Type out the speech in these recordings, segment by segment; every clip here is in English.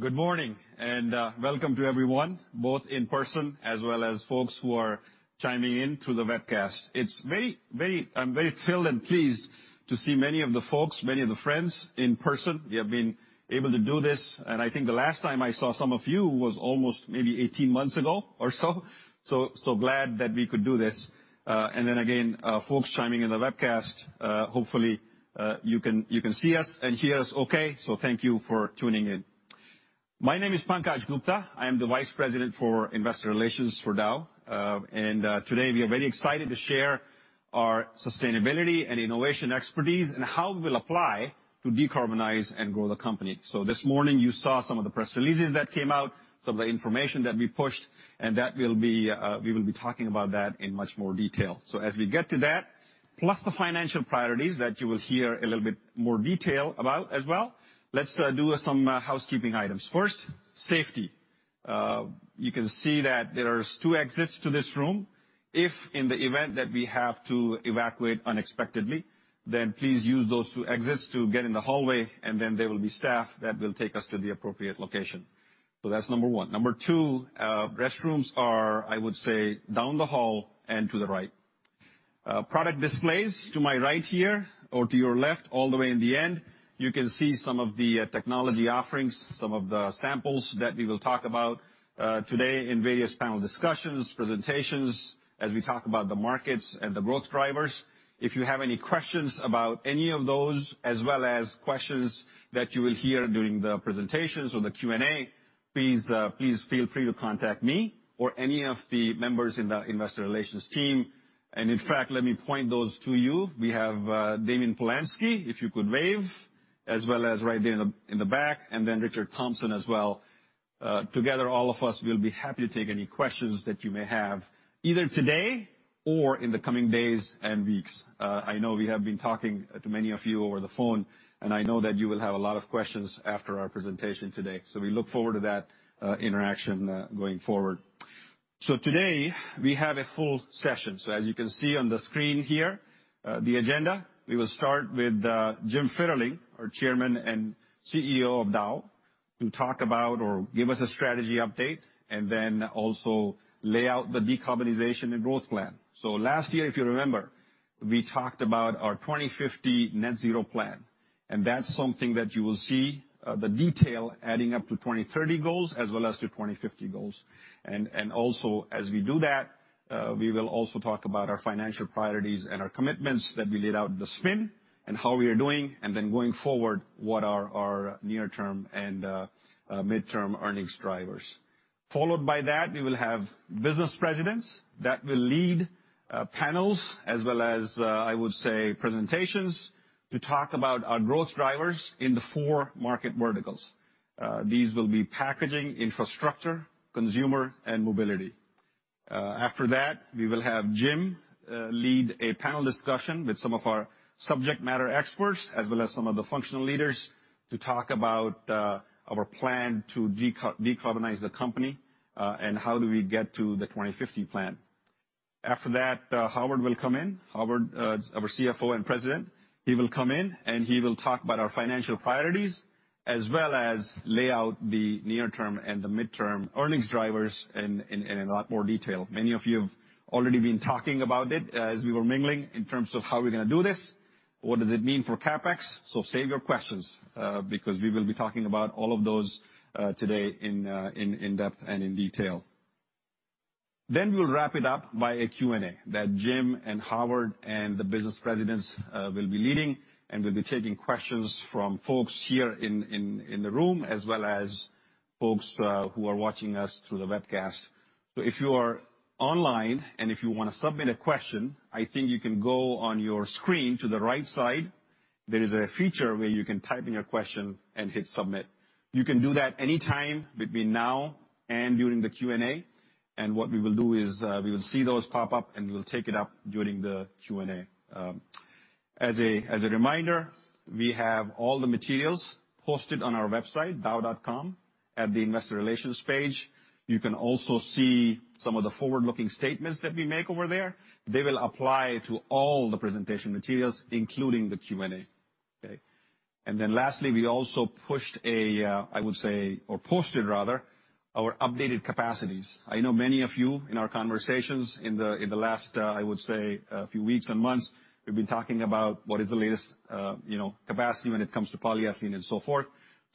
Good morning, and welcome to everyone, both in person as well as folks who are chiming in through the webcast. I'm very thrilled and pleased to see many of the folks, many of the friends in person. We have been able to do this, and I think the last time I saw some of you was almost maybe 18 months ago or so. Glad that we could do this. Again, folks chiming in the webcast, hopefully, you can see us and hear us okay, so thank you for tuning in. My name is Pankaj Gupta. I am the Vice President for Investor Relations for Dow. Today, we are very excited to share our sustainability and innovation expertise and how we'll apply to decarbonize and grow the company. This morning, you saw some of the press releases that came out, some of the information that we pushed, and we will be talking about that in much more detail. As we get to that, plus the financial priorities that you will hear a little bit more detail about as well, let's do some housekeeping items. First, safety. You can see that there's two exits to this room. If in the event that we have to evacuate unexpectedly, then please use those two exits to get in the hallway, and then there will be staff that will take us to the appropriate location. That's number one. Number one, restrooms are, I would say, down the hall and to the right. Product displays to my right here or to your left all the way in the end, you can see some of the technology offerings, some of the samples that we will talk about today in various panel discussions, presentations as we talk about the markets and the growth drivers. If you have any questions about any of those, as well as questions that you will hear during the presentations or the Q&A, please feel free to contact me or any of the members in the investor relations team. In fact, let me point those to you. We have Damien Polansky, if you could wave, as well as right there in the back, and then Richard Thompson as well. Together, all of us will be happy to take any questions that you may have either today or in the coming days and weeks. I know we have been talking to many of you over the phone, and I know that you will have a lot of questions after our presentation today. We look forward to that interaction going forward. Today, we have a full session. As you can see on the screen here, the agenda, we will start with Jim Fitterling, our Chairman and Chief Executive Officer of Dow, to talk about or give us a strategy update and then also lay out the decarbonization and growth plan. Last year, if you remember, we talked about our 2050 Net Zero Plan, and that's something that you will see, the detail adding up to 2030 goals as well as to 2050 goals. Also, as we do that, we will also talk about our financial priorities and our commitments that we laid out in the spin and how we are doing, then going forward, what are our near-term and midterm earnings drivers. Followed by that, we will have business presidents that will lead panels as well as, I would say, presentations to talk about our growth drivers in the four market verticals. These will be packaging, infrastructure, consumer, and mobility. After that, we will have Jim lead a panel discussion with some of our subject matter experts, as well as some of the functional leaders to talk about our plan to decarbonize the company and how do we get to the 2050 plan. After that, Howard will come in. Howard, our CFO and President, he will come in, and he will talk about our financial priorities as well as lay out the near term and the midterm earnings drivers in a lot more detail. Many of you have already been talking about it as we were mingling in terms of how we're going to do this. What does it mean for CapEx? Save your questions, because we will be talking about all of those today in depth and in detail. We'll wrap it up by a Q&A that Jim and Howard and the business Presidents will be leading, and we'll be taking questions from folks here in the room as well as folks who are watching us through the webcast. If you are online and if you want to submit a question, I think you can go on your screen to the right side. There is a feature where you can type in your question and hit submit. You can do that anytime between now and during the Q&A. What we will do is, we will see those pop up, and we will take it up during the Q&A. As a reminder, we have all the materials posted on our website, dow.com, at the investor relations page. You can also see some of the forward-looking statements that we make over there. They will apply to all the presentation materials, including the Q&A, okay? Then lastly, we also I would say, or posted rather, our updated capacities. I know many of you in our conversations in the last, I would say, few weeks and months, we've been talking about what is the latest capacity when it comes to polyethylene and so forth.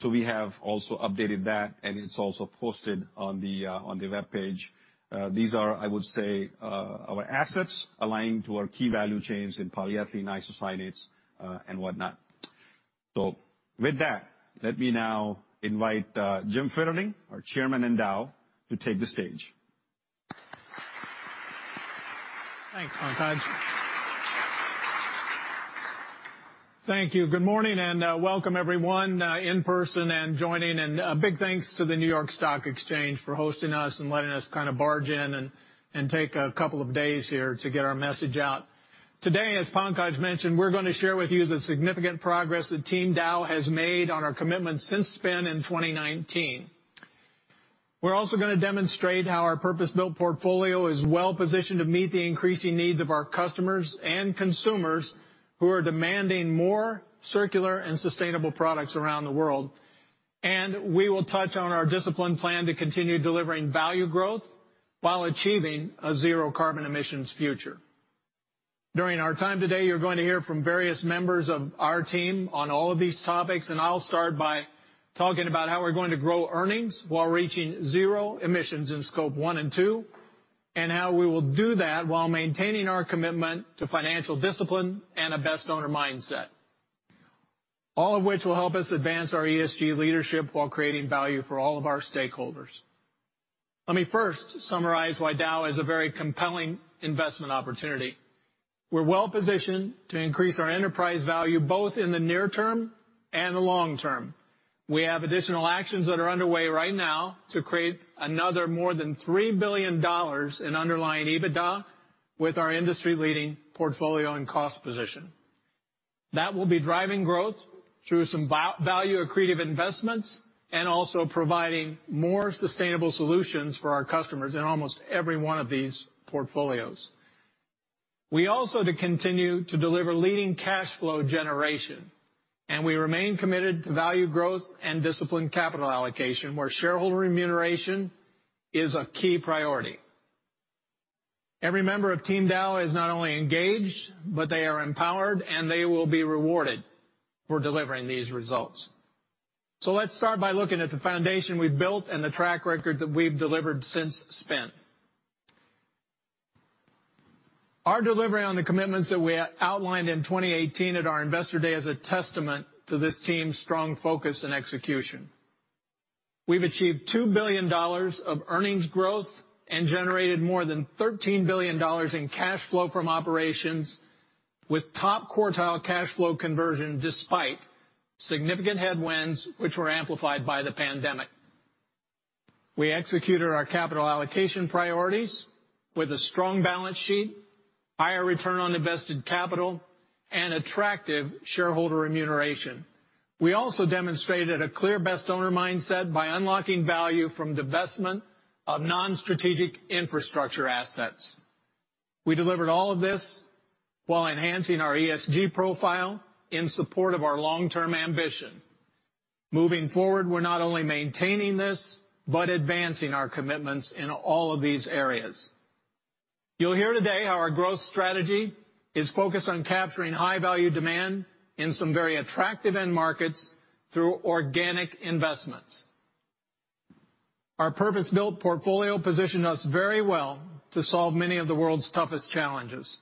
We have also updated that, and it's also posted on the webpage. These are, I would say, our assets aligned to our key value chains in polyethylene, isocyanates, and whatnot. With that, let me now invite Jim Fitterling, our Chairman in Dow, to take the stage. Thanks, Pankaj. Thank you. Good morning, and welcome everyone in person and joining, and a big thanks to the New York Stock Exchange for hosting us and letting us barge in and take a couple of days here to get our message out. Today, as Pankaj mentioned, we're going to share with you the significant progress that Team Dow has made on our commitment since spin in 2019. We're also going to demonstrate how our purpose-built portfolio is well-positioned to meet the increasing needs of our customers and consumers who are demanding more circular and sustainable products around the world. We will touch on our discipline plan to continue delivering value growth while achieving a zero carbon emissions future. During our time today, you're going to hear from various members of our team on all of these topics. I'll start by talking about how we're going to grow earnings while reaching zero emissions in Scope 1 and 2, and how we will do that while maintaining our commitment to financial discipline and a best owner mindset. All of which will help us advance our ESG leadership while creating value for all of our stakeholders. Let me first summarize why Dow is a very compelling investment opportunity. We're well-positioned to increase our enterprise value both in the near term and the long term. We have additional actions that are underway right now to create another more than $3 billion in underlying EBITDA with our industry-leading portfolio and cost position. That will be driving growth through some value-accretive investments, and also providing more sustainable solutions for our customers in almost every one of these portfolios. We also continue to deliver leading cash flow generation, and we remain committed to value growth and disciplined capital allocation, where shareholder remuneration is a key priority. Every member of Team Dow is not only engaged, but they are empowered, and they will be rewarded for delivering these results. Let's start by looking at the foundation we've built and the track record that we've delivered since spin. Our delivery on the commitments that we outlined in 2018 at our Investor Day is a testament to this team's strong focus and execution. We've achieved $2 billion of earnings growth and generated more than $13 billion in cash flow from operations with top quartile cash flow conversion despite significant headwinds, which were amplified by the pandemic. We executed our capital allocation priorities with a strong balance sheet, higher return on invested capital, and attractive shareholder remuneration. We also demonstrated a clear best owner mindset by unlocking value from divestment of non-strategic infrastructure assets. We delivered all of this while enhancing our ESG profile in support of our long-term ambition. Moving forward, we're not only maintaining this, but advancing our commitments in all of these areas. You'll hear today how our growth strategy is focused on capturing high-value demand in some very attractive end markets through organic investments. Our purpose-built portfolio positioned us very well to solve many of the world's toughest challenges.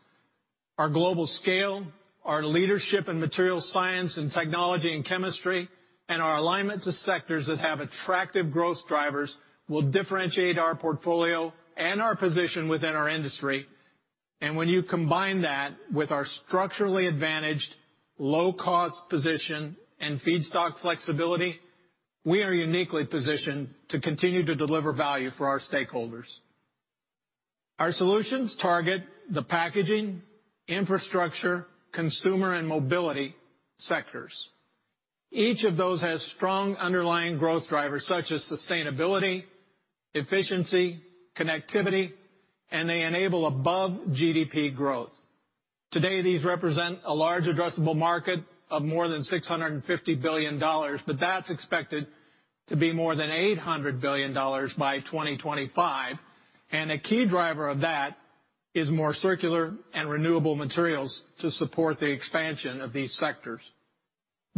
Our global scale, our leadership in material science and technology and chemistry, and our alignment to sectors that have attractive growth drivers will differentiate our portfolio and our position within our industry. When you combine that with our structurally advantaged low-cost position and feedstock flexibility, we are uniquely positioned to continue to deliver value for our stakeholders. Our solutions target the packaging, infrastructure, consumer, and mobility sectors. Each of those has strong underlying growth drivers such as sustainability, efficiency, connectivity, and they enable above GDP growth. Today, these represent a large addressable market of more than $650 billion, but that's expected to be more than $800 billion by 2025. A key driver of that is more circular and renewable materials to support the expansion of these sectors.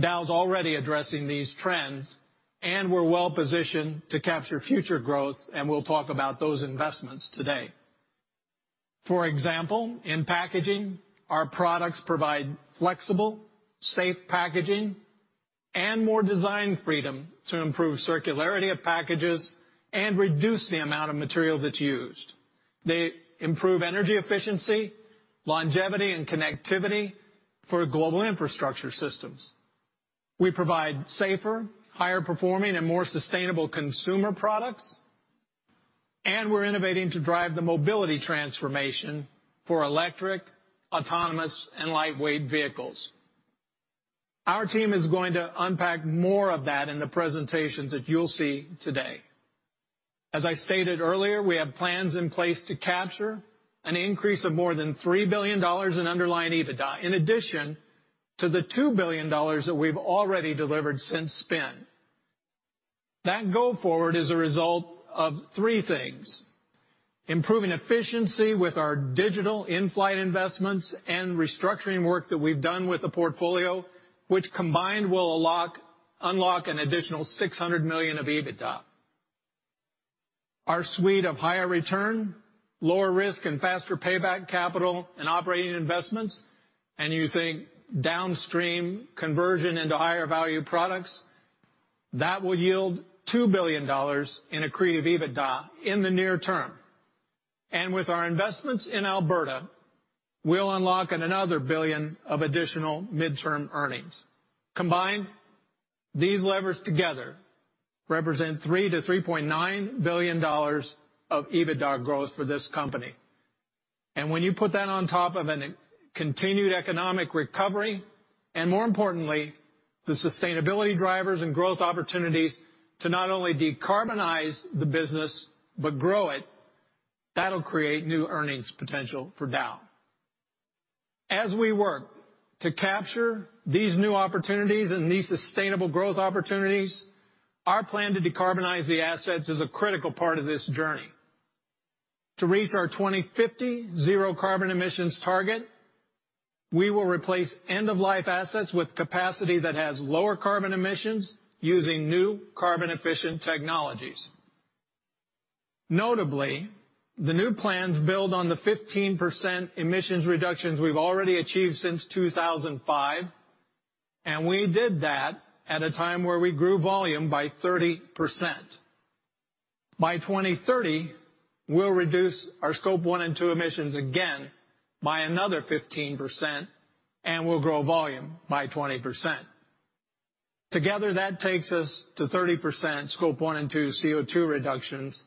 Dow's already addressing these trends, and we're well-positioned to capture future growth, and we'll talk about those investments today. For example, in packaging, our products provide flexible, safe packaging and more design freedom to improve circularity of packages and reduce the amount of material that's used. They improve energy efficiency, longevity, and connectivity for global infrastructure systems. We provide safer, higher performing, and more sustainable consumer products. We're innovating to drive the mobility transformation for electric, autonomous, and lightweight vehicles. Our team is going to unpack more of that in the presentations that you'll see today. As I stated earlier, we have plans in place to capture an increase of more than $3 billion in underlying EBITDA, in addition to the $2 billion that we've already delivered since spin. That go forward is a result of three things. Improving efficiency with our digital in-flight investments and restructuring work that we've done with the portfolio, which combined will unlock an additional $600 million of EBITDA. Our suite of higher return, lower risk, and faster payback capital and operating investments, you think downstream conversion into higher value products. That will yield $2 billion in accretive EBITDA in the near term. With our investments in Alberta, we will unlock another $1 billion of additional midterm earnings. Combined, these levers together represent $3 billion-$3.9 billion of EBITDA growth for this company. When you put that on top of a continued economic recovery, and more importantly, the sustainability drivers and growth opportunities to not only decarbonize the business but grow it, that will create new earnings potential for Dow. As we work to capture these new opportunities and these sustainable growth opportunities, our plan to decarbonize the assets is a critical part of this journey. To reach our 2050 zero carbon emissions target, we will replace end-of-life assets with capacity that has lower carbon emissions using new carbon efficient technologies. Notably, the new plans build on the 15% emissions reductions we've already achieved since 2005. We did that at a time where we grew volume by 30%. By 2030, we'll reduce our Scope 1 and Scope 2 emissions again by another 15%. We'll grow volume by 20%. Together, that takes us to 30% Scope 1 and Scope 2 CO2 reductions.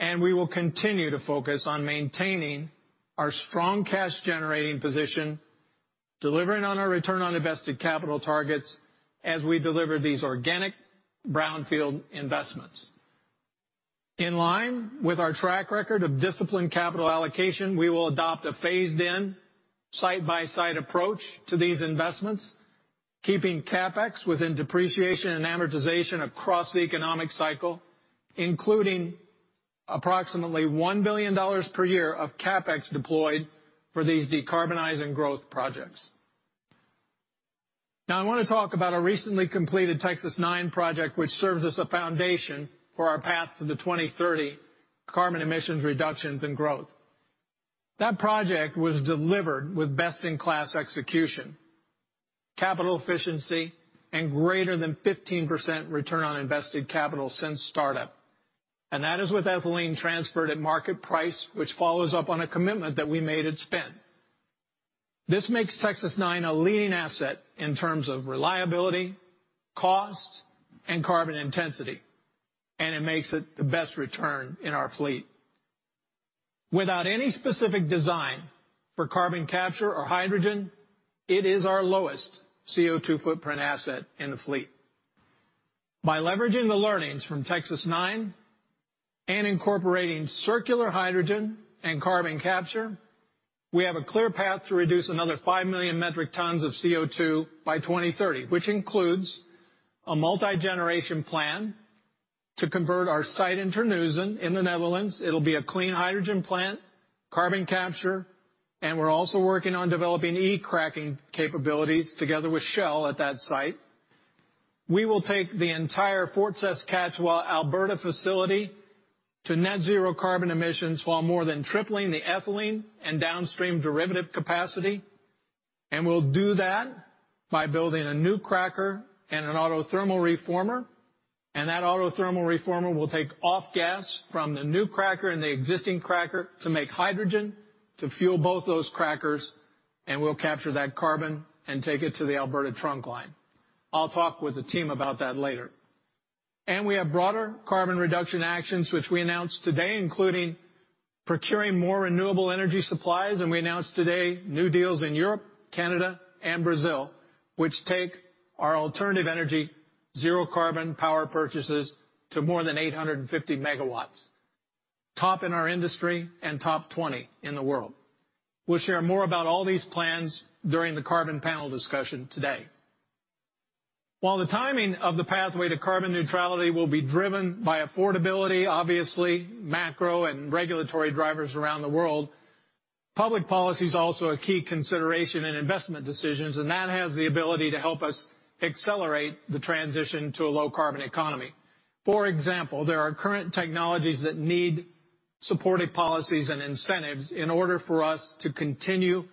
We will continue to focus on maintaining our strong cash generating position, delivering on our return on invested capital targets as we deliver these organic brownfield investments. In line with our track record of disciplined capital allocation, we will adopt a phased-in site-by-site approach to these investments, keeping CapEx within depreciation and amortization across the economic cycle, including approximately $1 billion per year of CapEx deployed for these decarbonizing growth projects. I want to talk about a recently completed Texas-9 project which serves as a foundation for our path to the 2030 carbon emissions reductions and growth. That project was delivered with best in class execution, capital efficiency, and greater than 15% return on invested capital since startup. That is with ethylene transferred at market price, which follows up on a commitment that we made at SPIN. This makes Texas-9 a leading asset in terms of reliability, cost, and carbon intensity, and it makes it the best return in our fleet. Without any specific design for carbon capture or hydrogen, it is our lowest CO2 footprint asset in the fleet. By leveraging the learnings from Texas-9 and incorporating circular hydrogen and carbon capture, we have a clear path to reduce another 5 million metric tons of CO2 by 2030. Which includes a multi-generation plan to convert our site in Terneuzen in the Netherlands. It'll be a clean hydrogen plant, carbon capture, and we're also working on developing e-cracking capabilities together with Shell at that site. We will take the entire Fort Saskatchewan Alberta facility to net zero carbon emissions while more than tripling the ethylene and downstream derivative capacity, and we'll do that by building a new cracker and an autothermal reformer. That autothermal reformer will take off gas from the new cracker and the existing cracker to make hydrogen to fuel both those crackers, and we'll capture that carbon and take it to the Alberta Carbon Trunk Line. I'll talk with the team about that later. We have broader carbon reduction actions, which we announced today, including procuring more renewable energy supplies, and we announced today new deals in Europe, Canada, and Brazil, which take our alternative energy zero carbon power purchases to more than 850 MW. Top in our industry and top 20 in the world. We'll share more about all these plans during the carbon panel discussion today. While the timing of the pathway to carbon neutrality will be driven by affordability, obviously, macro and regulatory drivers around the world, public policy is also a key consideration in investment decisions, and that has the ability to help us accelerate the transition to a low carbon economy. For example, there are current technologies that need supportive policies and incentives in order for us to continue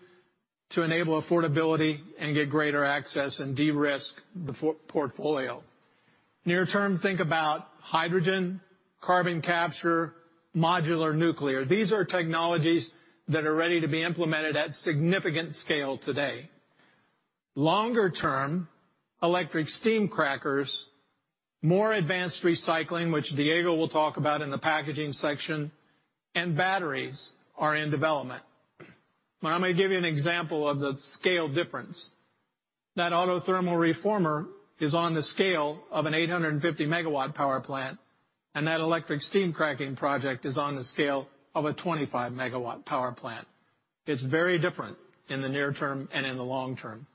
to enable affordability and get greater access and de-risk the portfolio. Near term, think about hydrogen, carbon capture, modular nuclear. These are technologies that are ready to be implemented at significant scale today. Longer term, electric steam crackers, more advanced recycling, which Diego will talk about in the packaging section, and batteries are in development. I'm going to give you an example of the scale difference. That autothermal reformer is on the scale of an 850 MW power plant, and that electric steam cracking project is on the scale of a 25 MW power plant. It's very different in the near term and in the long term.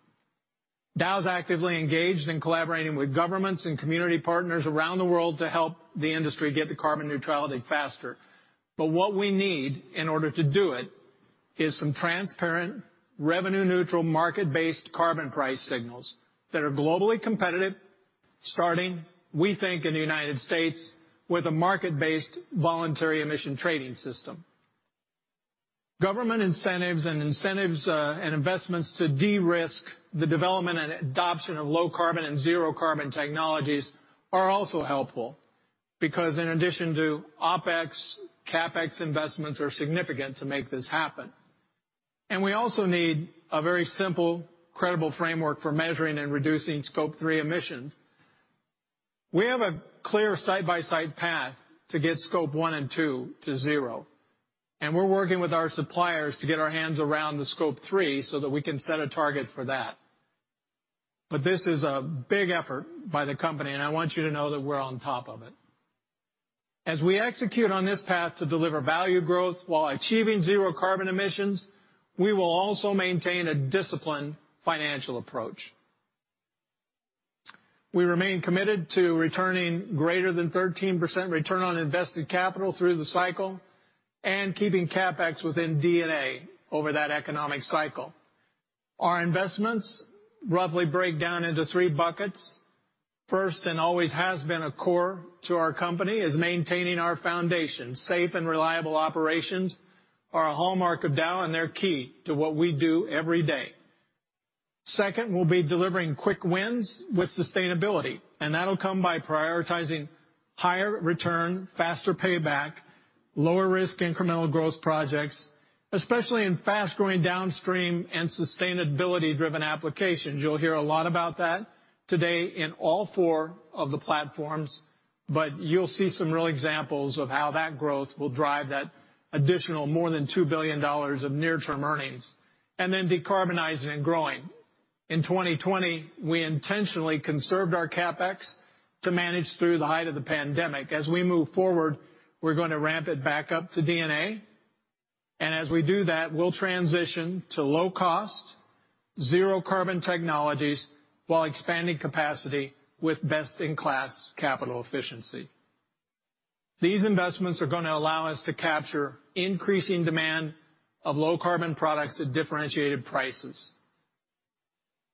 Dow is actively engaged in collaborating with governments and community partners around the world to help the industry get to carbon neutrality faster. What we need in order to do it is some transparent, revenue neutral, market-based carbon price signals that are globally competitive, starting, we think, in the United States, with a market-based voluntary emission trading system. Government incentives and investments to de-risk the development and adoption of low carbon and zero carbon technologies are also helpful, because in addition to OpEx, CapEx investments are significant to make this happen. We also need a very simple, credible framework for measuring and reducing Scope 3 emissions. We have a clear side-by-side path to get Scope 1 and 2 to zero, and we're working with our suppliers to get our hands around the Scope 3 so that we can set a target for that. This is a big effort by the company, and I want you to know that we're on top of it. As we execute on this path to deliver value growth while achieving zero carbon emissions, we will also maintain a disciplined financial approach. We remain committed to returning greater than 13% return on invested capital through the cycle and keeping CapEx within D&A over that economic cycle. Our investments roughly break down into three buckets. First, and always has been a core to our company, is maintaining our foundation. Safe and reliable operations are a hallmark of Dow, and they're key to what we do every day. Second, we'll be delivering quick wins with sustainability, and that'll come by prioritizing higher return, faster payback, lower risk, incremental growth projects, especially in fast-growing downstream and sustainability-driven applications. You'll hear a lot about that today in all four of the platforms, but you'll see some real examples of how that growth will drive that additional more than $2 billion of near-term earnings and then decarbonizing and growing. In 2020, we intentionally conserved our CapEx to manage through the height of the pandemic. As we move forward, we're going to ramp it back up to D&A, and as we do that, we'll transition to low cost, zero carbon technologies while expanding capacity with best-in-class capital efficiency. These investments are going to allow us to capture increasing demand of low carbon products at differentiated prices.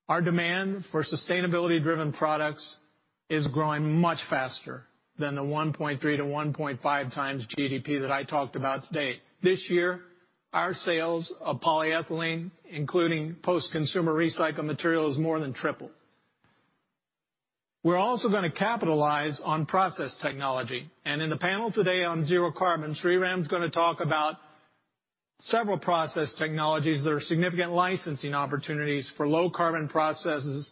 Our demand for sustainability driven products is growing much faster than the 1.3x-1.5x GDP that I talked about to date. This year, our sales of polyethylene, including post-consumer recycled material, is more than 3x. We're also going to capitalize on process technology. In the panel today on zero carbon, Sreeram's going to talk about several process technologies that are significant licensing opportunities for low carbon processes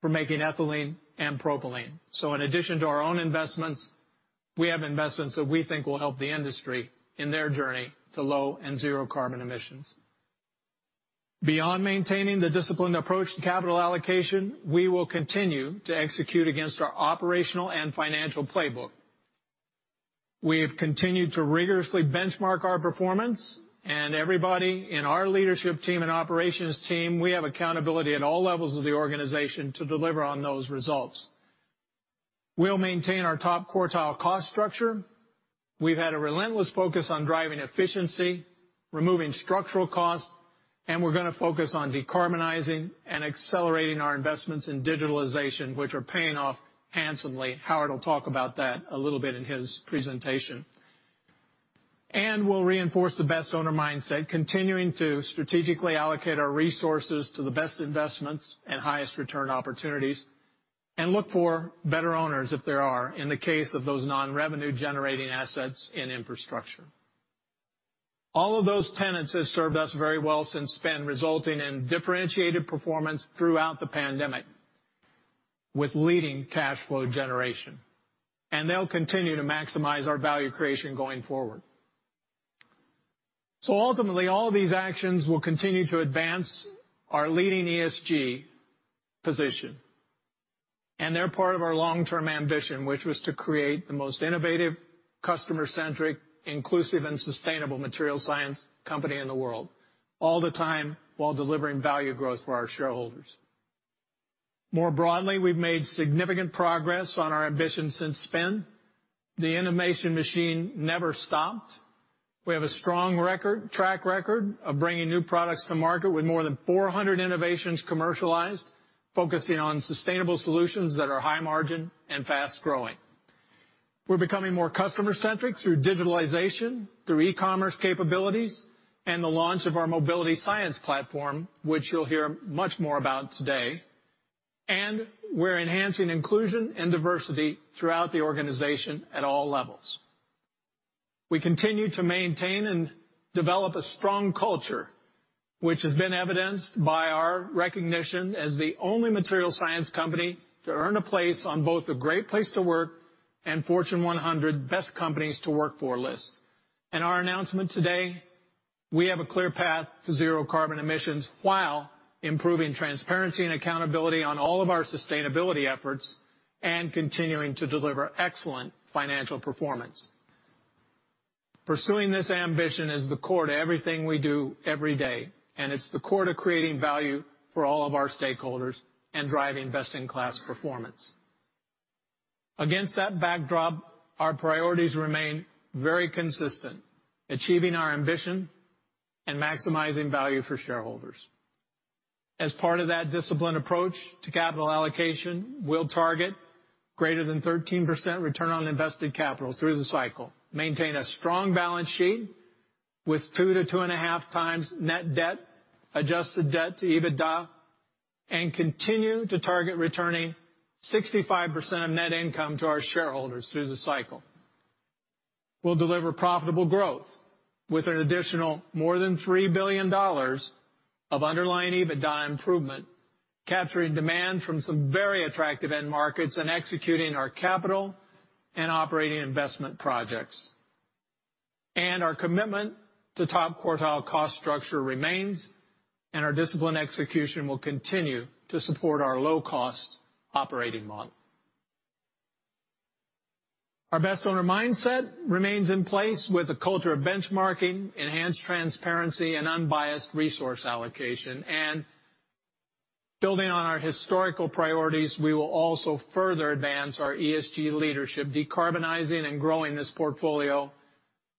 for making ethylene and propylene. In addition to our own investments, we have investments that we think will help the industry in their journey to low and zero carbon emissions. Beyond maintaining the disciplined approach to capital allocation, we will continue to execute against our operational and financial playbook. We have continued to rigorously benchmark our performance. Everybody in our leadership team and operations team, we have accountability at all levels of the organization to deliver on those results. We'll maintain our top quartile cost structure. We've had a relentless focus on driving efficiency, removing structural costs. We're going to focus on decarbonizing and accelerating our investments in digitalization, which are paying off handsomely. Howard will talk about that a little bit in his presentation. We'll reinforce the best owner mindset, continuing to strategically allocate our resources to the best investments and highest return opportunities, and look for better owners if there are, in the case of those non-revenue generating assets in infrastructure. All of those tenets have served us very well since SPIN, resulting in differentiated performance throughout the pandemic with leading cash flow generation. They'll continue to maximize our value creation going forward. Ultimately, all these actions will continue to advance our leading ESG position, and they're part of our long-term ambition, which was to create the most innovative, customer-centric, inclusive, and sustainable material science company in the world, all the time while delivering value growth for our shareholders. More broadly, we've made significant progress on our ambition since SPIN. The innovation machine never stopped. We have a strong track record of bringing new products to market with more than 400 innovations commercialized, focusing on sustainable solutions that are high margin and fast-growing. We're becoming more customer centric through digitalization, through e-commerce capabilities, and the launch of our MobilityScience platform, which you'll hear much more about today. We're enhancing inclusion and diversity throughout the organization at all levels. We continue to maintain and develop a strong culture, which has been evidenced by our recognition as the only material science company to earn a place on both the Great Place to Work and Fortune 100 Best Companies to Work For list. In our announcement today, we have a clear path to zero carbon emissions while improving transparency and accountability on all of our sustainability efforts and continuing to deliver excellent financial performance. Pursuing this ambition is the core to everything we do every day, and it's the core to creating value for all of our stakeholders and driving best-in-class performance. Against that backdrop, our priorities remain very consistent, achieving our ambition and maximizing value for shareholders. As part of that disciplined approach to capital allocation, we'll target greater than 13% return on invested capital through the cycle, maintain a strong balance sheet with 2x-2.5x net debt, adjusted debt to EBITDA, and continue to target returning 65% of net income to our shareholders through the cycle. We will deliver profitable growth with an additional more than $3 billion of underlying EBITDA improvement, capturing demand from some very attractive end markets, and executing our capital and operating investment projects. Our commitment to top quartile cost structure remains, and our disciplined execution will continue to support our low-cost operating model. Our best owner mindset remains in place with a culture of benchmarking, enhanced transparency, and unbiased resource allocation. Building on our historical priorities, we will also further advance our ESG leadership, decarbonizing and growing this portfolio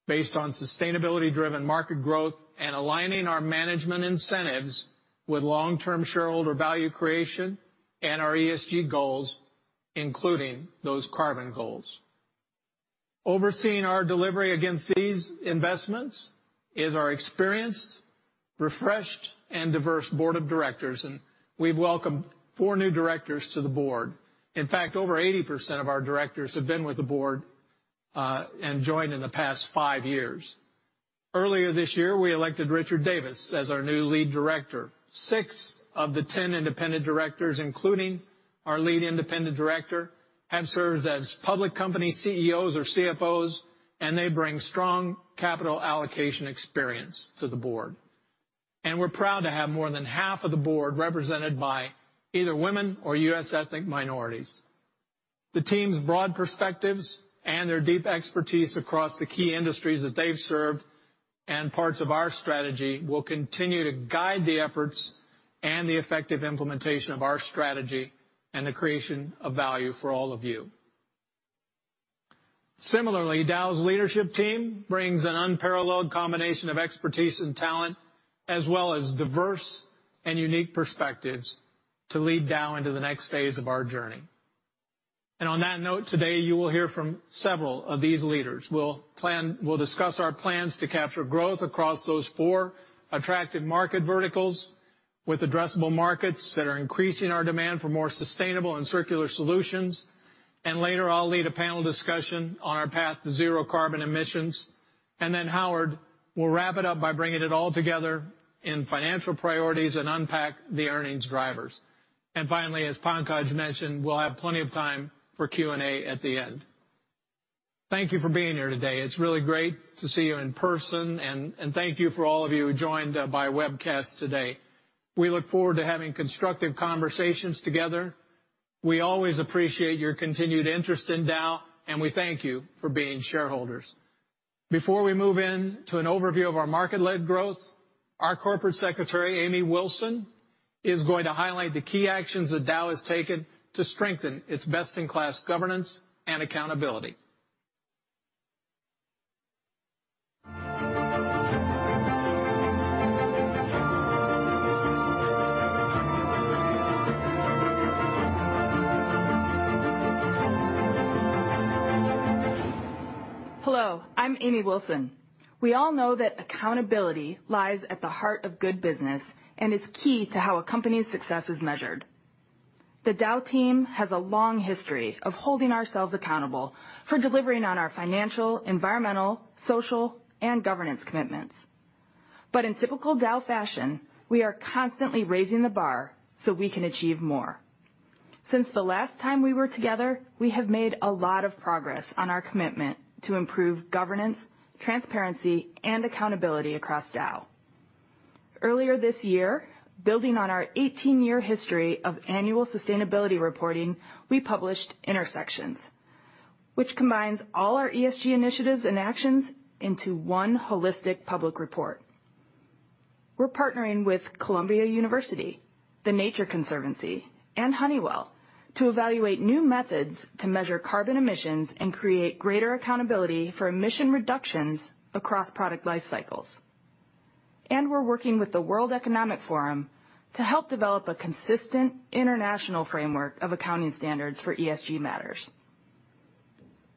based on sustainability-driven market growth and aligning our management incentives with long-term shareholder value creation and our ESG goals, including those carbon goals. Overseeing our delivery against these investments is our experienced, refreshed, and diverse board of directors, and we've welcomed four new directors to the board. In fact, over 80% of our directors have been with the board, and joined in the past five years. Earlier this year, we elected Richard Davis as our new lead director. Six of the 10 independent directors, including our lead independent director, have served as public company CEOs or CFOs, and they bring strong capital allocation experience to the board. We're proud to have more than half of the board represented by either women or U.S. ethnic minorities. The team's broad perspectives and their deep expertise across the key industries that they've served and parts of our strategy will continue to guide the efforts and the effective implementation of our strategy and the creation of value for all of you. Similarly, Dow's leadership team brings an unparalleled combination of expertise and talent, as well as diverse and unique perspectives to lead Dow into the next phase of our journey. On that note, today, you will hear from several of these leaders. We'll discuss our plans to capture growth across those four attractive market verticals with addressable markets that are increasing our demand for more sustainable and circular solutions. Later, I'll lead a panel discussion on our path to zero carbon emissions. Howard will wrap it up by bringing it all together in financial priorities and unpack the earnings drivers. Finally, as Pankaj mentioned, we'll have plenty of time for Q&A at the end. Thank you for being here today. It's really great to see you in person, and thank you for all of you who joined by webcast today. We look forward to having constructive conversations together. We always appreciate your continued interest in Dow, and we thank you for being shareholders. Before we move in to an overview of our market-led growth, our Corporate Secretary, Amy Wilson, is going to highlight the key actions that Dow has taken to strengthen its best-in-class governance and accountability. Hello, I'm Amy Wilson. We all know that accountability lies at the heart of good business and is key to how a company's success is measured. The Dow team has a long history of holding ourselves accountable for delivering on our financial, environmental, social, and governance commitments. In typical Dow fashion, we are constantly raising the bar so we can achieve more. Since the last time we were together, we have made a lot of progress on our commitment to improve governance, transparency, and accountability across Dow. Earlier this year, building on our 18-year history of annual sustainability reporting, we published INtersections, which combines all our ESG initiatives and actions into one holistic public report. We're partnering with Columbia University, The Nature Conservancy, and Honeywell to evaluate new methods to measure carbon emissions and create greater accountability for emission reductions across product life cycles. We're working with the World Economic Forum to help develop a consistent international framework of accounting standards for ESG matters.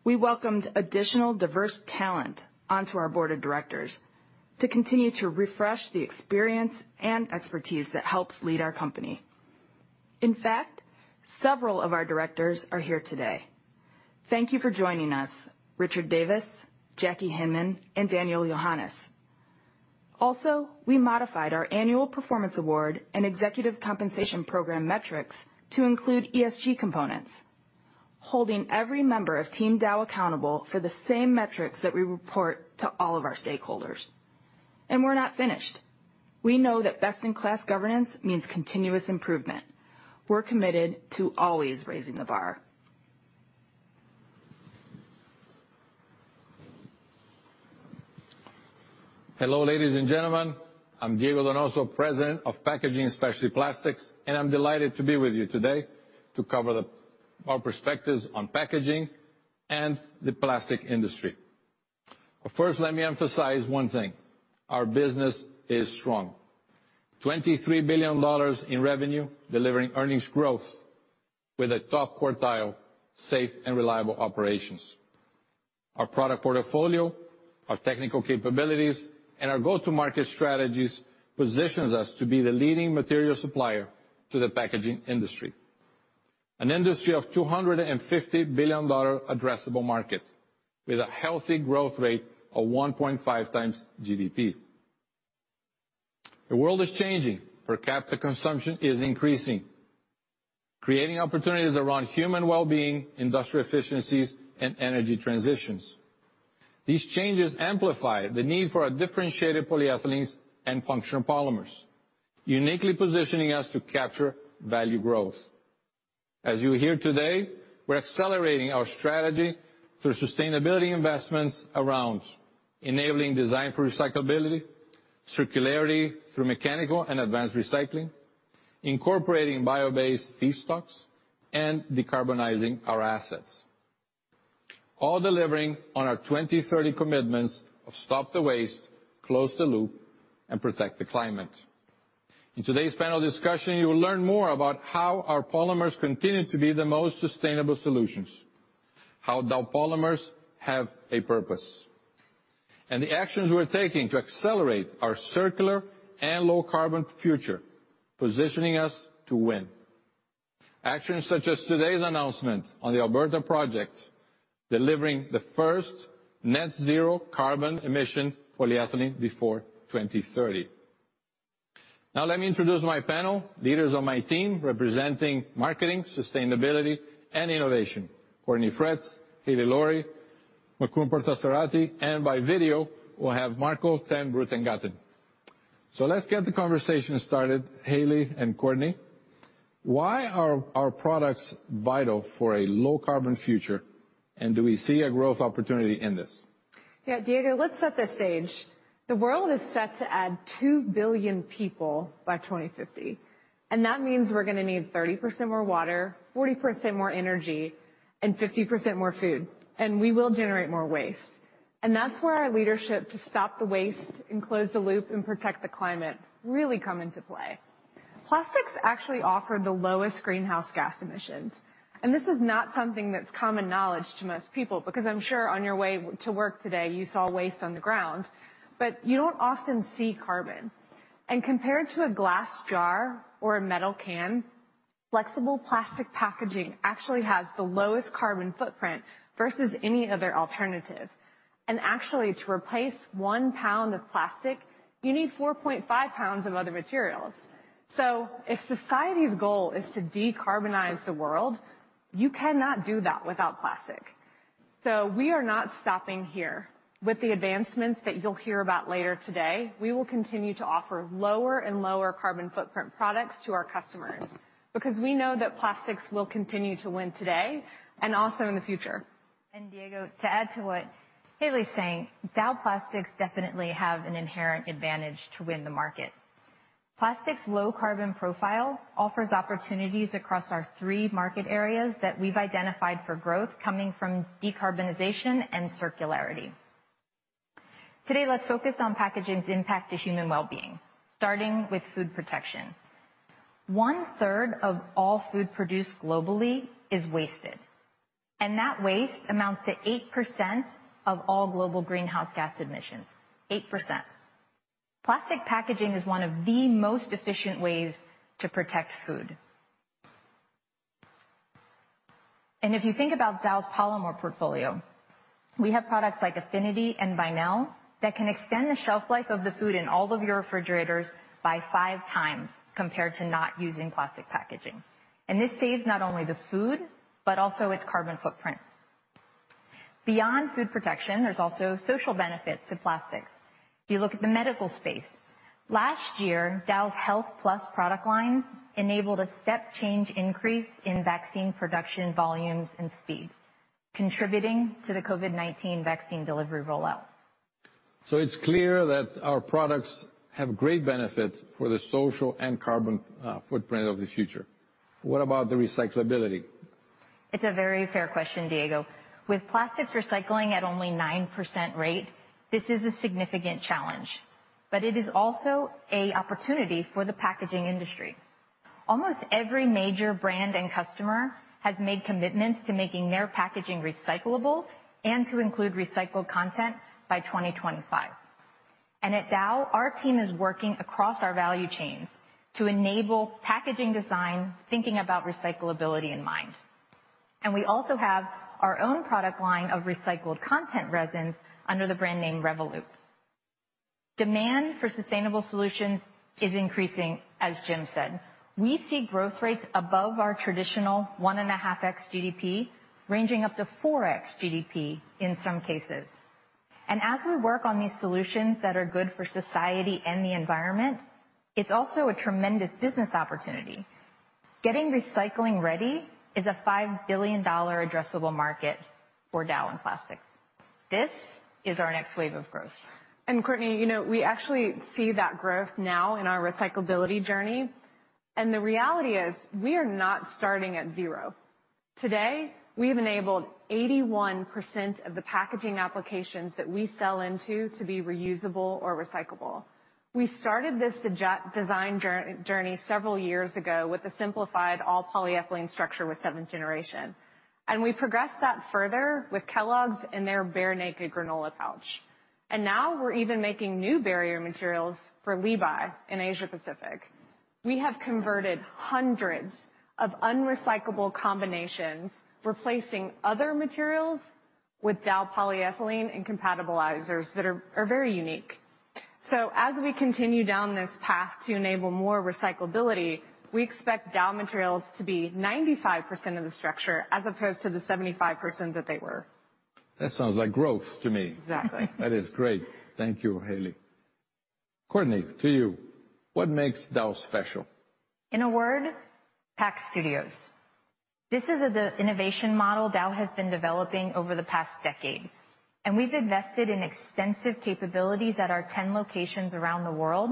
We welcomed additional diverse talent onto our board of directors to continue to refresh the experience and expertise that helps lead our company. In fact, several of our directors are here today. Thank you for joining us, Richard Davis, Jackie Hinman, and Daniel Yohannes. Also, we modified our annual performance award and executive compensation program metrics to include ESG components, holding every member of team Dow accountable for the same metrics that we report to all of our stakeholders. We're not finished. We know that best-in-class governance means continuous improvement. We're committed to always raising the bar. Hello, ladies and gentlemen. I'm Diego Donoso, President of Packaging & Specialty Plastics. I'm delighted to be with you today to cover our perspectives on packaging and the plastic industry. First, let me emphasize one thing. Our business is strong. $23 billion in revenue, delivering earnings growth with a top quartile, safe and reliable operations. Our product portfolio, our technical capabilities, and our go-to-market strategies positions us to be the leading material supplier to the packaging industry. An industry of $250 billion addressable market with a healthy growth rate of 1.5x GDP. The world is changing. Per capita consumption is increasing, creating opportunities around human wellbeing, industrial efficiencies, and energy transitions. These changes amplify the need for a differentiated polyethylenes and functional polymers, uniquely positioning us to capture value growth. As you hear today, we're accelerating our strategy through sustainability investments around enabling design for recyclability, circularity through mechanical and advanced recycling, incorporating bio-based feedstocks, and decarbonizing our assets. All delivering on our 2030 Commitments of Stop the Waste, Close the Loop, and Protect the Climate. In today's panel discussion, you will learn more about how our polymers continue to be the most sustainable solutions, how Dow polymers have a purpose, and the actions we're taking to accelerate our circular and low-carbon future, positioning us to win. Actions such as today's announcement on the Alberta project, delivering the first net zero carbon emission polyethylene before 2030. Let me introduce my panel, leaders of my team representing marketing, sustainability, and innovation. Courtney Fretz, Haley Lowry, Mukund Parthasarathy, and by video, we'll have Marco ten Bruggencate. Let's get the conversation started. Haley and Courtney, why are our products vital for a low-carbon future? Do we see a growth opportunity in this? Yeah, Diego, let's set the stage. The world is set to add 2 billion people by 2050. That means we're going to need 30% more water, 40% more energy, and 50% more food. We will generate more waste. That's where our leadership to stop the waste and close the loop and protect the climate really come into play. Plastics actually offer the lowest greenhouse gas emissions, and this is not something that's common knowledge to most people, because I'm sure on your way to work today you saw waste on the ground. You don't often see carbon. Compared to a glass jar or a metal can, flexible plastic packaging actually has the lowest carbon footprint versus any other alternative. Actually, to replace 1 lb of plastic, you need 4.5 lbs of other materials. If society's goal is to decarbonize the world, you cannot do that without plastic. We are not stopping here. With the advancements that you'll hear about later today, we will continue to offer lower and lower carbon footprint products to our customers, because we know that plastics will continue to win today and also in the future. Diego, to add to what Haley's saying, Dow plastics definitely have an inherent advantage to win the market. Plastics' low carbon profile offers opportunities across our three market areas that we've identified for growth coming from decarbonization and circularity. Today, let's focus on packaging's impact to human wellbeing, starting with food protection. One third of all food produced globally is wasted, and that waste amounts to 8% of all global greenhouse gas emissions. 8%. Plastic packaging is one of the most efficient ways to protect food. If you think about Dow's polymer portfolio, we have products like AFFINITY and BYNEL that can extend the shelf life of the food in all of your refrigerators by five times, compared to not using plastic packaging. This saves not only the food, but also its carbon footprint. Beyond food protection, there's also social benefits to plastics. If you look at the medical space, last year, Dow's Health+ product lines enabled a step change increase in vaccine production volumes and speed, contributing to the COVID-19 vaccine delivery rollout. It's clear that our products have great benefit for the social and carbon footprint of the future. What about the recyclability? It's a very fair question, Diego. With plastics recycling at only 9% rate, this is a significant challenge, but it is also a opportunity for the packaging industry. Almost every major brand and customer has made commitments to making their packaging recyclable and to include recycled content by 2025. At Dow, our team is working across our value chains to enable packaging design thinking about recyclability in mind. We also have our own product line of recycled content resins under the brand name REVOLOOP. Demand for sustainable solutions is increasing, as Jim said. We see growth rates above our traditional 1.5x GDP, ranging up to 4x GDP in some cases. As we work on these solutions that are good for society and the environment, it's also a tremendous business opportunity. Getting recycling ready is a $5 billion addressable market for Dow and plastics. This is our next wave of growth. Courtney, we actually see that growth now in our recyclability journey. The reality is we are not starting at zero. Today, we have enabled 81% of the packaging applications that we sell into to be reusable or recyclable. We started this design journey several years ago with a simplified all polyethylene structure with Seventh Generation. We progressed that further with Kellogg's and their Bear Naked granola pouch. Now we're even making new barrier materials for Liby in Asia Pacific. We have converted hundreds of unrecyclable combinations, replacing other materials with Dow polyethylene and compatibilizers that are very unique. As we continue down this path to enable more recyclability, we expect Dow materials to be 95% of the structure as opposed to the 75% that they were. That sounds like growth to me. Exactly. That is great. Thank you, Haley. Courtney, to you, what makes Dow special? In a word, Pack Studios. This is the innovation model Dow has been developing over the past decade, we've invested in extensive capabilities at our 10 locations around the world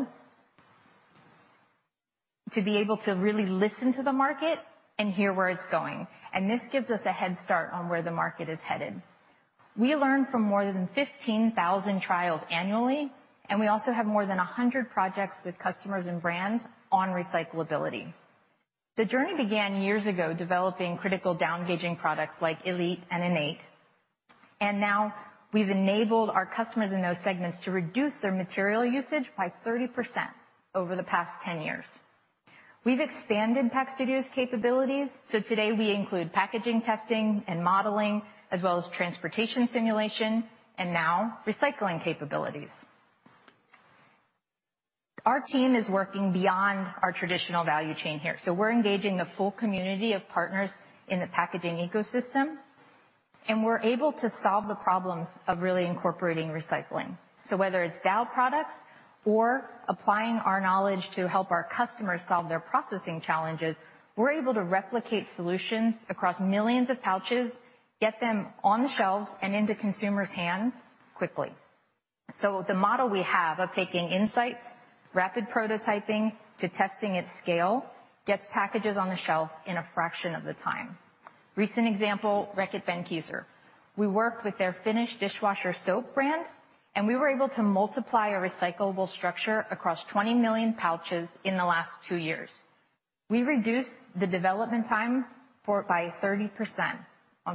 to be able to really listen to the market and hear where it's going. This gives us a headstart on where the market is headed. We learn from more than 15,000 trials annually, we also have more than 100 projects with customers and brands on recyclability. The journey began years ago, developing critical Dow ENGAGE products like ELITE and INNATE. Now we've enabled our customers in those segments to reduce their material usage by 30% over the past 10 years. We've expanded Pack Studios' capabilities, so today we include packaging, testing and modeling, as well as transportation simulation, and now recycling capabilities. Our team is working beyond our traditional value chain here. We're engaging the full community of partners in the packaging ecosystem, and we're able to solve the problems of really incorporating recycling. Whether it's Dow products or applying our knowledge to help our customers solve their processing challenges, we're able to replicate solutions across millions of pouches, get them on the shelves and into consumers' hands quickly. The model we have of taking insights, rapid prototyping to testing at scale, gets packages on the shelf in a fraction of the time. Recent example, Reckitt Benckiser. We worked with their Finish dishwasher soap brand, and we were able to multiply a recyclable structure across 20 million pouches in the last two years. We reduced the development time for it by 30%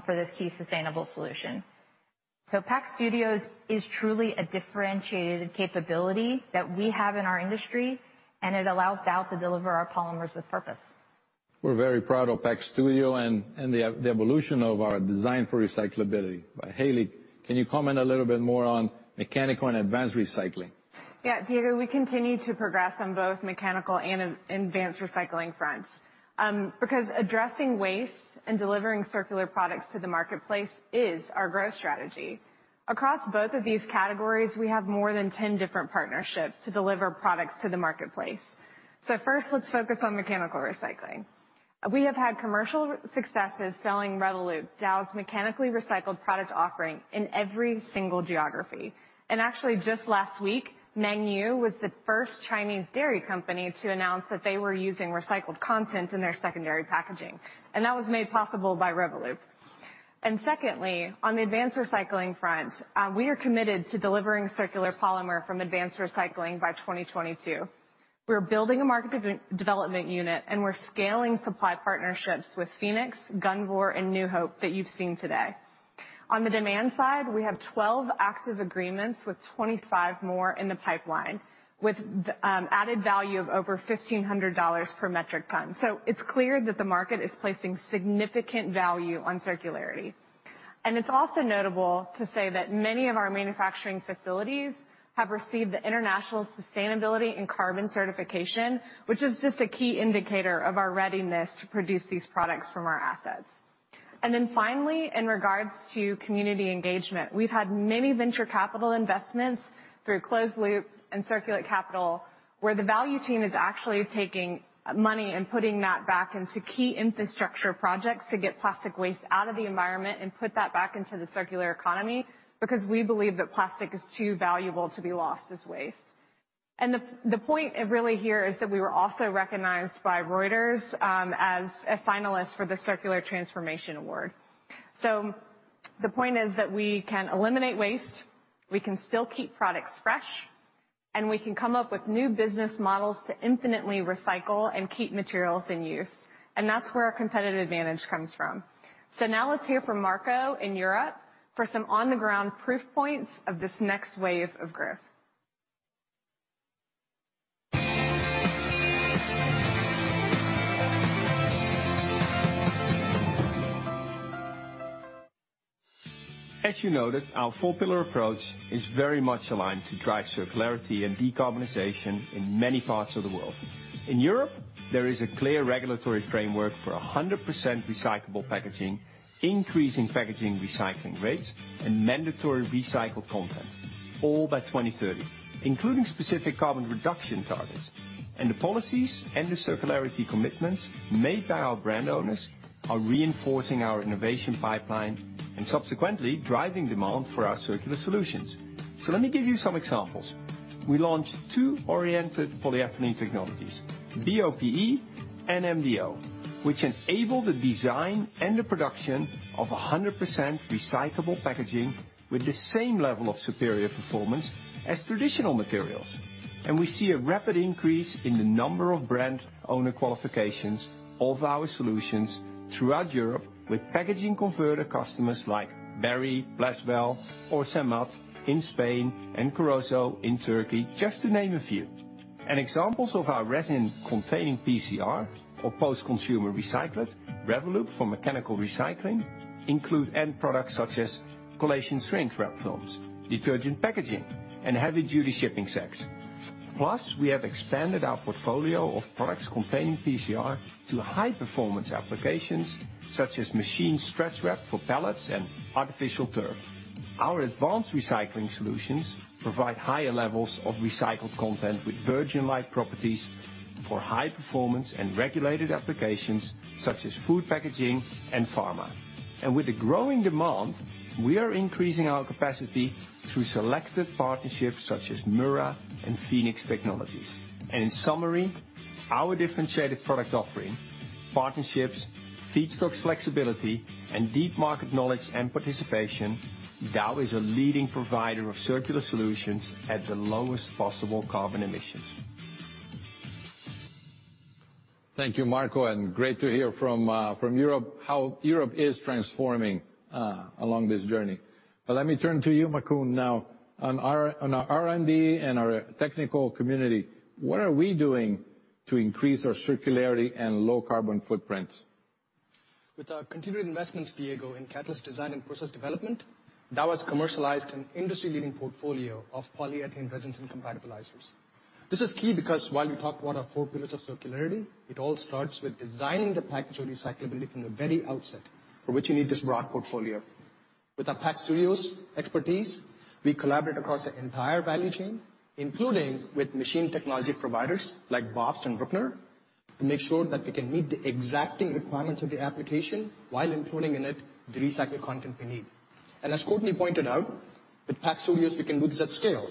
for this key sustainable solution. Pack Studios is truly a differentiated capability that we have in our industry, and it allows Dow to deliver our polymers with purpose. We're very proud of Pack Studios and the evolution of our design for recyclability. Haley, can you comment a little bit more on mechanical and advanced recycling? Diego, we continue to progress on both mechanical and advanced recycling fronts, because addressing waste and delivering circular products to the marketplace is our growth strategy. Across both of these categories, we have more than 10 different partnerships to deliver products to the marketplace. First, let's focus on mechanical recycling. We have had commercial successes selling REVOLOOP, Dow's mechanically recycled product offering, in every single geography. Actually just last week, Mengniu was the first Chinese dairy company to announce that they were using recycled content in their secondary packaging, and that was made possible by REVOLOOP. Secondly, on the advanced recycling front, we are committed to delivering circular polymer from advanced recycling by 2022. We're building a market development unit, and we're scaling supply partnerships with Fuenix, Gunvor, and New Hope that you've seen today. On the demand side, we have 12 active agreements with 25 more in the pipeline with added value of over $1,500 per metric ton. It's clear that the market is placing significant value on circularity. It's also notable to say that many of our manufacturing facilities have received the International Sustainability and Carbon Certification, which is just a key indicator of our readiness to produce these products from our assets. Finally, in regards to community engagement, we've had many venture capital investments through Closed Loop and Circulate Capital, where the value team is actually taking money and putting that back into key infrastructure projects to get plastic waste out of the environment and put that back into the circular economy, because we believe that plastic is too valuable to be lost as waste. The point really here is that we were also recognized by Reuters, as a finalist for the Circular Transformation Award. The point is that we can eliminate waste, we can still keep products fresh, and we can come up with new business models to infinitely recycle and keep materials in use. That's where our competitive advantage comes from. Now let's hear from Marco in Europe for some on the ground proof points of this next wave of growth. As you noted, our four pillar approach is very much aligned to drive circularity and decarbonization in many parts of the world. In Europe, there is a clear regulatory framework for 100% recyclable packaging, increasing packaging recycling rates and mandatory recycled content, all by 2030, including specific carbon reduction targets. The policies and the circularity commitments made by our brand owners are reinforcing our innovation pipeline and subsequently driving demand for our circular solutions. Let me give you some examples. We launched two oriented polyethylene technologies, BOPE and MDO, which enable the design and the production of 100% recyclable packaging with the same level of superior performance as traditional materials. We see a rapid increase in the number of brand owner qualifications of our solutions throughout Europe with packaging converter customers like Berry, Blechwell or Samat in Spain and Korozo in Turkey, just to name a few. Examples of our resin-containing PCR, or post-consumer recycled, REVOLOOP for mechanical recycling include end products such as collation shrink wrap films, detergent packaging, and heavy-duty shipping sacks. Plus, we have expanded our portfolio of products containing PCR to high-performance applications such as machine stretch wrap for pellets and artificial turf. Our advanced recycling solutions provide higher levels of recycled content with virgin-like properties for high performance and regulated applications such as food packaging and pharma. With the growing demand, we are increasing our capacity through selected partnerships such as Mura and Fuenix Technologies. In summary, our differentiated product offering, partnerships, feedstocks flexibility, and deep market knowledge and participation, Dow is a leading provider of circular solutions at the lowest possible carbon emissions. Thank you, Marco. Great to hear from Europe how Europe is transforming along this journey. Let me turn to you, Mukund, now. On our R&D and our technical community, what are we doing to increase our circularity and low carbon footprints? With our continued investments, Diego, in catalyst design and process development, Dow has commercialized an industry-leading portfolio of polyethylene resins and compatibilizers. This is key because while we talk about our four pillars of circularity, it all starts with designing the package of recyclability from the very outset, for which you need this broad portfolio. With our Pack Studios expertise, we collaborate across the entire value chain, including with machine technology providers like Bobst and Brückner, to make sure that we can meet the exacting requirements of the application, while including in it the recycled content we need. As Courtney pointed out, with Pack Studios, we can do this at scale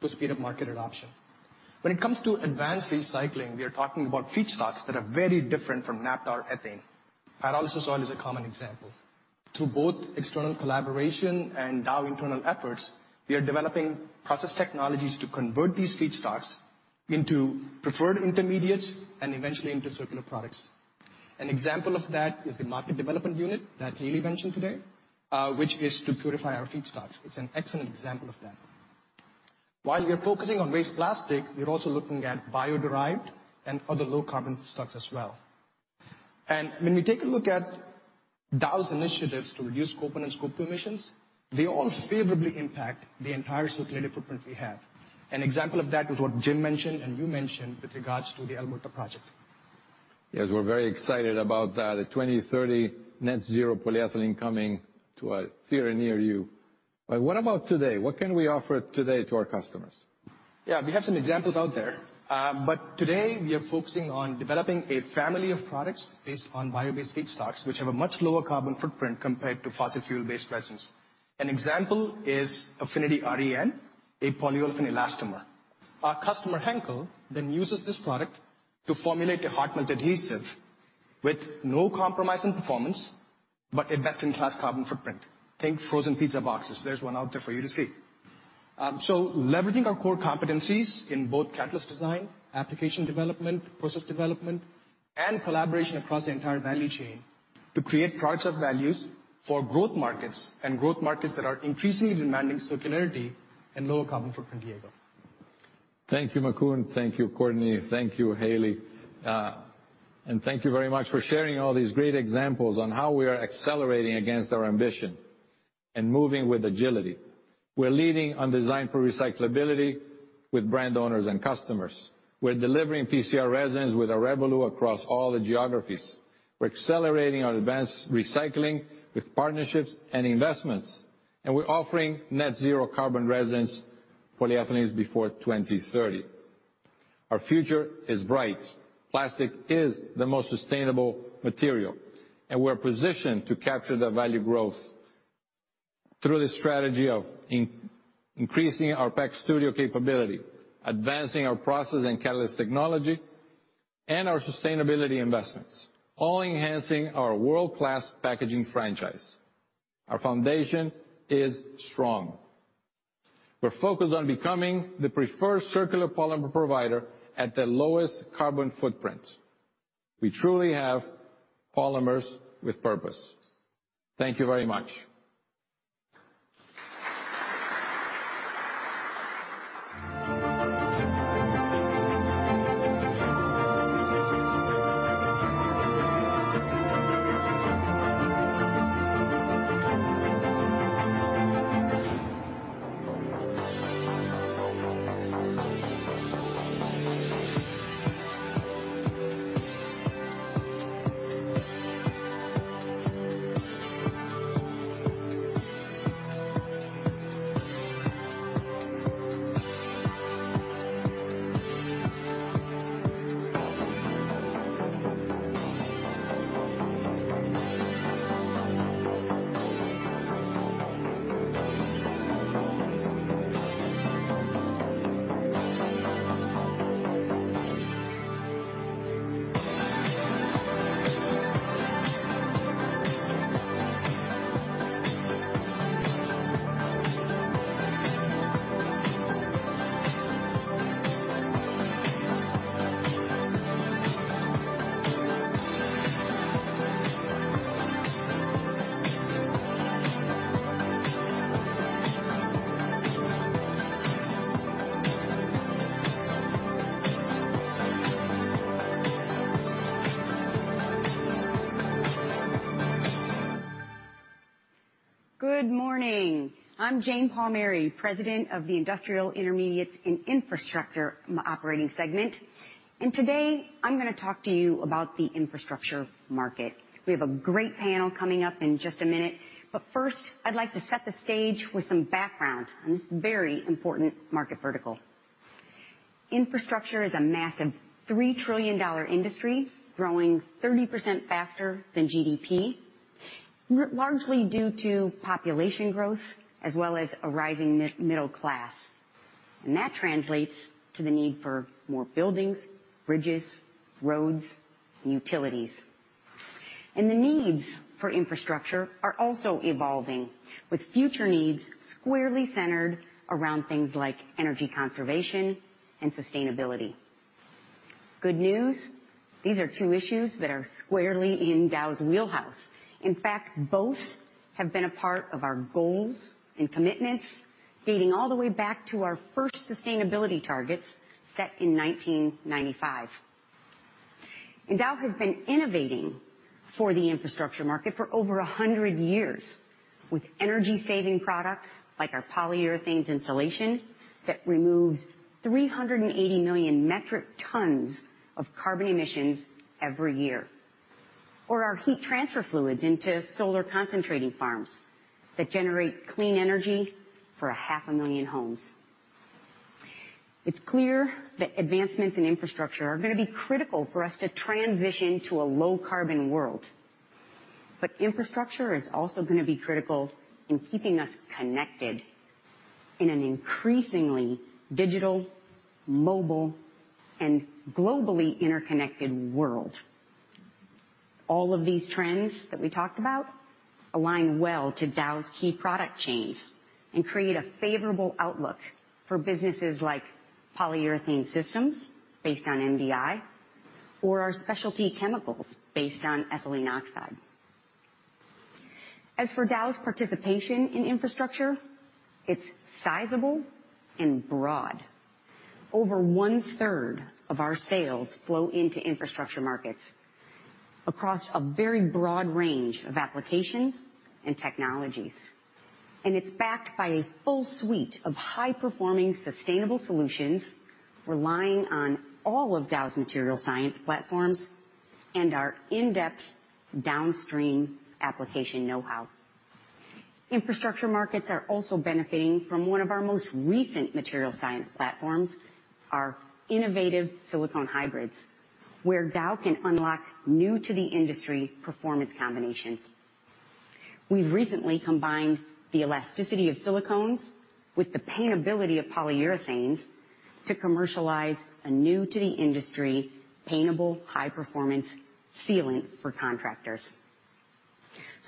to speed up market adoption. When it comes to advanced recycling, we are talking about feedstocks that are very different from naphtha or ethane. Pyrolysis oil is a common example. Through both external collaboration and Dow internal efforts, we are developing process technologies to convert these feedstocks into preferred intermediates and eventually into circular products. An example of that is the market development unit that Haley mentioned today, which is to purify our feedstocks. It's an excellent example of that. While we are focusing on waste plastic, we are also looking at bio-derived and other low carbon feedstocks as well. When we take a look at Dow's initiatives to reduce Scope 1 and Scope 2 emissions, they all favorably impact the entire circularity footprint we have. An example of that was what Jim mentioned and you mentioned with regards to the Alberta project. Yes, we're very excited about that, the 2030 net zero polyethylene coming to a theater near you. What about today? What can we offer today to our customers? Yeah, we have some examples out there. Today, we are focusing on developing a family of products based on bio-based feedstocks, which have a much lower carbon footprint compared to fossil fuel-based resins. An example is AFFINITY RE, a polyolefin elastomer. Our customer, Henkel, uses this product to formulate a hot melt adhesive with no compromise in performance, a best-in-class carbon footprint. Think frozen pizza boxes. There's one out there for you to see. Leveraging our core competencies in both catalyst design, application development, process development, and collaboration across the entire value chain to create products of values for growth markets, growth markets that are increasingly demanding circularity and lower carbon footprint, Diego. Thank you, Mukund. Thank you, Courtney. Thank you, Haley. Thank you very much for sharing all these great examples on how we are accelerating against our ambition and moving with agility. We're leading on design for recyclability with brand owners and customers. We're delivering PCR resins with our REVOLOOP across all the geographies. We're accelerating our advanced recycling with partnerships and investments. We're offering net zero carbon resins polyethylenes before 2030. Our future is bright. Plastic is the most sustainable material. We're positioned to capture the value growth through the strategy of increasing our Pack Studios capability, advancing our process and catalyst technology, and our sustainability investments, all enhancing our world-class packaging franchise. Our foundation is strong. We're focused on becoming the preferred circular polymer provider at the lowest carbon footprint. We truly have polymers with purpose. Thank you very much. Good morning. I'm Jane Palmieri, President of the Industrial Intermediates & Infrastructure operating segment. Today, I'm going to talk to you about the infrastructure market. We have a great panel coming up in just a minute. First, I'd like to set the stage with some background on this very important market vertical. Infrastructure is a massive $3 trillion industry, growing 30% faster than GDP, largely due to population growth as well as a rising middle class. That translates to the need for more buildings, bridges, roads, and utilities. The needs for infrastructure are also evolving, with future needs squarely centered around things like energy conservation and sustainability. Good news, these are two issues that are squarely in Dow's wheelhouse. In fact, both have been a part of our goals and commitments dating all the way back to our first sustainability targets set in 1995. Dow has been innovating for the infrastructure market for over 100 years, with energy-saving products like our polyurethanes insulation that removes 380 million metric tons of carbon emissions every year, or our heat transfer fluids into solar concentrating farms that generate clean energy for a half a million homes. It's clear that advancements in infrastructure are going to be critical for us to transition to a low-carbon world. Infrastructure is also going to be critical in keeping us connected in an increasingly digital, mobile, and globally interconnected world. All of these trends that we talked about align well to Dow's key product chains and create a favorable outlook for businesses like polyurethane systems based on MDI or our specialty chemicals based on ethylene oxide. As for Dow's participation in infrastructure, it's sizable and broad. Over 1/3 of our sales flow into infrastructure markets across a very broad range of applications and technologies. It's backed by a full suite of high-performing, sustainable solutions, relying on all of Dow's material science platforms and our in-depth downstream application know-how. Infrastructure markets are also benefiting from one of our most recent material science platforms, our innovative silicone hybrids, where Dow can unlock new-to-the-industry performance combinations. We've recently combined the elasticity of silicones with the paintability of polyurethanes to commercialize a new-to-the-industry paintable high-performance sealant for contractors.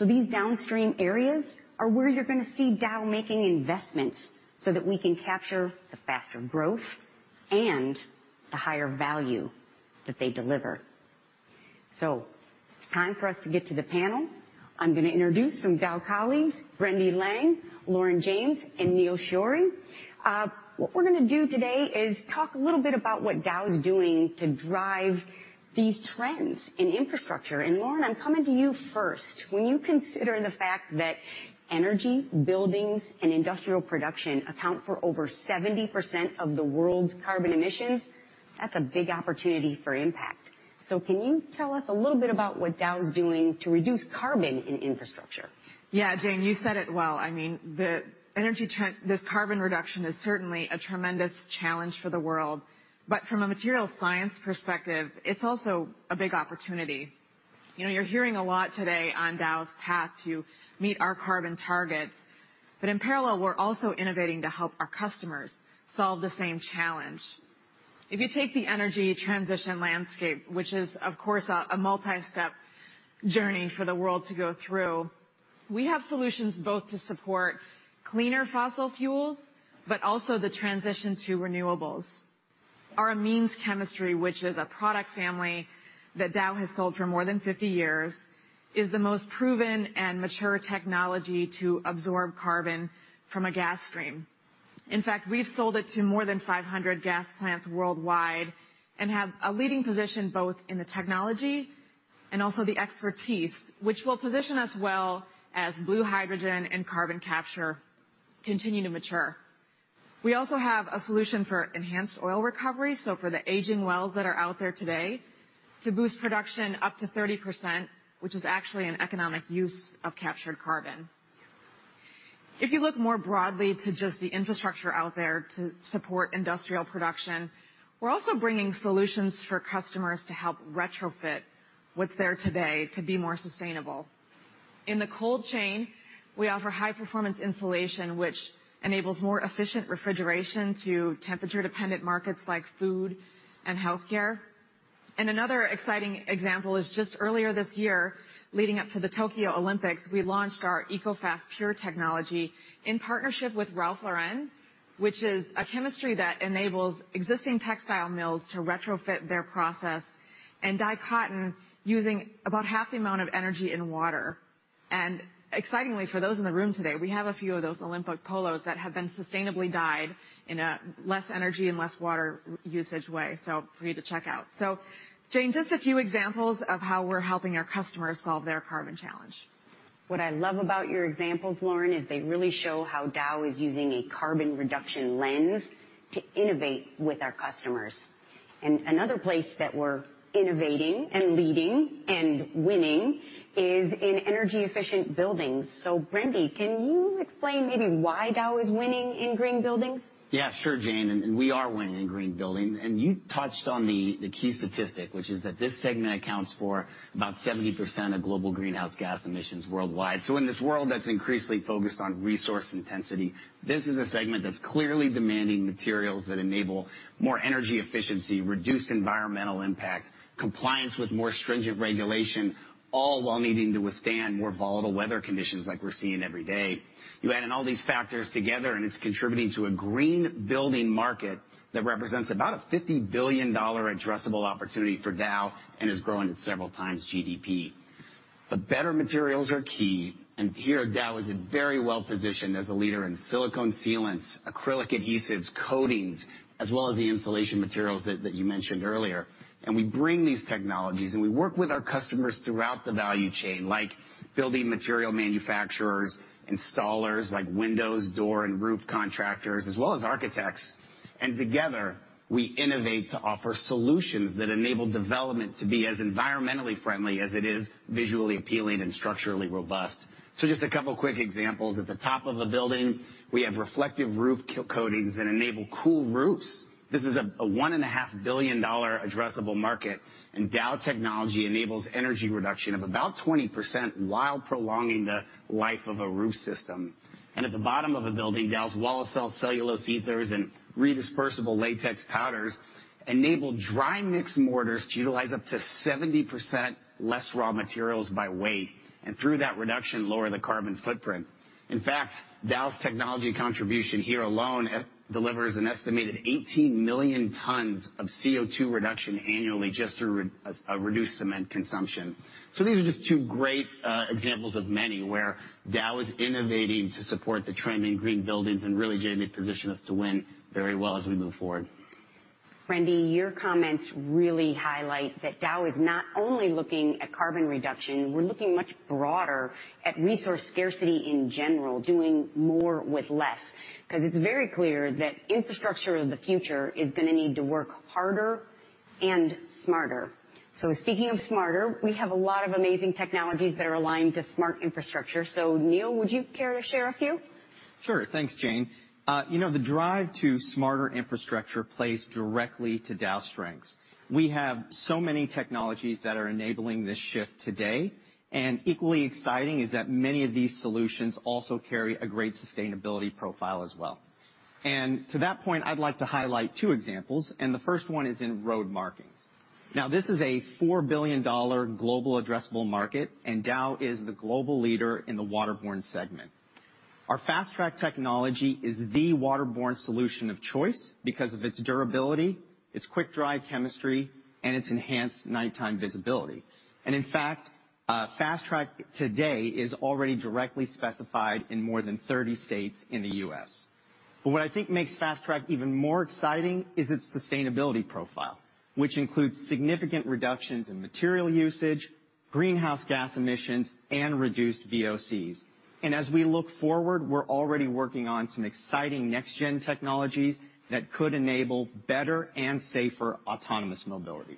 These downstream areas are where you're going to see Dow making investments so that we can capture the faster growth and the higher value that they deliver. It's time for us to get to the panel. I'm going to introduce some Dow colleagues, Brendy Lange, Lauren James, and Neil Shori. What we're going to do today is talk a little bit about what Dow is doing to drive these trends in infrastructure. Lauren, I'm coming to you first. When you consider the fact that energy, buildings, and industrial production account for over 70% of the world's carbon emissions, that's a big opportunity for impact. Can you tell us a little bit about what Dow is doing to reduce carbon in infrastructure? Yeah, Jane, you said it well. This carbon reduction is certainly a tremendous challenge for the world. From a material science perspective, it's also a big opportunity. You're hearing a lot today on Dow's path to meet our carbon targets. In parallel, we're also innovating to help our customers solve the same challenge. If you take the energy transition landscape, which is, of course, a multi-step journey for the world to go through, we have solutions both to support cleaner fossil fuels, but also the transition to renewables. Our amines chemistry, which is a product family that Dow has sold for more than 50 years, is the most proven and mature technology to absorb carbon from a gas stream. In fact, we've sold it to more than 500 gas plants worldwide and have a leading position both in the technology and also the expertise, which will position us well as blue hydrogen and carbon capture continue to mature. We also have a solution for enhanced oil recovery, so for the aging wells that are out there today, to boost production up to 30%, which is actually an economic use of captured carbon. If you look more broadly to just the infrastructure out there to support industrial production, we're also bringing solutions for customers to help retrofit what's there today to be more sustainable. In the cold chain, we offer high-performance insulation, which enables more efficient refrigeration to temperature-dependent markets like food and healthcare. Another exciting example is just earlier this year, leading up to the Tokyo Olympics, we launched our ECOFAST Pure technology in partnership with Ralph Lauren. Which is a chemistry that enables existing textile mills to retrofit their process and dye cotton using about half the amount of energy and water. Excitingly, for those in the room today, we have a few of those Olympic polos that have been sustainably dyed in a less energy and less water usage way. For you to check out. Jane, just a few examples of how we're helping our customers solve their carbon challenge. What I love about your examples, Lauren, is they really show how Dow is using a carbon reduction lens to innovate with our customers. Another place that we're innovating and leading and winning is in energy efficient buildings. Brendy, can you explain maybe why Dow is winning in green buildings? Sure, Jane, we are winning in green buildings. You touched on the key statistic, which is that this segment accounts for about 70% of global greenhouse gas emissions worldwide. In this world that's increasingly focused on resource intensity, this is a segment that's clearly demanding materials that enable more energy efficiency, reduced environmental impact, compliance with more stringent regulation, all while needing to withstand more volatile weather conditions like we're seeing every day. You add in all these factors together, it's contributing to a green building market that represents about a $50 billion addressable opportunity for Dow and is growing at several times GDP. Better materials are key, here Dow is very well positioned as a leader in silicone sealants, acrylic adhesives, coatings, as well as the insulation materials that you mentioned earlier. We bring these technologies, and we work with our customers throughout the value chain, like building material manufacturers, installers like windows, door, and roof contractors, as well as architects. Together, we innovate to offer solutions that enable development to be as environmentally friendly as it is visually appealing and structurally robust. Just a couple of quick examples. At the top of the building, we have reflective roof coatings that enable cool roofs. This is a $1.5 billion addressable market, and Dow technology enables energy reduction of about 20% while prolonging the life of a roof system. At the bottom of a building, Dow's WALOCEL™ cellulose ethers and redispersible latex powders enable dry mix mortars to utilize up to 70% less raw materials by weight, and through that reduction, lower the carbon footprint. In fact, Dow's technology contribution here alone delivers an estimated 18 million tons of CO2 reduction annually just through a reduced cement consumption. These are just two great examples of many where Dow is innovating to support the trend in green buildings and really, Jane, it positions us to win very well as we move forward. Brendy, your comments really highlight that Dow is not only looking at carbon reduction, we're looking much broader at resource scarcity in general, doing more with less. It's very clear that infrastructure of the future is going to need to work harder and smarter. Speaking of smarter, we have a lot of amazing technologies that are aligned to smart infrastructure. Neil, would you care to share a few? Sure. Thanks, Jane. The drive to smarter infrastructure plays directly to Dow's strengths. We have so many technologies that are enabling this shift today, and equally exciting is that many of these solutions also carry a great sustainability profile as well. To that point, I'd like to highlight two examples, and the first one is in road markings. Now, this is a $4 billion global addressable market, and Dow is the global leader in the waterborne segment. Our FASTRACK™ technology is the waterborne solution of choice because of its durability, its quick-dry chemistry, and its enhanced nighttime visibility. In fact, FASTRACK™ today is already directly specified in more than 30 states in the U.S. What I think makes FASTRACK™ even more exciting is its sustainability profile, which includes significant reductions in material usage, greenhouse gas emissions, and reduced VOCs. As we look forward, we're already working on some exciting next gen technologies that could enable better and safer autonomous mobility.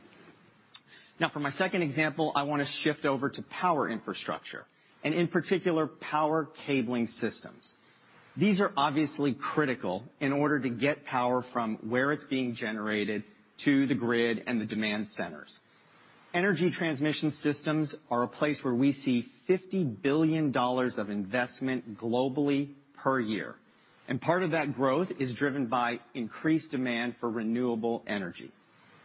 Now, for my second example, I want to shift over to power infrastructure, and in particular, power cabling systems. These are obviously critical in order to get power from where it's being generated to the grid and the demand centers. Energy transmission systems are a place where we see $50 billion of investment globally per year. Part of that growth is driven by increased demand for renewable energy.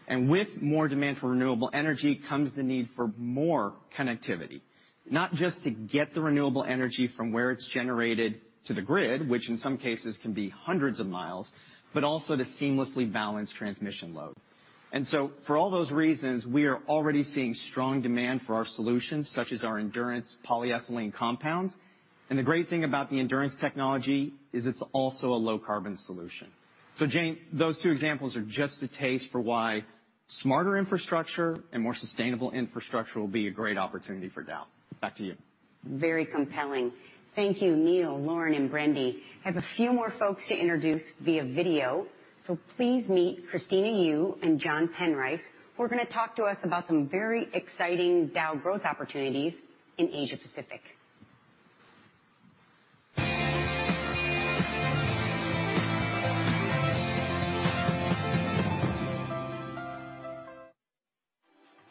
With more demand for renewable energy comes the need for more connectivity. Not just to get the renewable energy from where it's generated to the grid, which in some cases can be hundreds of miles, but also to seamlessly balance transmission load. For all those reasons, we are already seeing strong demand for our solutions, such as our ENDURANCE polyethylene compounds. The great thing about the ENDURANCE technology is it's also a low carbon solution. Jane, those two examples are just a taste for why smarter infrastructure and more sustainable infrastructure will be a great opportunity for Dow. Back to you. Very compelling. Thank you, Neil, Lauren, and Brendy. I have a few more folks to introduce via video. Please meet Christina Yu and Jon Penrice, who are going to talk to us about some very exciting Dow growth opportunities in Asia Pacific.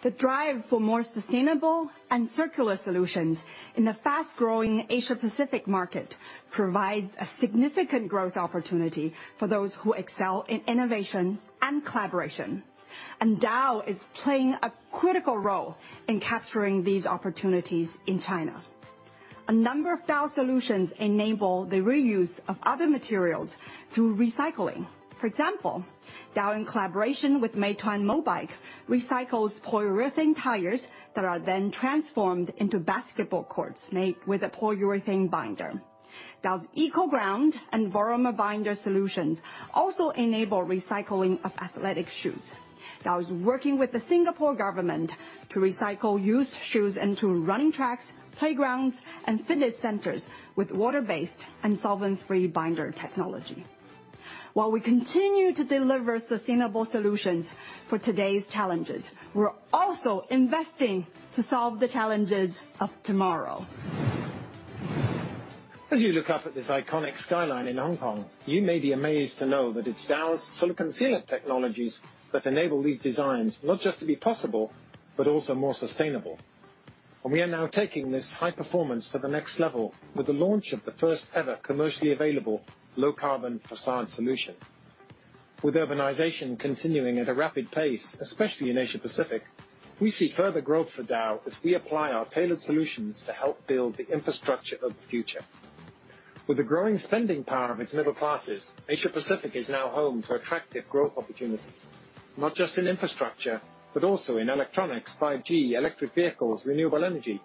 The drive for more sustainable and circular solutions in the fast-growing Asia Pacific market provides a significant growth opportunity for those who excel in innovation and collaboration. Dow is playing a critical role in capturing these opportunities in China. A number of Dow solutions enable the reuse of other materials through recycling. For example, Dow, in collaboration with Meituan Mobike, recycles polyurethane tires that are then transformed into basketball courts made with a polyurethane binder. Dow's ECOGROUND and VORAMER binder solutions also enable recycling of athletic shoes. Dow is working with the Singapore government to recycle used shoes into running tracks, playgrounds, and fitness centers with water-based and solvent-free binder technology. While we continue to deliver sustainable solutions for today's challenges, we're also investing to solve the challenges of tomorrow. As you look up at this iconic skyline in Hong Kong, you may be amazed to know that it's Dow's silicone sealant technologies that enable these designs, not just to be possible, but also more sustainable. We are now taking this high performance to the next level with the launch of the first ever commercially available low carbon façade solution. With urbanization continuing at a rapid pace, especially in Asia Pacific, we see further growth for Dow as we apply our tailored solutions to help build the infrastructure of the future. With the growing spending power of its middle classes, Asia Pacific is now home to attractive growth opportunities, not just in infrastructure, but also in electronics, 5G, electric vehicles, renewable energy,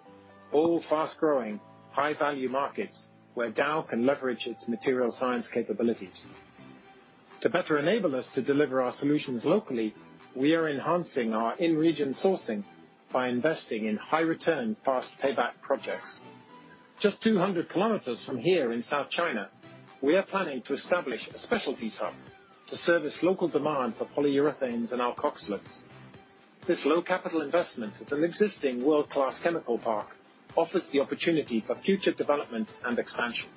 all fast-growing, high-value markets where Dow can leverage its material science capabilities. To better enable us to deliver our solutions locally, we are enhancing our in-region sourcing by investing in high-return, fast payback projects. Just 200 km from here in South China, we are planning to establish a specialties hub to service local demand for polyurethanes and alkoxylates. This low capital investment at an existing world-class chemical park offers the opportunity for future development and expansion.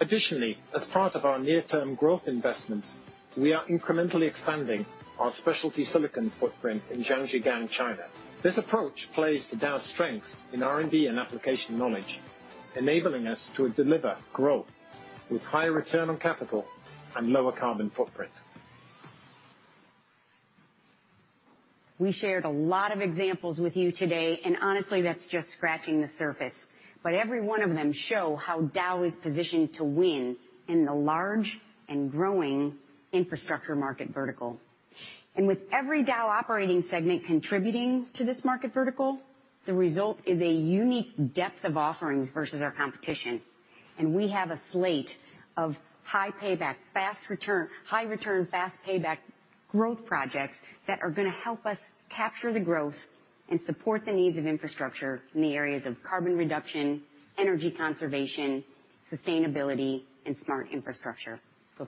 Additionally, as part of our near-term growth investments, we are incrementally expanding our specialty silicones footprint in Jiangsu, China. This approach plays to Dow's strengths in R&D and application knowledge, enabling us to deliver growth with higher return on capital and lower carbon footprint. We shared a lot of examples with you today, and honestly, that's just scratching the surface. Every one of them show how Dow is positioned to win in the large and growing infrastructure market vertical. With every Dow operating segment contributing to this market vertical, the result is a unique depth of offerings versus our competition. We have a slate of high payback, fast return, high return, fast payback growth projects that are going to help us capture the growth and support the needs of infrastructure in the areas of carbon reduction, energy conservation, sustainability, and smart infrastructure.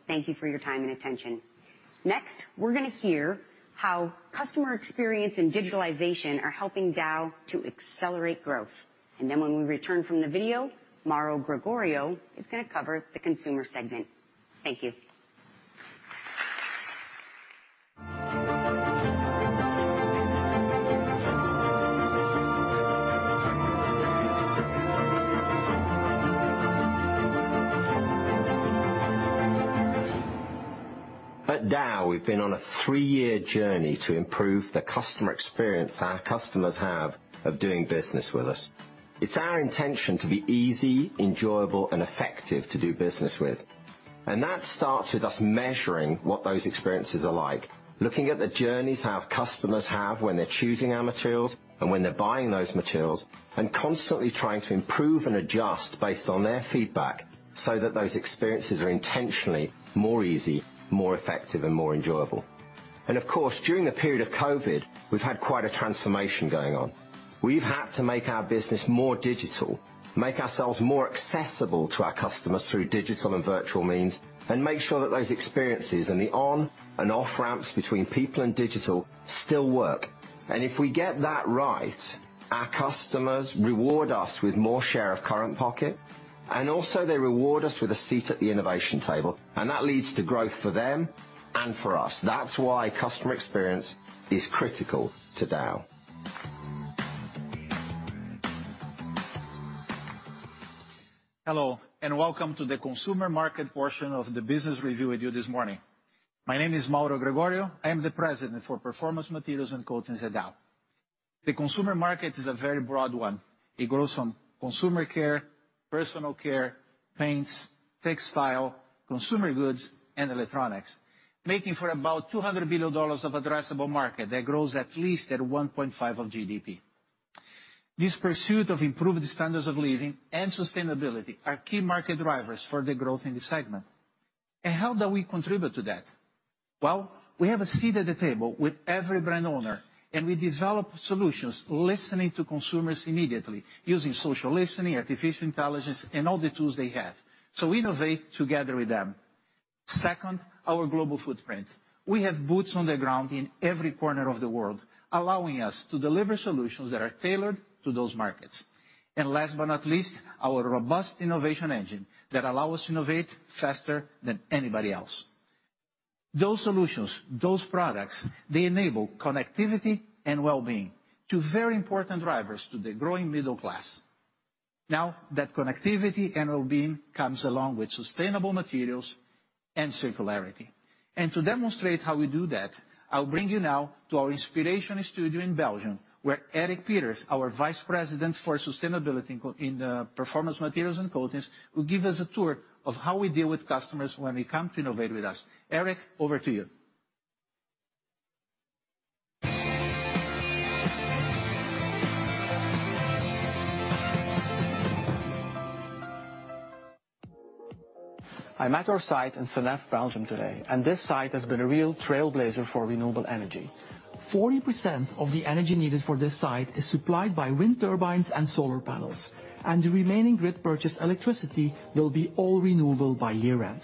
Thank you for your time and attention. Next, we're going to hear how customer experience and digitalization are helping Dow to accelerate growth. Then when we return from the video, Mauro Gregorio is going to cover the consumer segment. Thank you. At Dow, we've been on a three-year journey to improve the customer experience our customers have of doing business with us. It's our intention to be easy, enjoyable, and effective to do business with. That starts with us measuring what those experiences are like, looking at the journeys our customers have when they're choosing our materials, and when they're buying those materials, and constantly trying to improve and adjust based on their feedback so that those experiences are intentionally more easy, more effective, and more enjoyable. Of course, during the period of COVID, we've had quite a transformation going on. We've had to make our business more digital, make ourselves more accessible to our customers through digital and virtual means, and make sure that those experiences and the on and off ramps between people and digital still work. If we get that right, our customers reward us with more share of current pocket, and also they reward us with a seat at the innovation table. That leads to growth for them and for us. That's why customer experience is critical to Dow. Hello, welcome to the consumer market portion of the business review with you this morning. My name is Mauro Gregorio. I am the President for Performance Materials & Coatings at Dow. The consumer market is a very broad one. It grows from consumer care, personal care, paints, textile, consumer goods, and electronics, making for about $200 billion of addressable market that grows at least at 1.5 of GDP. This pursuit of improved standards of living and sustainability are key market drivers for the growth in this segment. How do we contribute to that? Well, we have a seat at the table with every brand owner, and we develop solutions listening to consumers immediately, using social listening, artificial intelligence, and all the tools they have. We innovate together with them. Second, our global footprint. We have boots on the ground in every corner of the world, allowing us to deliver solutions that are tailored to those markets. Last but not least, our robust innovation engine that allow us to innovate faster than anybody else. Those solutions, those products, they enable connectivity and wellbeing, two very important drivers to the growing middle class. That connectivity and wellbeing comes along with sustainable materials and circularity. To demonstrate how we do that, I'll bring you now to our inspiration studio in Belgium, where Eric Peeters, our Vice President for Sustainability in Performance Materials & Coatings, will give us a tour of how we deal with customers when they come to innovate with us. Eric, over to you. I'm at our site in Seneffe, Belgium today, and this site has been a real trailblazer for renewable energy. 40% of the energy needed for this site is supplied by wind turbines and solar panels, and the remaining grid purchased electricity will be all renewable by year-end.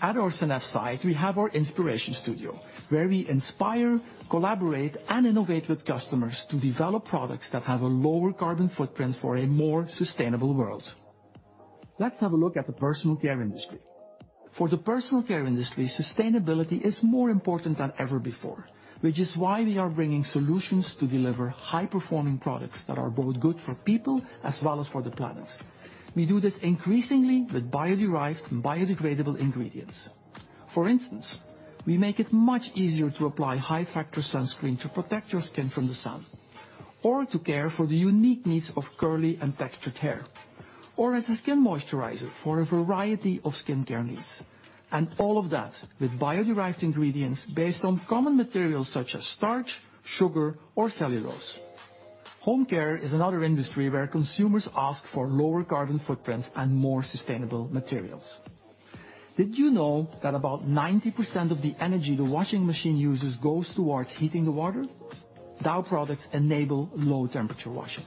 At our Seneffe site, we have our inspiration studio, where we inspire, collaborate, and innovate with customers to develop products that have a lower carbon footprint for a more sustainable world. Let's have a look at the personal care industry. For the personal care industry, sustainability is more important than ever before, which is why we are bringing solutions to deliver high-performing products that are both good for people as well as for the planet. We do this increasingly with bio-derived and biodegradable ingredients. For instance, we make it much easier to apply high-factor sunscreen to protect your skin from the sun, or to care for the unique needs of curly and textured hair, or as a skin moisturizer for a variety of skincare needs. All of that with bio-derived ingredients based on common materials such as starch, sugar, or cellulose. Home care is another industry where consumers ask for lower carbon footprints and more sustainable materials. Did you know that about 90% of the energy the washing machine uses goes towards heating the water? Dow products enable low-temperature washing.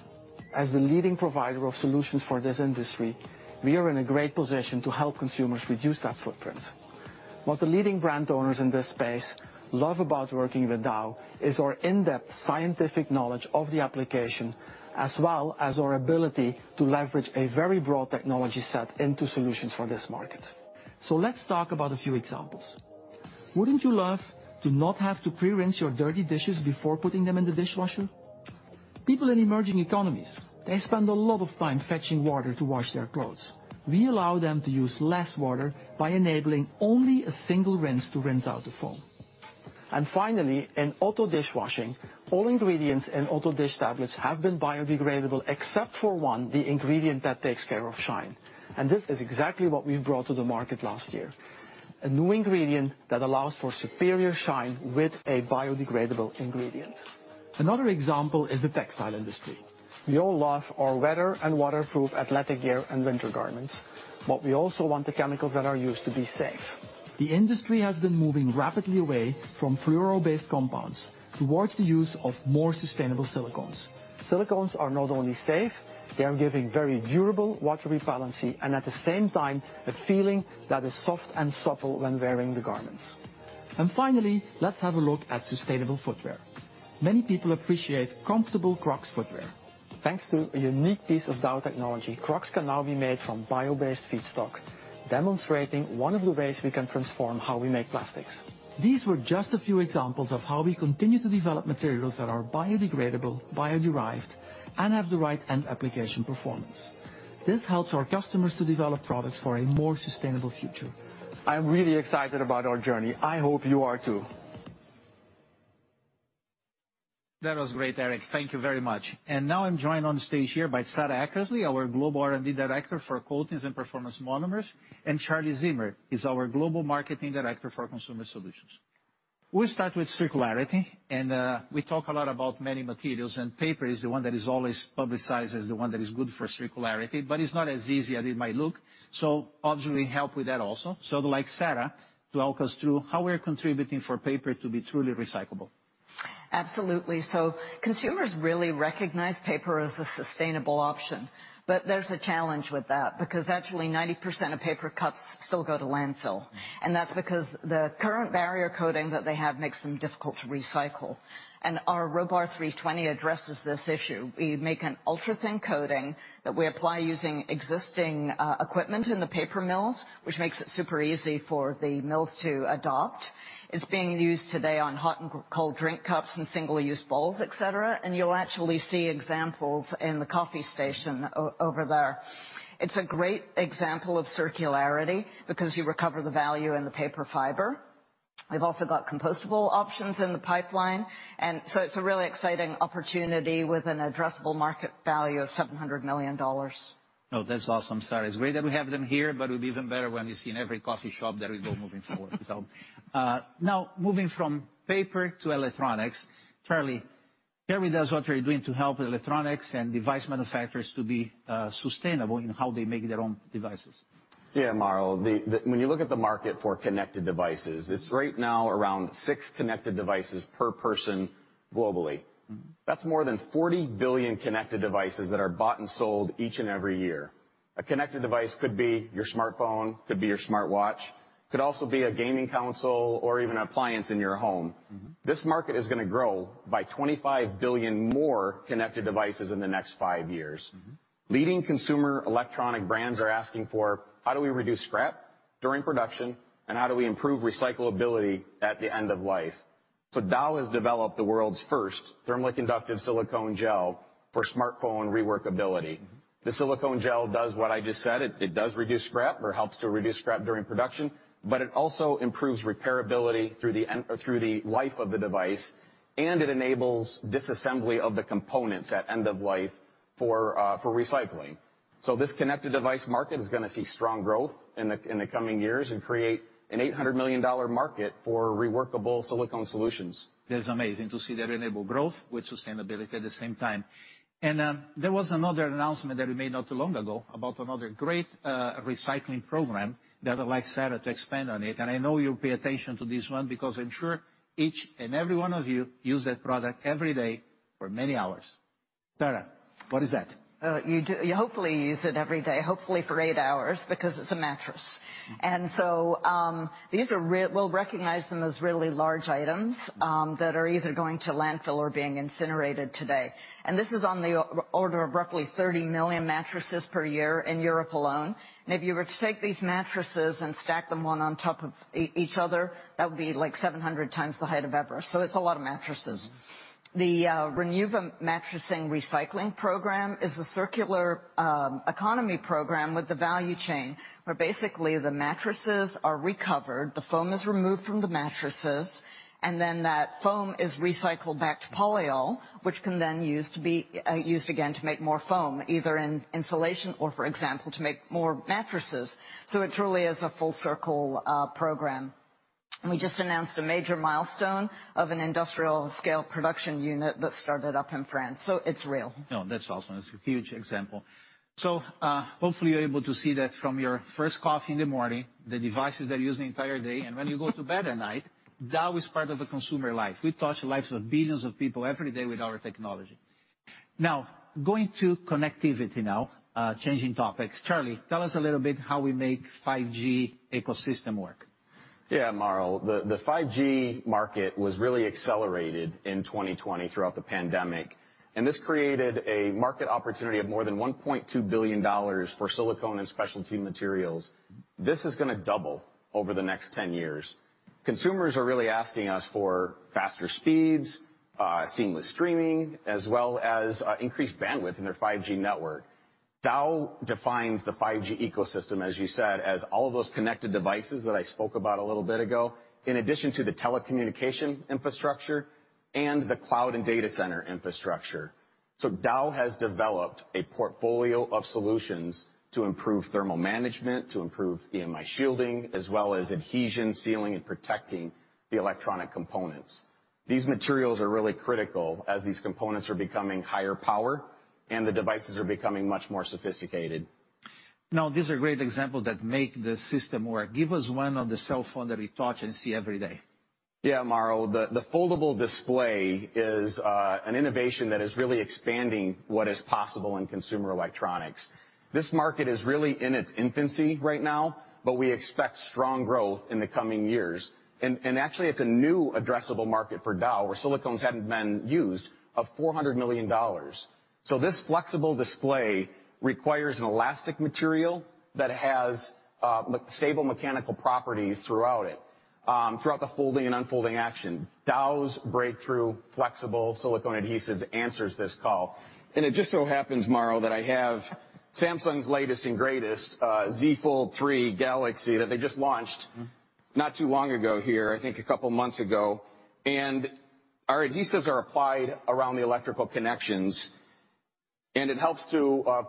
As the leading provider of solutions for this industry, we are in a great position to help consumers reduce that footprint. What the leading brand owners in this space love about working with Dow is our in-depth scientific knowledge of the application, as well as our ability to leverage a very broad technology set into solutions for this market. Let's talk about a few examples. Wouldn't you love to not have to pre-rinse your dirty dishes before putting them in the dishwasher? People in emerging economies, they spend a lot of time fetching water to wash their clothes. We allow them to use less water by enabling only a single rinse to rinse out the foam. Finally, in auto dishwashing, all ingredients in auto dish tablets have been biodegradable, except for one, the ingredient that takes care of shine. This is exactly what we've brought to the market last year, a new ingredient that allows for superior shine with a biodegradable ingredient. Another example is the textile industry. We all love our weather and waterproof athletic gear and winter garments, but we also want the chemicals that are used to be safe. The industry has been moving rapidly away from fluoro-based compounds towards the use of more sustainable silicones. Silicones are not only safe, they are giving very durable water repellency, and at the same time, a feeling that is soft and supple when wearing the garments. Finally, let's have a look at sustainable footwear. Many people appreciate comfortable Crocs footwear. Thanks to a unique piece of Dow technology, Crocs can now be made from bio-based feedstock, demonstrating one of the ways we can transform how we make plastics. These were just a few examples of how we continue to develop materials that are biodegradable, bio-derived, and have the right end application performance. This helps our customers to develop products for a more sustainable future. I'm really excited about our journey. I hope you are, too. That was great, Eric. Thank you very much. Now I'm joined on stage here by Sarah Eckersley, our Global R&D Director for Coatings and Performance Monomers, and Charlie Zimmer is our Global Marketing Director for Consumer Solutions. We'll start with circularity, we talk a lot about many materials, paper is the one that is always publicized as the one that is good for circularity, it's not as easy as it might look. Obviously, we help with that also. I'd like Sarah to walk us through how we're contributing for paper to be truly recyclable. Absolutely. Consumers really recognize paper as a sustainable option, but there's a challenge with that, because actually 90% of paper cups still go to landfill. That's because the current barrier coating that they have makes them difficult to recycle. Our RHOBAR™ 320 addresses this issue. We make an ultra-thin coating that we apply using existing equipment in the paper mills, which makes it super easy for the mills to adopt. It's being used today on hot and cold drink cups and single-use bowls, et cetera. You'll actually see examples in the coffee station over there. It's a great example of circularity because you recover the value in the paper fiber. We've also got compostable options in the pipeline, and so it's a really exciting opportunity with an addressable market value of $700 million. That's awesome, Sarah. It's great that we have them here, but it'll be even better when we see in every coffee shop that we go moving forward. Now moving from paper to electronics. Charlie, share with us what you're doing to help electronics and device manufacturers to be sustainable in how they make their own devices. Yeah, Mauro, when you look at the market for connected devices, it's right now around six connected devices per person globally. That's more than 40 billion connected devices that are bought and sold each and every year. A connected device could be your smartphone, could be your smartwatch, could also be a gaming console or even an appliance in your home. This market is going to grow by 25 billion more connected devices in the next five years. Leading consumer electronic brands are asking for how do we reduce scrap during production, and how do we improve recyclability at the end of life. Dow has developed the world's first thermally conductive silicone gel for smartphone reworkability. The silicone gel does what I just said, it does reduce scrap or helps to reduce scrap during production, but it also improves repairability through the life of the device, and it enables disassembly of the components at end of life for recycling. This connected device market is going to see strong growth in the coming years and create an $800 million market for reworkable silicone solutions. That is amazing to see that enable growth with sustainability at the same time. There was another announcement that we made not too long ago about another great recycling program that I'd like Sarah to expand on it. I know you'll pay attention to this one because I'm sure each and every one of you use that product every day for many hours. Sarah, what is that? You hopefully use it every day, hopefully for eight hours, because it's a mattress. We'll recognize them as really large items, that are either going to landfill or being incinerated today. This is on the order of roughly 30 million mattresses per year in Europe alone. If you were to take these mattresses and stack them one on top of each other, that would be like 700 times the height of Everest. It's a lot of mattresses. The RENUVA mattress recycling program is a circular economy program with the value chain, where basically the mattresses are recovered, the foam is removed from the mattresses, and then that foam is recycled back to polyol, which can then be used again to make more foam, either in insulation or, for example, to make more mattresses. It truly is a full circle program. We just announced a major milestone of an industrial scale production unit that started up in France. It's real. No, that's awesome. It's a huge example. Hopefully you're able to see that from your first coffee in the morning, the devices that you use the entire day, and when you go to bed at night, that was part of the consumer life. We touch the lives of billions of people every day with our technology. Going to connectivity now, changing topics. Charlie, tell us a little bit how we make 5G ecosystem work. Yeah, Mauro. The 5G market was really accelerated in 2020 throughout the pandemic. This created a market opportunity of more than $1.2 billion for silicone and specialty materials. This is going to double over the next 10 years. Consumers are really asking us for faster speeds, seamless streaming, as well as increased bandwidth in their 5G network. Dow defines the 5G ecosystem, as you said, as all of those connected devices that I spoke about a little bit ago, in addition to the telecommunication infrastructure and the cloud and data center infrastructure. Dow has developed a portfolio of solutions to improve thermal management, to improve EMI shielding, as well as adhesion, sealing, and protecting the electronic components. These materials are really critical as these components are becoming higher power and the devices are becoming much more sophisticated. These are great examples that make the system work. Give us one on the cell phone that we touch and see every day. Yeah, Mauro, the foldable display is an innovation that is really expanding what is possible in consumer electronics. This market is really in its infancy right now, we expect strong growth in the coming years. Actually, it's a new addressable market for Dow, where silicones hadn't been used, of $400 million. This flexible display requires an elastic material that has stable mechanical properties throughout the folding and unfolding action. Dow's breakthrough flexible silicone adhesive answers this call. It just so happens, Mauro, that I have Samsung's latest and greatest Galaxy Z Fold3 that they just launched not too long ago here, I think a couple of months ago. Our adhesives are applied around the electrical connections, and it helps to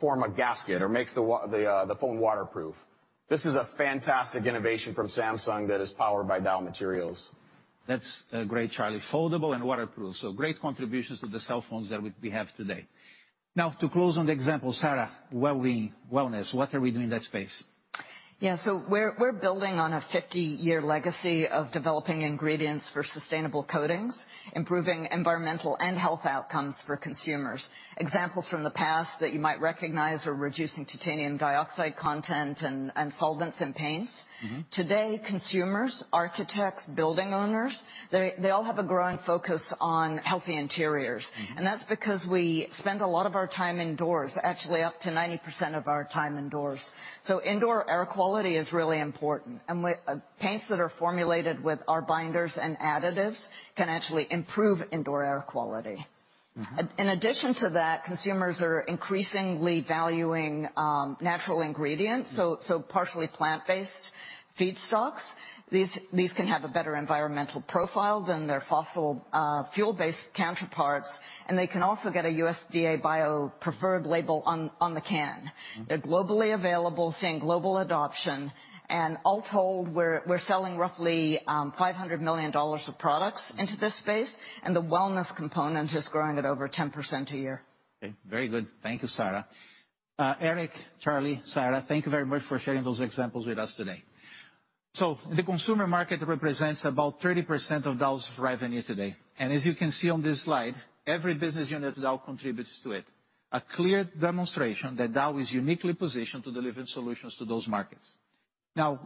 form a gasket or makes the phone waterproof. This is a fantastic innovation from Samsung that is powered by Dow Materials. That's great, Charlie. Foldable and waterproof, great contributions to the cell phones that we have today. To close on the example, Sarah, wellness, what are we doing in that space? Yeah, we're building on a 50-year legacy of developing ingredients for sustainable coatings, improving environmental and health outcomes for consumers. Examples from the past that you might recognize are reducing titanium dioxide content and solvents in paints. Today, consumers, architects, building owners, they all have a growing focus on healthy interiors. That's because we spend a lot of our time indoors, actually up to 90% of our time indoors. Indoor air quality is really important, and paints that are formulated with our binders and additives can actually improve indoor air quality. In addition to that, consumers are increasingly valuing natural ingredients, so partially plant-based feedstocks. These can have a better environmental profile than their fossil fuel-based counterparts, and they can also get a USDA BioPreferred label on the can. They're globally available, seeing global adoption. All told, we're selling roughly $500 million of products into this space. The wellness component is growing at over 10% a year. Okay. Very good. Thank you, Sarah. Eric, Charlie, Sarah, thank you very much for sharing those examples with us today. The consumer market represents about 30% of Dow's revenue today. As you can see on this slide, every business unit of Dow contributes to it. A clear demonstration that Dow is uniquely positioned to deliver solutions to those markets.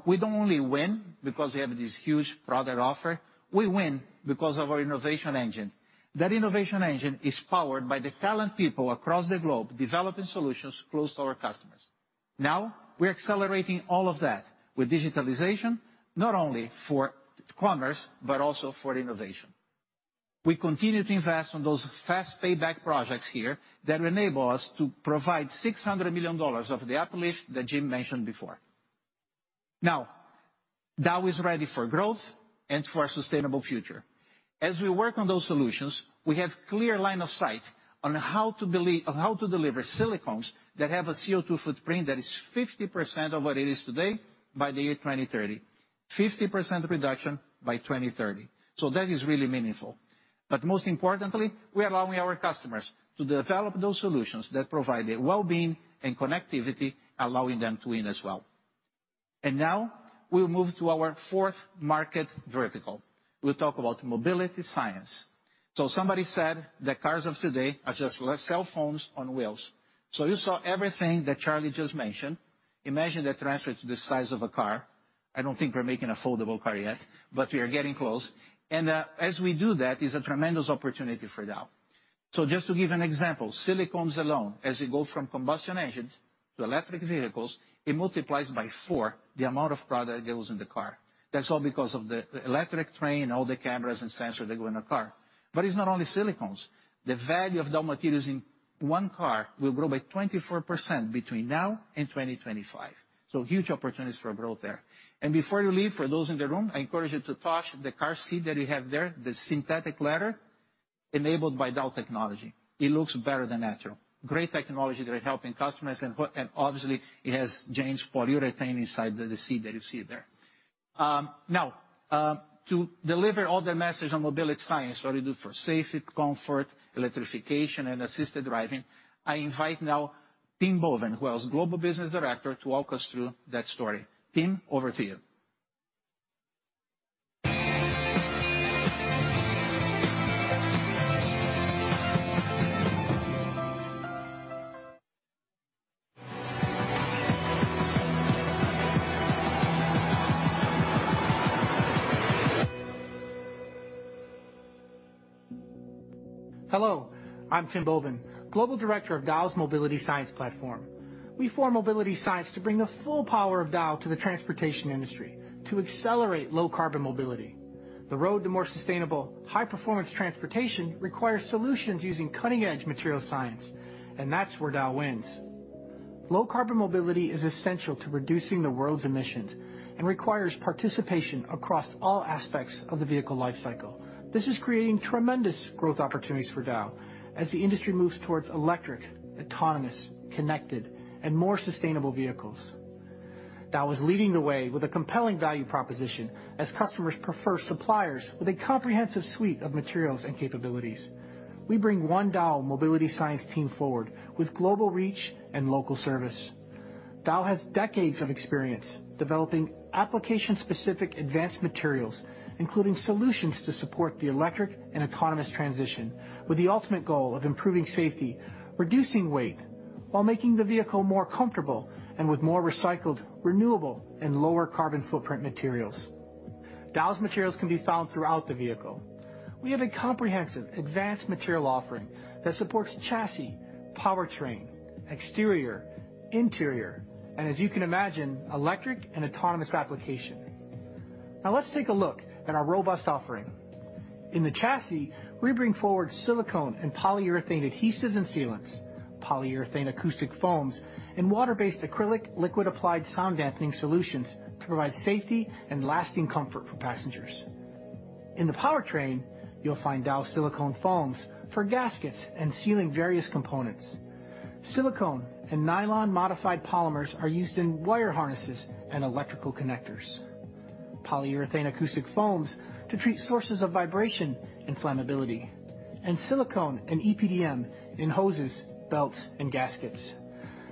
We don't only win because we have this huge product offer. We win because of our innovation engine. That innovation engine is powered by the talent people across the globe, developing solutions close to our customers. We're accelerating all of that with digitalization, not only for commerce, but also for innovation. We continue to invest on those fast payback projects here that enable us to provide $600 million of the uplift that Jim mentioned before. Dow is ready for growth and for a sustainable future. As we work on those solutions, we have clear line of sight on how to deliver silicones that have a CO2 footprint that is 50% of what it is today by the year 2030. 50% reduction by 2030. That is really meaningful. Most importantly, we are allowing our customers to develop those solutions that provide their wellbeing and connectivity, allowing them to win as well. Now we'll move to our fourth market vertical. We'll talk about MobilityScience. Somebody said that cars of today are just like cell phones on wheels. You saw everything that Charlie just mentioned. Imagine that transferred to the size of a car. I don't think we're making a foldable car yet, but we are getting close, and as we do that, it's a tremendous opportunity for Dow. Just to give an example, silicones alone, as it goes from combustion engines to electric vehicles, it multiplies by four the amount of product that goes in the car. That's all because of the electric train, all the cameras and sensors that go in a car. It's not only silicones. The value of Dow materials in one car will grow by 24% between now and 2025. Huge opportunities for growth there. Before you leave, for those in the room, I encourage you to touch the car seat that we have there, the synthetic leather enabled by Dow technology. It looks better than natural. Great technology that are helping customers, and obviously, it has Jane's polyurethane inside the seat that you see there. Now, to deliver all the message on MobilityScience, what we do for safety, comfort, electrification, and assisted driving, I invite now Tim Boven, who is Global Business Director, to walk us through that story. Tim, over to you. Hello, I'm Tim Boven, Global Director of Dow's MobilityScience platform. We form MobilityScience to bring the full power of Dow to the transportation industry to accelerate low carbon mobility. The road to more sustainable, high performance transportation requires solutions using cutting-edge material science, and that's where Dow wins. Low carbon mobility is essential to reducing the world's emissions and requires participation across all aspects of the vehicle life cycle. This is creating tremendous growth opportunities for Dow as the industry moves towards electric, autonomous, connected, and more sustainable vehicles. Dow is leading the way with a compelling value proposition as customers prefer suppliers with a comprehensive suite of materials and capabilities. We bring one Dow MobilityScience team forward with global reach and local service. Dow has decades of experience developing application-specific advanced materials, including solutions to support the electric and autonomous transition, with the ultimate goal of improving safety, reducing weight, while making the vehicle more comfortable and with more recycled, renewable, and lower carbon footprint materials. Dow's materials can be found throughout the vehicle. We have a comprehensive advanced material offering that supports chassis, powertrain, exterior, interior, and as you can imagine, electric and autonomous application. Now let's take a look at our robust offering. In the chassis, we bring forward silicone and polyurethane adhesives and sealants, polyurethane acoustic foams, and water-based acrylic liquid applied sound dampening solutions to provide safety and lasting comfort for passengers. In the powertrain, you'll find Dow silicone foams for gaskets and sealing various components. Silicone and nylon modified polymers are used in wire harnesses and electrical connectors. Polyurethane acoustic foams to treat sources of vibration and flammability. Silicone and EPDM in hoses, belts, and gaskets.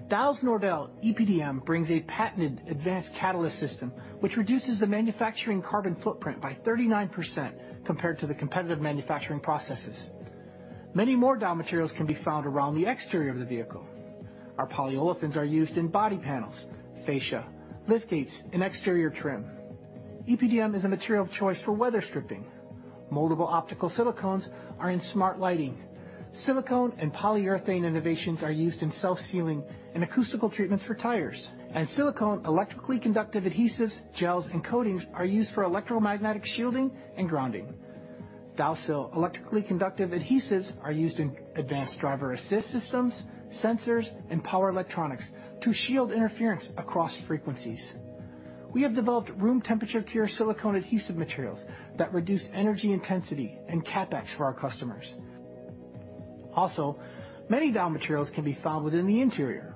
Dow's NORDEL EPDM brings a patented advanced catalyst system, which reduces the manufacturing carbon footprint by 39% compared to the competitive manufacturing processes. Many more Dow materials can be found around the exterior of the vehicle. Our polyolefins are used in body panels, fascia, lift gates, and exterior trim. EPDM is a material of choice for weather stripping. Moldable optical silicones are in smart lighting. Silicone and polyurethane innovations are used in self-sealing and acoustical treatments for tires. Silicone electrically conductive adhesives, gels, and coatings are used for electromagnetic shielding and grounding. DOWSIL electrically conductive adhesives are used in advanced driver assist systems, sensors, and power electronics to shield interference across frequencies. We have developed room temperature cure silicone adhesive materials that reduce energy intensity and CapEx for our customers. Also, many Dow materials can be found within the interior.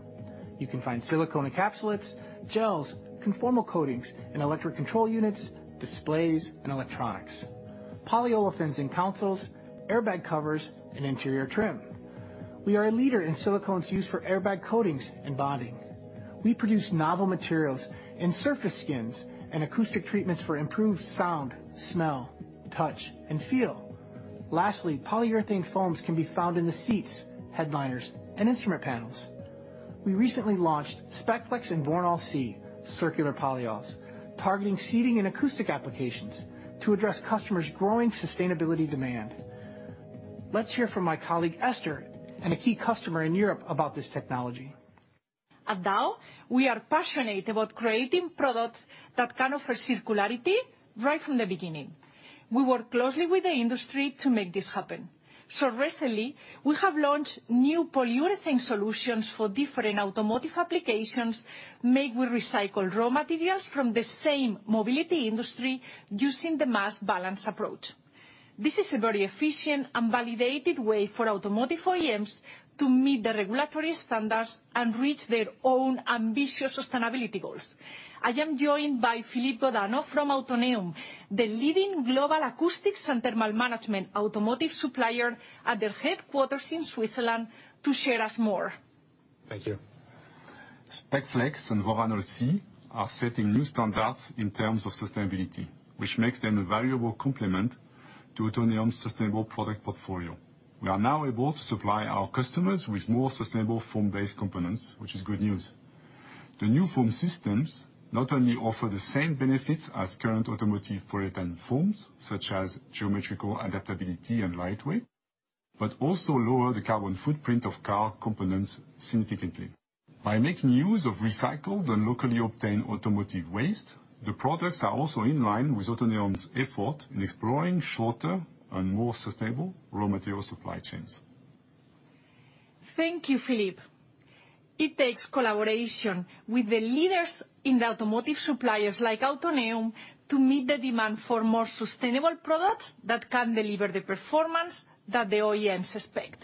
You can find silicone encapsulates, gels, conformal coatings in electric control units, displays, and electronics. Polyolefins in consoles, airbag covers, and interior trim. We are a leader in silicones used for airbag coatings and bonding. We produce novel materials in surface skins and acoustic treatments for improved sound, smell, touch, and feel. Lastly, polyurethane foams can be found in the seats, headliners, and instrument panels. We recently launched SPECFLEX C and VORANOL C circular polyols, targeting seating and acoustic applications to address customers' growing sustainability demand. Let's hear from my colleague, Esther, and a key customer in Europe about this technology. At Dow, we are passionate about creating products that can offer circularity right from the beginning. We work closely with the industry to make this happen. Recently, we have launched new polyurethane solutions for different automotive applications made with recycled raw materials from the same mobility industry using the mass balance approach. This is a very efficient and validated way for automotive OEMs to meet the regulatory standards and reach their own ambitious sustainability goals. I am joined by Philippe Godinot from Autoneum, the leading global acoustics and thermal management automotive supplier, at their headquarters in Switzerland to share us more. Thank you. SPECFLEX C and VORANOL C are setting new standards in terms of sustainability, which makes them a valuable complement to Autoneum's sustainable product portfolio. We are now able to supply our customers with more sustainable foam-based components, which is good news. The new foam systems not only offer the same benefits as current automotive polyurethane foams, such as geometrical adaptability and lightweight, but also lower the carbon footprint of car components significantly. By making use of recycled and locally obtained automotive waste, the products are also in line with Autoneum's effort in exploring shorter and more sustainable raw material supply chains. Thank you, Philippe. It takes collaboration with the leaders in the automotive suppliers like Autoneum to meet the demand for more sustainable products that can deliver the performance that the OEMs expect.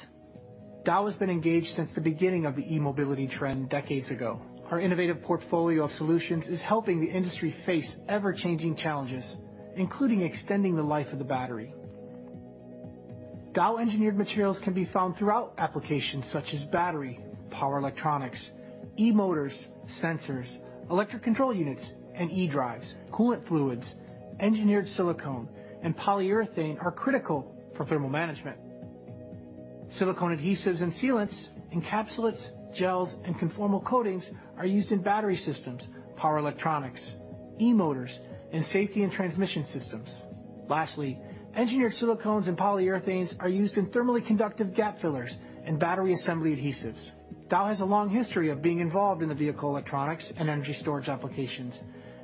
Dow has been engaged since the beginning of the e-mobility trend decades ago. Our innovative portfolio of solutions is helping the industry face ever-changing challenges, including extending the life of the battery. Dow engineered materials can be found throughout applications such as battery, power electronics, e-motors, sensors, electric control units, and e-drives. Coolant fluids, engineered silicone, and polyurethane are critical for thermal management. Silicone adhesives and sealants, encapsulates, gels, and conformal coatings are used in battery systems, power electronics, e-motors, and safety and transmission systems. Lastly, engineered silicones and polyurethanes are used in thermally conductive gap fillers and battery assembly adhesives. Dow has a long history of being involved in the vehicle electronics and energy storage applications,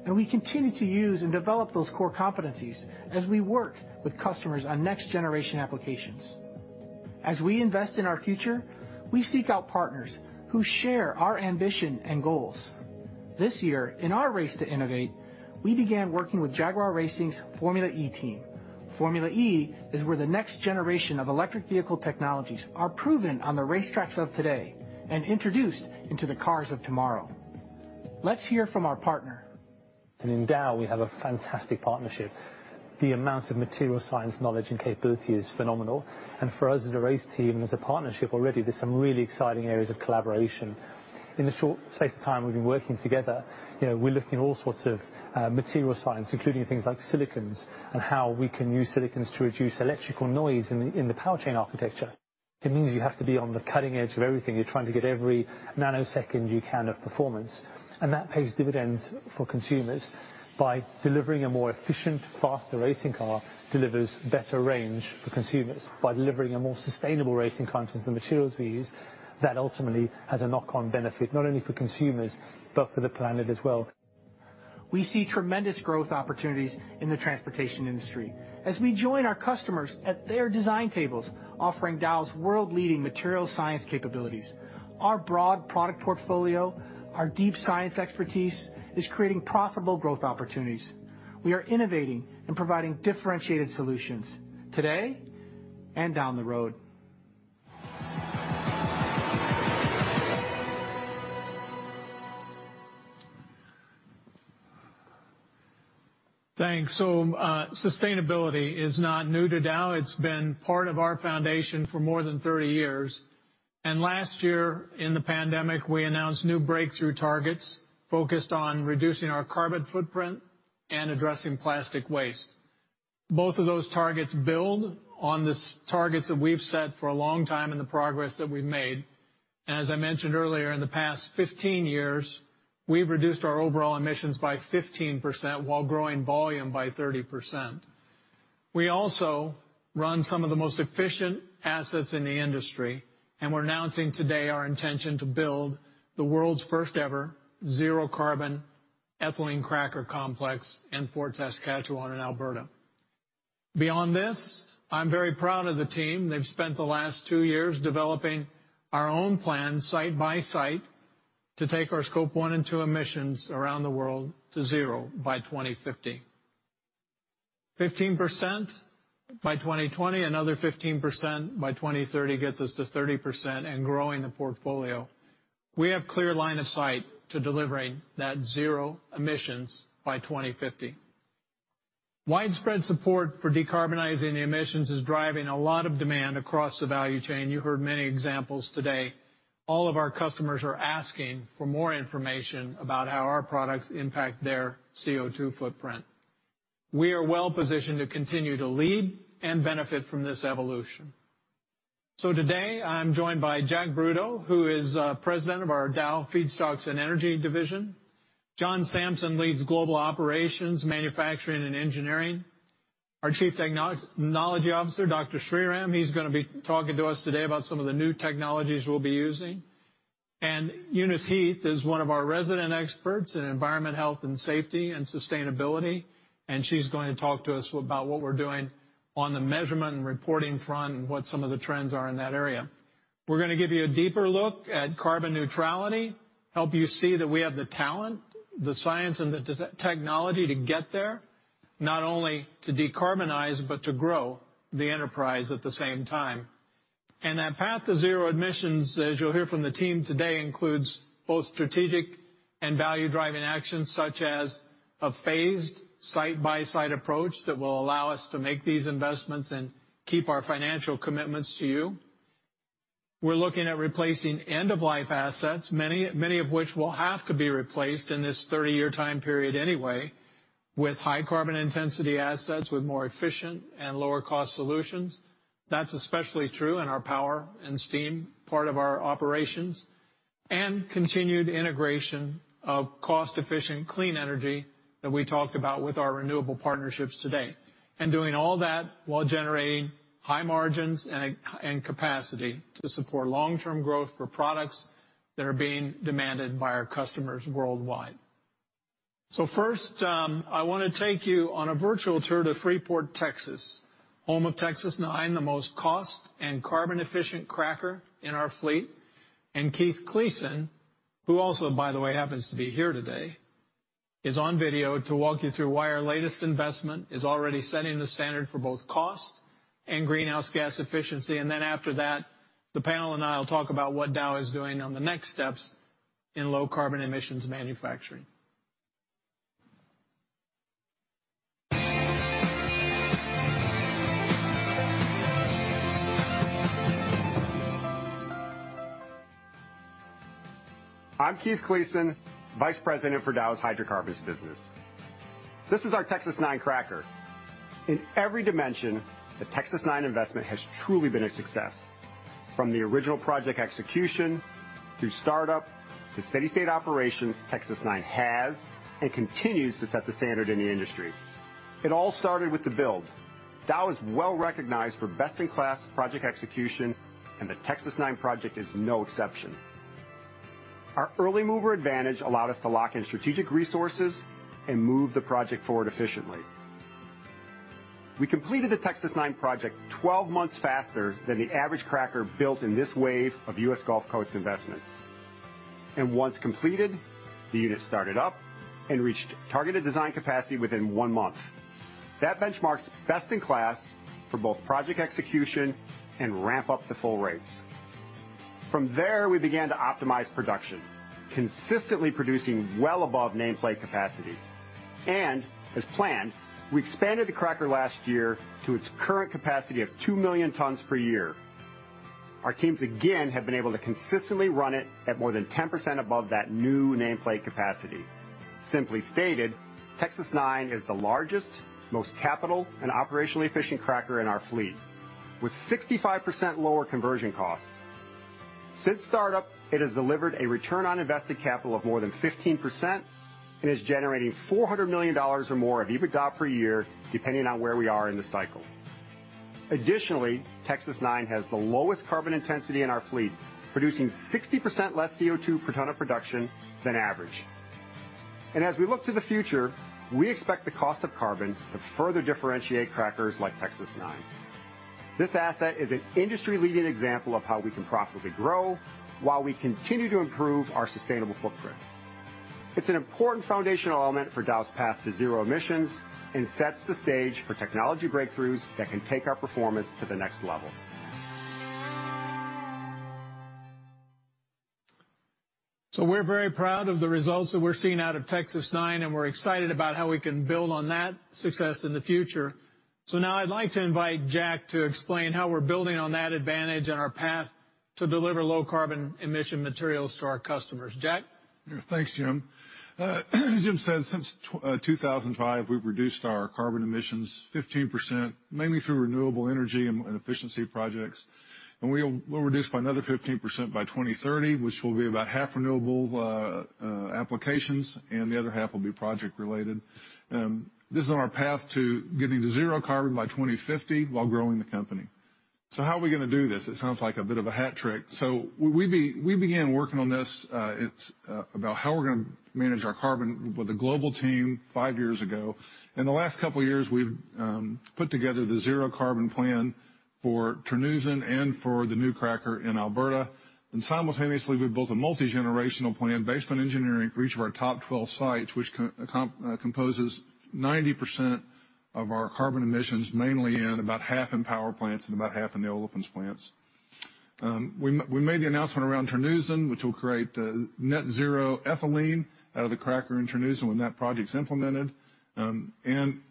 and we continue to use and develop those core competencies as we work with customers on next generation applications. As we invest in our future, we seek out partners who share our ambition and goals. This year, in our race to innovate, we began working with Jaguar Racing's Formula E team. Formula E is where the next generation of electric vehicle technologies are proven on the racetracks of today and introduced into the cars of tomorrow. Let's hear from our partner. In Dow, we have a fantastic partnership. The amount of material science knowledge and capability is phenomenal. For us as a race team and as a partnership already, there's some really exciting areas of collaboration. In the short space of time we've been working together, we're looking at all sorts of material science, including things like silicones and how we can use silicones to reduce electrical noise in the power chain architecture. It means you have to be on the cutting edge of everything. You're trying to get every nanosecond you can of performance, and that pays dividends for consumers by delivering a more efficient, faster racing car delivers better range for consumers. By delivering a more sustainable racing content, the materials we use, that ultimately has a knock-on benefit, not only for consumers, but for the planet as well. We see tremendous growth opportunities in the transportation industry. As we join our customers at their design tables, offering Dow's world-leading material science capabilities, our broad product portfolio, our deep science expertise, is creating profitable growth opportunities. We are innovating and providing differentiated solutions today and down the road. Thanks. Sustainability is not new to Dow. It's been part of our foundation for more than 30 years. Last year in the pandemic, we announced new breakthrough targets focused on reducing our carbon footprint and addressing plastic waste. Both of those targets build on the targets that we've set for a long time and the progress that we've made. As I mentioned earlier, in the past 15 years, we've reduced our overall emissions by 15% while growing volume by 30%. We also run some of the most efficient assets in the industry, and we're announcing today our intention to build the world's first ever zero carbon ethylene cracker complex in Fort Saskatchewan in Alberta. Beyond this, I'm very proud of the team. They've spent the last two years developing our own plan, site by site, to take our Scope 1 and 2 emissions around the world to zero by 2050. 15% by 2020, another 15% by 2030 gets us to 30% and growing the portfolio. We have clear line of sight to delivering that zero emissions by 2050. Widespread support for decarbonizing the emissions is driving a lot of demand across the value chain. You heard many examples today. All of our customers are asking for more information about how our products impact their CO2 footprint. We are well positioned to continue to lead and benefit from this evolution. Today, I'm joined by Jack Broodo, who is President of our Dow Feedstocks and Energy. John Sampson leads global operations, manufacturing, and engineering. Our Chief Technology Officer, Dr. Sreeram, he's going to be talking to us today about some of the new technologies we'll be using. Eunice Heath is one of our resident experts in environment health and safety and sustainability, and she's going to talk to us about what we're doing on the measurement and reporting front, and what some of the trends are in that area. We're going to give you a deeper look at carbon neutrality, help you see that we have the talent, the science, and the technology to get there, not only to decarbonize, but to grow the enterprise at the same time. That path to zero emissions, as you'll hear from the team today, includes both strategic and value-driving actions such as a phased site-by-site approach that will allow us to make these investments and keep our financial commitments to you. We're looking at replacing end-of-life assets, many of which will have to be replaced in this 30-year time period anyway, with high carbon intensity assets with more efficient and lower-cost solutions. That's especially true in our power and steam part of our operations. Continued integration of cost-efficient, clean energy that we talked about with our renewable partnerships today. Doing all that while generating high margins and capacity to support long-term growth for products that are being demanded by our customers worldwide. First, I want to take you on a virtual tour to Freeport, Texas, home of Texas-9, the most cost and carbon efficient cracker in our fleet. Keith Cleason, who also, by the way, happens to be here today, is on video to walk you through why our latest investment is already setting the standard for both cost and greenhouse gas efficiency. After that, the panel and I will talk about what Dow is doing on the next steps in low carbon emissions manufacturing. I'm Keith Cleason, Vice President for Dow's hydrocarbons business. This is our Texas-9 cracker. In every dimension, the Texas-9 investment has truly been a success. From the original project execution, to startup, to steady-state operations, Texas-9 has and continues to set the standard in the industry. It all started with the build. Dow is well recognized for best-in-class project execution, and the Texas-9 project is no exception. Our early mover advantage allowed us to lock in strategic resources and move the project forward efficiently. We completed the Texas-9 project 12 months faster than the average cracker built in this wave of U.S. Gulf Coast investments. Once completed, the unit started up and reached targeted design capacity within one month. That benchmark's best in class for both project execution and ramp up to full rates. From there, we began to optimize production, consistently producing well above nameplate capacity. As planned, we expanded the cracker last year to its current capacity of 2 million tons per year. Our teams again have been able to consistently run it at more than 10% above that new nameplate capacity. Simply stated, Texas-9 is the largest, most capital and operationally efficient cracker in our fleet, with 65% lower conversion costs. Since startup, it has delivered a return on invested capital of more than 15% and is generating $400 million or more of EBITDA per year, depending on where we are in the cycle. Additionally, Texas-9 has the lowest carbon intensity in our fleet, producing 60% less CO2 per ton of production than average. As we look to the future, we expect the cost of carbon to further differentiate crackers like Texas-9. This asset is an industry-leading example of how we can profitably grow while we continue to improve our sustainable footprint. It's an important foundational element for Dow's path to zero emissions and sets the stage for technology breakthroughs that can take our performance to the next level. We're very proud of the results that we're seeing out of Texas-9, and we're excited about how we can build on that success in the future. Now I'd like to invite Jack to explain how we're building on that advantage and our path to deliver low carbon emission materials to our customers. Jack? Thanks, Jim. As Jim said, since 2005, we've reduced our carbon emissions 15%, mainly through renewable energy and efficiency projects. We'll reduce by another 15% by 2030, which will be about half renewable applications, and the other half will be project related. This is on our path to getting to zero carbon by 2050 while growing the company. How are we going to do this? It sounds like a bit of a hat trick. We began working on this, it's about how we're going to manage our carbon, with a global team five years ago. In the last couple of years, we've put together the zero carbon plan for Terneuzen and for the new cracker in Alberta. Simultaneously, we built a multi-generational plan based on engineering for each of our top 12 sites, which composes 90% of our carbon emissions, mainly in about half in power plants and about half in the olefins plants. We made the announcement around Terneuzen, which will create net zero ethylene out of the cracker in Terneuzen when that project's implemented.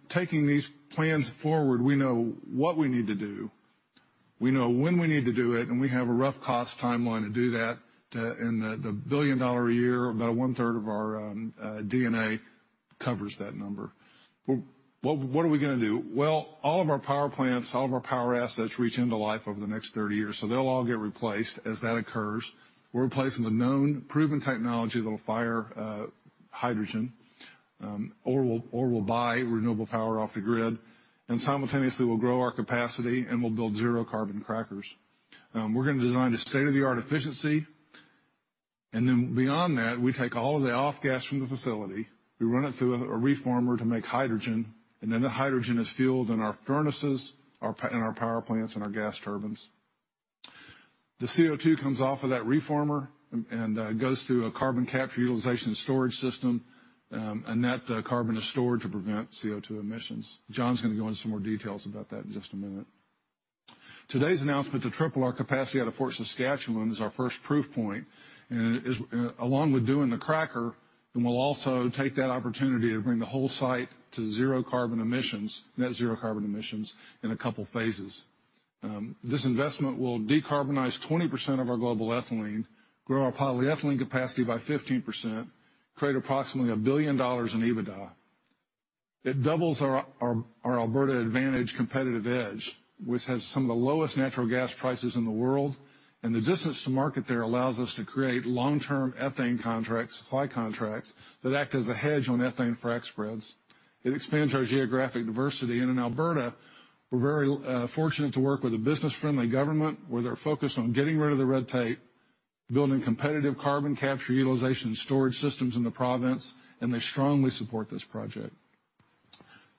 Taking these plans forward, we know what we need to do, we know when we need to do it, and we have a rough cost timeline to do that in the $1 billion a year, about 1/3 of our D&A covers that number. Well, what are we going to do? Well, all of our power plants, all of our power assets, reach end of life over the next 30 years, so they'll all get replaced. As that occurs, we're replacing the known proven technology that'll fire hydrogen, or we'll buy renewable power off the grid, and simultaneously, we'll grow our capacity and we'll build zero carbon crackers. We're going to design to state-of-the-art efficiency, and then beyond that, we take all of the off gas from the facility, we run it through a reformer to make hydrogen, and then that hydrogen is fueled in our furnaces, in our power plants, and our gas turbines. The CO2 comes off of that reformer and goes through a carbon capture utilization storage system, and that carbon is stored to prevent CO2 emissions. John's going to go into some more details about that in just a minute. Today's announcement to triple our capacity out of Fort Saskatchewan is our first proof point. Along with doing the cracker, then we'll also take that opportunity to bring the whole site to zero carbon emissions, net zero carbon emissions, in a couple of phases. This investment will decarbonize 20% of our global ethylene, grow our polyethylene capacity by 15%, create approximately $1 billion in EBITDA. It doubles our Alberta Advantage competitive edge, which has some of the lowest natural gas prices in the world, and the distance to market there allows us to create long-term ethane contracts, supply contracts, that act as a hedge on ethane frac spreads. It expands our geographic diversity. In Alberta, we're very fortunate to work with a business-friendly government, where they're focused on getting rid of the red tape, building competitive carbon capture, utilization, and storage systems in the province, and they strongly support this project.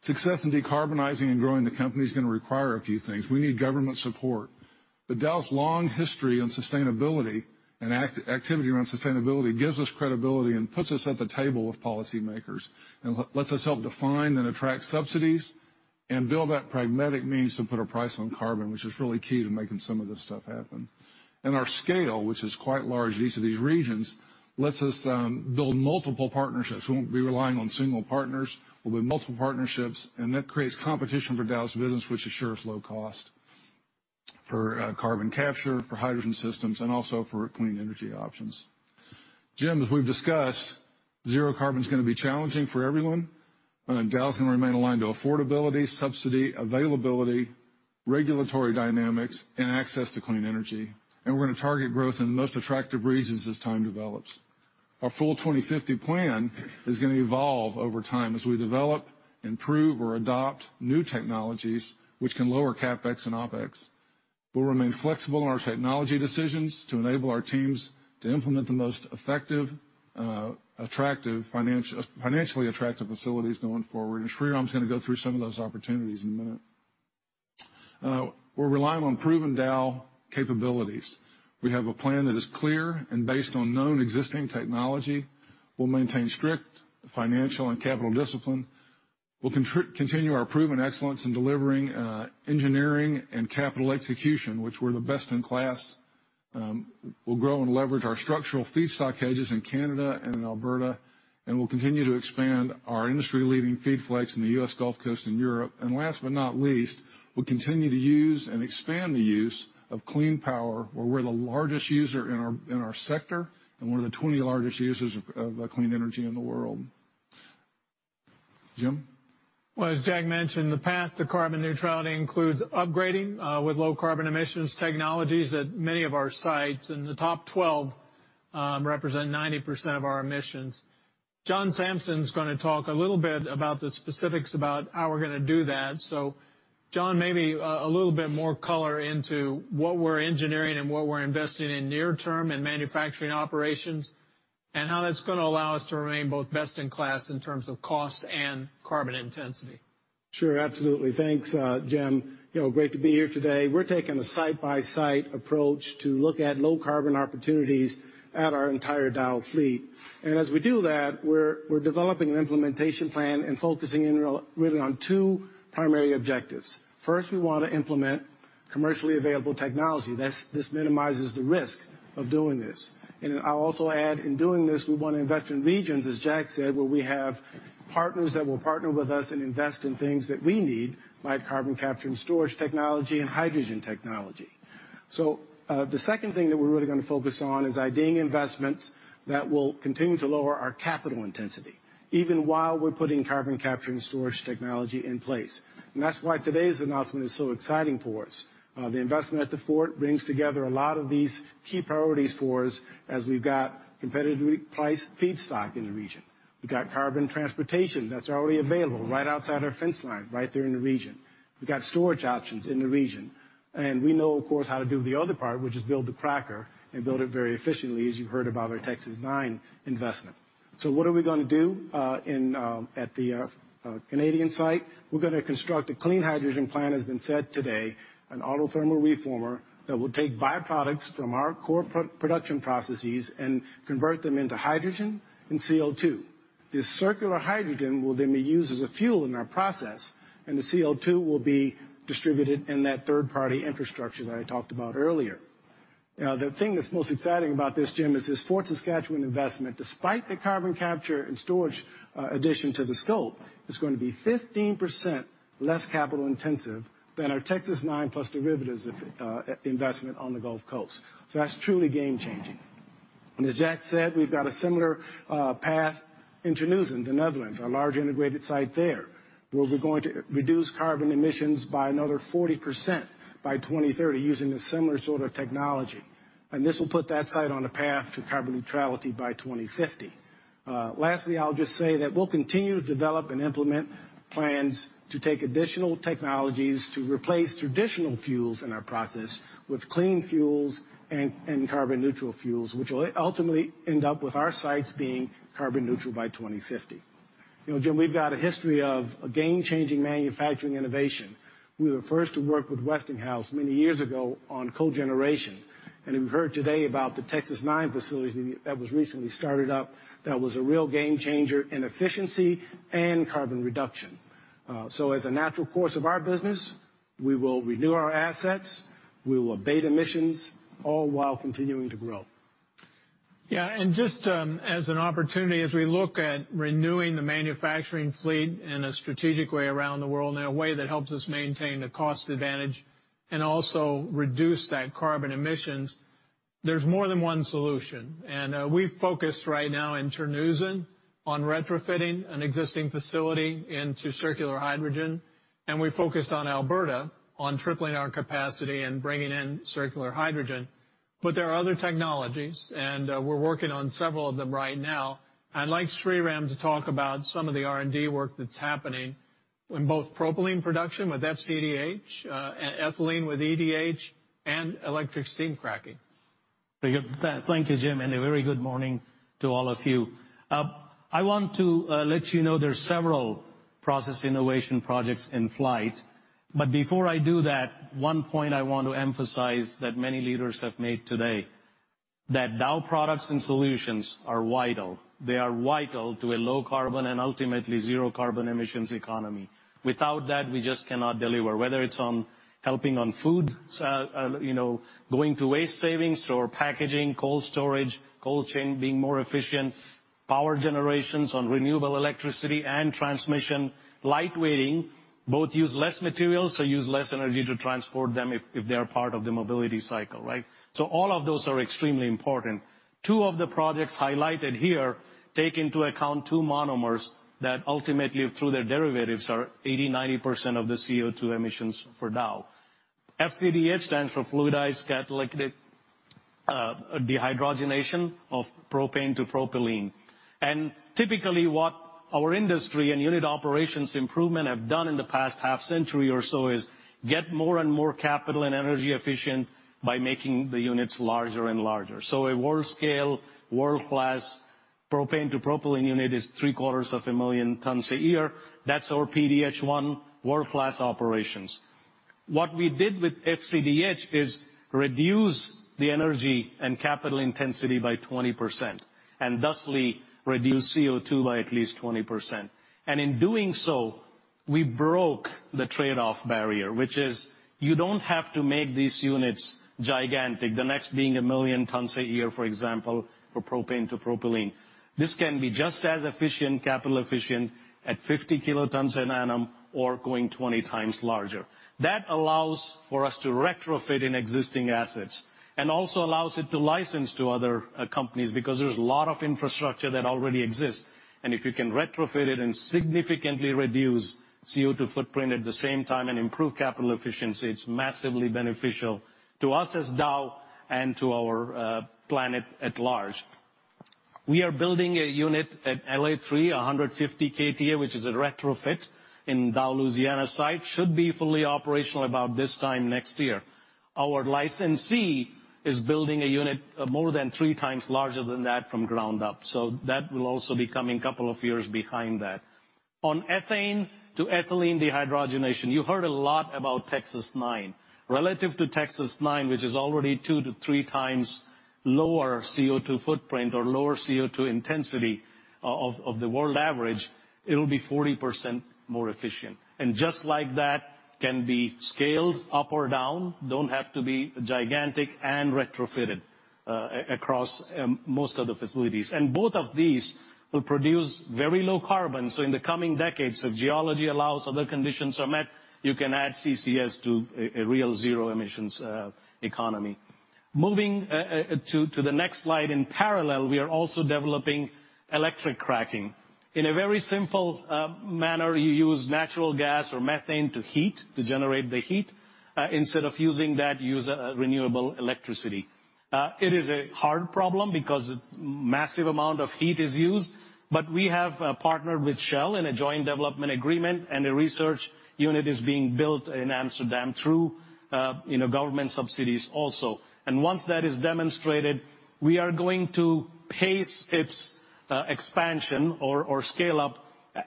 Success in decarbonizing and growing the company is going to require a few things. We need government support. Dow's long history on sustainability and activity around sustainability gives us credibility and puts us at the table with policymakers and lets us help define and attract subsidies and build that pragmatic means to put a price on carbon, which is really key to making some of this stuff happen. Our scale, which is quite large in each of these regions, lets us build multiple partnerships. We won't be relying on single partners. We'll build multiple partnerships, and that creates competition for Dow's business, which assures low cost for carbon capture, for hydrogen systems, and also for clean energy options. Jim, as we've discussed, zero carbon is going to be challenging for everyone. Dow is going to remain aligned to affordability, subsidy availability, regulatory dynamics, and access to clean energy, and we're going to target growth in the most attractive regions as time develops. Our full 2050 plan is going to evolve over time as we develop, improve, or adopt new technologies which can lower CapEx and OpEx. We'll remain flexible in our technology decisions to enable our teams to implement the most effective, financially attractive facilities going forward, and Sreeram's going to go through some of those opportunities in a minute. We're relying on proven Dow capabilities. We have a plan that is clear and based on known existing technology. We'll maintain strict financial and capital discipline. We'll continue our proven excellence in delivering engineering and capital execution, which we're the best in class. We'll grow and leverage our structural feedstock hedges in Canada and in Alberta, we'll continue to expand our industry-leading feedstocks in the U.S. Gulf Coast and Europe. Last but not least, we'll continue to use and expand the use of clean power, where we're the largest user in our sector and one of the 20 largest users of clean energy in the world. Jim? Well, as Jack mentioned, the path to carbon neutrality includes upgrading with low carbon emissions technologies at many of our sites, and the top 12 represent 90% of our emissions. John Sampson's going to talk a little bit about the specifics about how we're going to do that. John, maybe a little bit more color into what we're engineering and what we're investing in near term in manufacturing operations, and how that's going to allow us to remain both best in class in terms of cost and carbon intensity. Sure, absolutely. Thanks, Jim. Great to be here today. We're taking a site-by-site approach to look at low carbon opportunities at our entire Dow fleet. As we do that, we're developing an implementation plan and focusing in really on two primary objectives. First, we want to implement commercially available technology. This minimizes the risk of doing this. I'll also add, in doing this, we want to invest in regions, as Jack said, where we have partners that will partner with us and invest in things that we need, like carbon capture and storage technology and hydrogen technology. The second thing that we're really going to focus on is ideating investments that will continue to lower our capital intensity, even while we're putting carbon capture and storage technology in place. That's why today's announcement is so exciting for us. The investment at the Fort brings together a lot of these key priority scores, as we've got competitively priced feedstock in the region. We've got carbon transportation that's already available right outside our fence line, right there in the region. We've got storage options in the region. We know, of course, how to do the other part, which is build the cracker and build it very efficiently, as you heard about our Texas-9 investment. What are we going to do at the Canadian site? We're going to construct a clean hydrogen plant, as has been said today, an autothermal reformer that will take byproducts from our core production processes and convert them into hydrogen and CO2. This circular hydrogen will then be used as a fuel in our process, and the CO2 will be distributed in that third-party infrastructure that I talked about earlier. The thing that's most exciting about this, Jim, is this Fort Saskatchewan investment, despite the carbon capture and storage addition to the scope, is going to be 15% less capital intensive than our Texas-9 plus derivatives investment on the Gulf Coast. That's truly game changing. As Jack said, we've got a similar path in Terneuzen, the Netherlands, our large integrated site there, where we're going to reduce carbon emissions by another 40% by 2030 using a similar sort of technology. This will put that site on a path to carbon neutrality by 2050. Lastly, I'll just say that we'll continue to develop and implement plans to take additional technologies to replace traditional fuels in our process with clean fuels and carbon neutral fuels, which will ultimately end up with our sites being carbon neutral by 2050. Jim, we've got a history of a game-changing manufacturing innovation. We were first to work with Westinghouse many years ago on cogeneration. We've heard today about the Texas-9 facility that was recently started up that was a real game changer in efficiency and carbon reduction. As a natural course of our business, we will renew our assets, we will abate emissions, all while continuing to grow. Yeah, just as an opportunity, as we look at renewing the manufacturing fleet in a strategic way around the world, in a way that helps us maintain the cost advantage and also reduce that carbon emissions, there's more than one solution. We've focused right now in Terneuzen on retrofitting an existing facility into circular hydrogen, and we focused on Alberta on tripling our capacity and bringing in circular hydrogen. There are other technologies, and we're working on several of them right now. I'd like Sreeram to talk about some of the R&D work that's happening in both propylene production with FCDh, ethylene with EDH, and electric steam cracking. Thank you, Jim, and a very good morning to all of you. I want to let you know there's several process innovation projects in flight. Before I do that, one point I want to emphasize that many leaders have made today, that Dow products and solutions are vital. They are vital to a low carbon and ultimately zero carbon emissions economy. Without that, we just cannot deliver, whether it's on helping on food, going to waste savings or packaging, cold storage, cold chain, being more efficient, power generations on renewable electricity and transmission, light weighting, both use less materials, so use less energy to transport them if they are part of the mobility cycle. All of those are extremely important. Two of the projects highlighted here take into account two monomers that ultimately, through their derivatives, are 80%, 90% of the CO2 emissions for Dow. FCDh stands for fluidized catalytic dehydrogenation of propane to propylene. Typically, what our industry and unit operations improvement have done in the past half century or so is get more and more capital and energy efficient by making the units larger and larger. A world scale, world-class propane to propylene unit is three quarters of a million tons a year. That's our PDH-1 world-class operations. What we did with FCDh is reduce the energy and capital intensity by 20% and thusly reduce CO2 by at least 20%. In doing so, we broke the trade-off barrier, which is you don't have to make these units gigantic, the next being a million tons a year, for example, for propane to propylene. This can be just as efficient, capital efficient at 50 kilotons an annum or going 20 times larger. That allows for us to retrofit in existing assets and also allows it to license to other companies because there's a lot of infrastructure that already exists. If you can retrofit it and significantly reduce CO2 footprint at the same time and improve capital efficiency, it's massively beneficial to us as Dow and to our planet at large. We are building a unit at L.A-3, 150 k/a, which is a retrofit in Dow Louisiana site. Should be fully operational about this time next year. Our licensee is building a unit more than 3x larger than that from ground up. That will also be coming couple of years behind that. On ethane to ethylene dehydrogenation, you heard a lot about Texas Operations. Relative to Texas Operations, which is already 2x-3x lower CO2 footprint or lower CO2 intensity of the world average, it'll be 40% more efficient. Just like that can be scaled up or down, don't have to be gigantic and retrofitted across most of the facilities. Both of these will produce very low carbon. In the coming decades, if geology allows, other conditions are met, you can add CCS to a real zero emissions economy. Moving to the next slide, in parallel, we are also developing electric cracking. In a very simple manner, you use natural gas or methane to heat, to generate the heat. Instead of using that, use renewable electricity. It is a hard problem because massive amount of heat is used, but we have partnered with Shell in a joint development agreement, and a research unit is being built in Amsterdam through government subsidies also. Once that is demonstrated, we are going to pace its expansion or scale up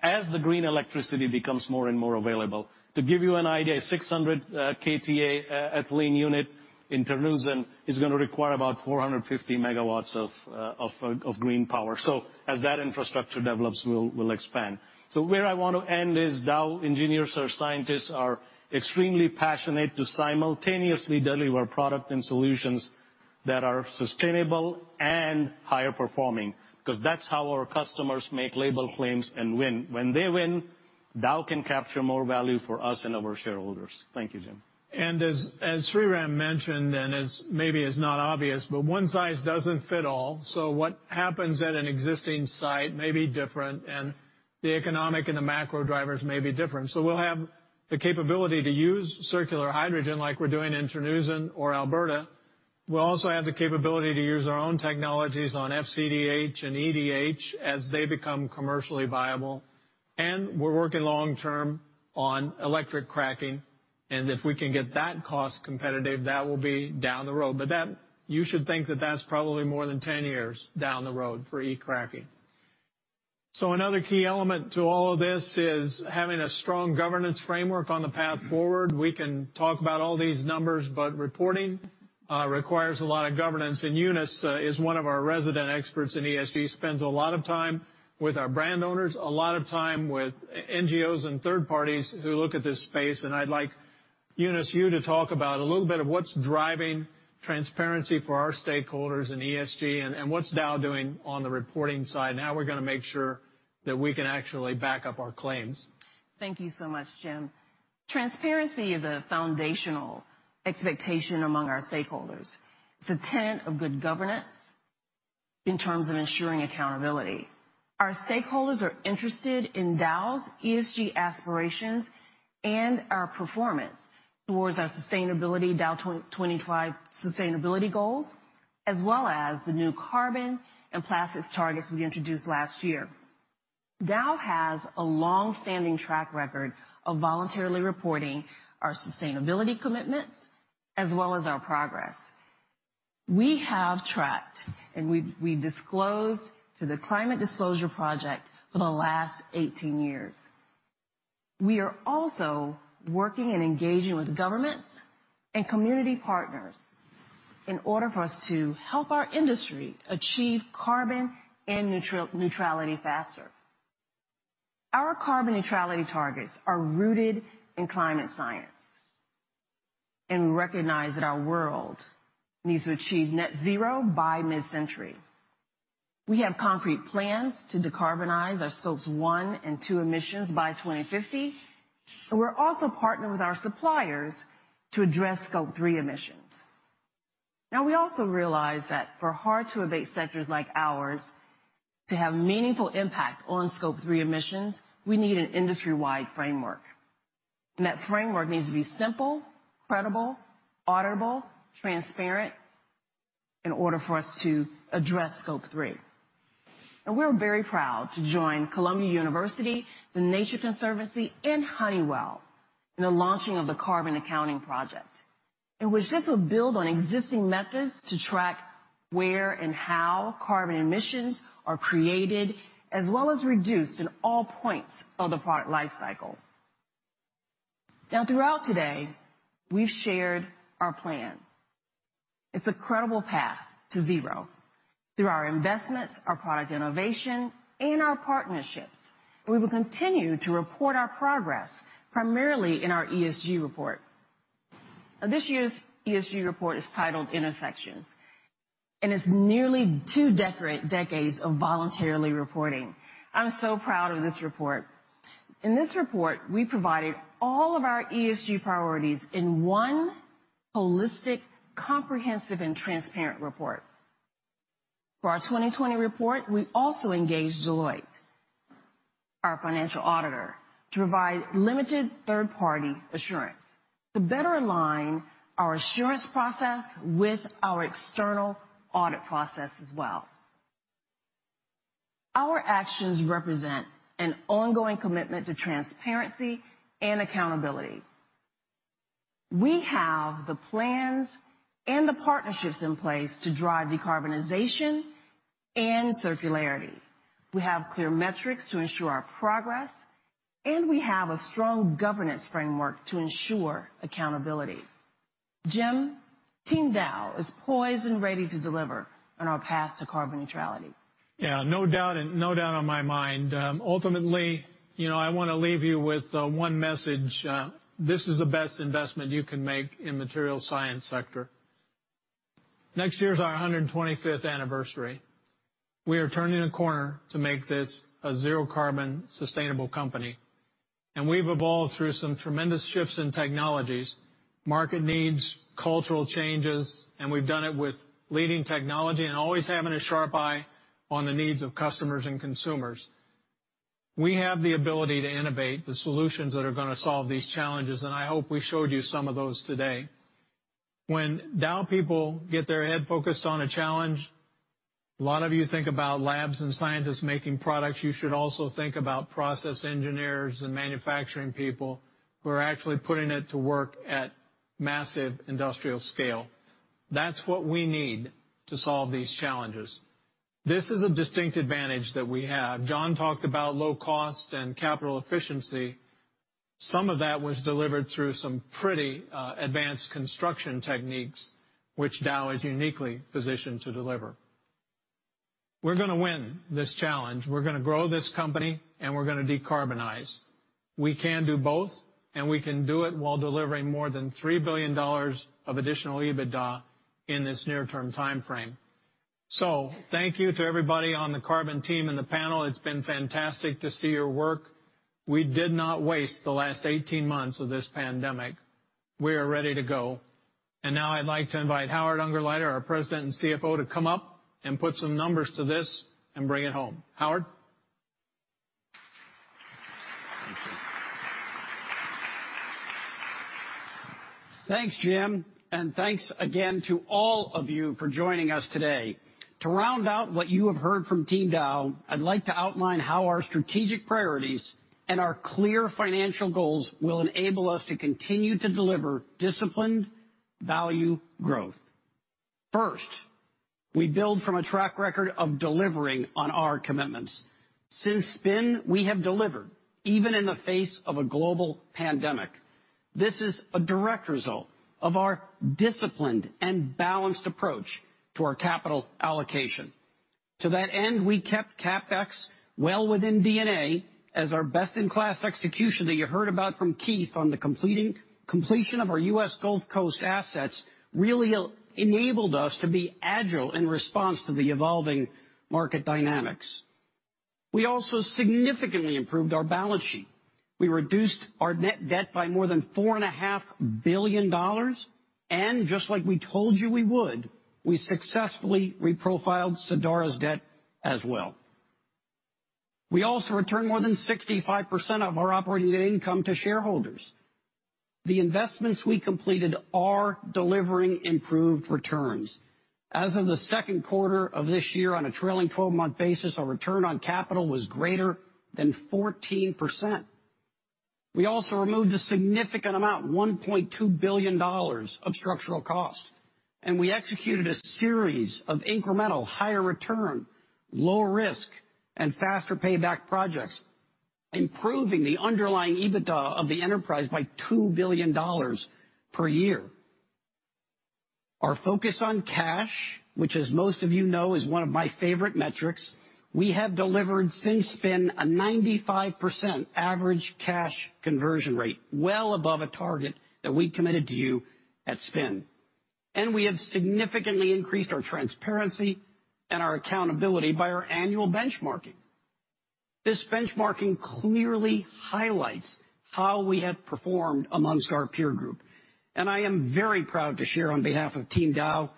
as the green electricity becomes more and more available. To give you an idea, 600k/a ethylene unit in Terneuzen is going to require about 450 MW of green power. As that infrastructure develops, we'll expand. Where I want to end is Dow engineers or scientists are extremely passionate to simultaneously deliver product and solutions that are sustainable and higher performing, because that's how our customers make label claims and win. When they win-Dow can capture more value for us and our shareholders. Thank you, Jim. As Sreeram mentioned, and maybe is not obvious, but one size doesn't fit all. What happens at an existing site may be different, and the economic and the macro drivers may be different. We'll have the capability to use circular hydrogen like we're doing in Terneuzen or Alberta. We'll also have the capability to use our own technologies on FCDh and EDH as they become commercially viable. We're working long term on electric cracking. If we can get that cost competitive, that will be down the road. You should think that that's probably more than 10 years down the road for e-cracking. Another key element to all of this is having a strong governance framework on the path forward. We can talk about all these numbers, but reporting requires a lot of governance, and Eunice is one of our resident experts in ESG, spends a lot of time with our brand owners, a lot of time with NGOs and third parties who look at this space. I'd like, Eunice, you to talk about a little bit of what's driving transparency for our stakeholders in ESG and what's Dow doing on the reporting side and how we're going to make sure that we can actually back up our claims. Thank you so much, Jim. Transparency is a foundational expectation among our stakeholders. It's a tenet of good governance in terms of ensuring accountability. Our stakeholders are interested in Dow's ESG aspirations and our performance towards our sustainability, Dow's 2025 Sustainability Goals, as well as the new carbon and plastics targets we introduced last year. Dow has a long-standing track record of voluntarily reporting our sustainability commitments as well as our progress. We have tracked, and we disclose to the Climate Disclosure Project for the last 18 years. We are also working and engaging with governments and community partners in order for us to help our industry achieve carbon neutrality faster. Our carbon neutrality targets are rooted in climate science, and we recognize that our world needs to achieve net zero by mid-century. We have concrete plans to decarbonize our Scope 1 and 2 emissions by 2050. We're also partnering with our suppliers to address Scope 3 emissions. We also realize that for hard to abate sectors like ours, to have meaningful impact on Scope 3 emissions, we need an industry-wide framework. That framework needs to be simple, credible, auditable, transparent in order for us to address Scope 3. We're very proud to join Columbia University, The Nature Conservancy, and Honeywell in the launching of the Carbon Accounting Project, in which this will build on existing methods to track where and how carbon emissions are created, as well as reduced in all points of the product life cycle. Throughout today, we've shared our plan. It's a credible path to zero through our investments, our product innovation, and our partnerships. We will continue to report our progress, primarily in our ESG Report. This year's ESG Report is titled Intersections, and it's nearly two decades of voluntarily reporting. I'm so proud of this report. In this report, we provided all of our ESG priorities in one holistic, comprehensive, and transparent report. For our 2020 report, we also engaged Deloitte, our financial auditor, to provide limited third-party assurance to better align our assurance process with our external audit process as well. Our actions represent an ongoing commitment to transparency and accountability. We have the plans and the partnerships in place to drive decarbonization and circularity. We have clear metrics to ensure our progress, and we have a strong governance framework to ensure accountability. Jim, Team Dow is poised and ready to deliver on our path to carbon neutrality. Yeah, no doubt in my mind. Ultimately, I want to leave you with one message. This is the best investment you can make in the material science sector. Next year's our 125th anniversary. We are turning a corner to make this a zero carbon sustainable company. We've evolved through some tremendous shifts in technologies, market needs, cultural changes, and we've done it with leading technology and always having a sharp eye on the needs of customers and consumers. We have the ability to innovate the solutions that are going to solve these challenges, and I hope we showed you some of those today. When Dow people get their head focused on a challenge, a lot of you think about labs and scientists making products. You should also think about process engineers and manufacturing people who are actually putting it to work at massive industrial scale. That's what we need to solve these challenges. This is a distinct advantage that we have. John talked about low cost and capital efficiency. Some of that was delivered through some pretty advanced construction techniques, which Dow is uniquely positioned to deliver. We are going to win this challenge. We are going to grow this company, and we are going to decarbonize. We can do both, and we can do it while delivering more than $3 billion of additional EBITDA in this near term time frame. Thank you to everybody on the carbon team and the panel. It has been fantastic to see your work. We did not waste the last 18 months of this pandemic. We are ready to go. Now I would like to invite Howard Ungerleider, our President and CFO, to come up and put some numbers to this and bring it home. Howard? Thank you. Thanks, Jim, and thanks again to all of you for joining us today. To round out what you have heard from team Dow, I'd like to outline how our strategic priorities and our clear financial goals will enable us to continue to deliver disciplined value growth. First, we build from a track record of delivering on our commitments. Since Spin, we have delivered, even in the face of a global pandemic. This is a direct result of our disciplined and balanced approach to our capital allocation. To that end, we kept CapEx well within D&A as our best-in-class execution that you heard about from Keith on the completion of our U.S. Gulf Coast assets really enabled us to be agile in response to the evolving market dynamics. We also significantly improved our balance sheet. We reduced our net debt by more than $4.5 billion. Just like we told you we would, we successfully reprofiled Sadara's debt as well. We also returned more than 65% of our operating income to shareholders. The investments we completed are delivering improved returns. As of the second quarter of this year, on a trailing 12-month basis, our return on capital was greater than 14%. We also removed a significant amount, $1.2 billion, of structural cost, and we executed a series of incremental, higher return, lower risk, and faster payback projects, improving the underlying EBITDA of the enterprise by $2 billion per year. Our focus on cash, which as most of you know, is one of my favorite metrics, we have delivered since spin a 95% average cash conversion rate, well above a target that we committed to you at spin. We have significantly increased our transparency and our accountability by our annual benchmarking. This benchmarking clearly highlights how we have performed amongst our peer group. I am very proud to share on behalf of Team Dow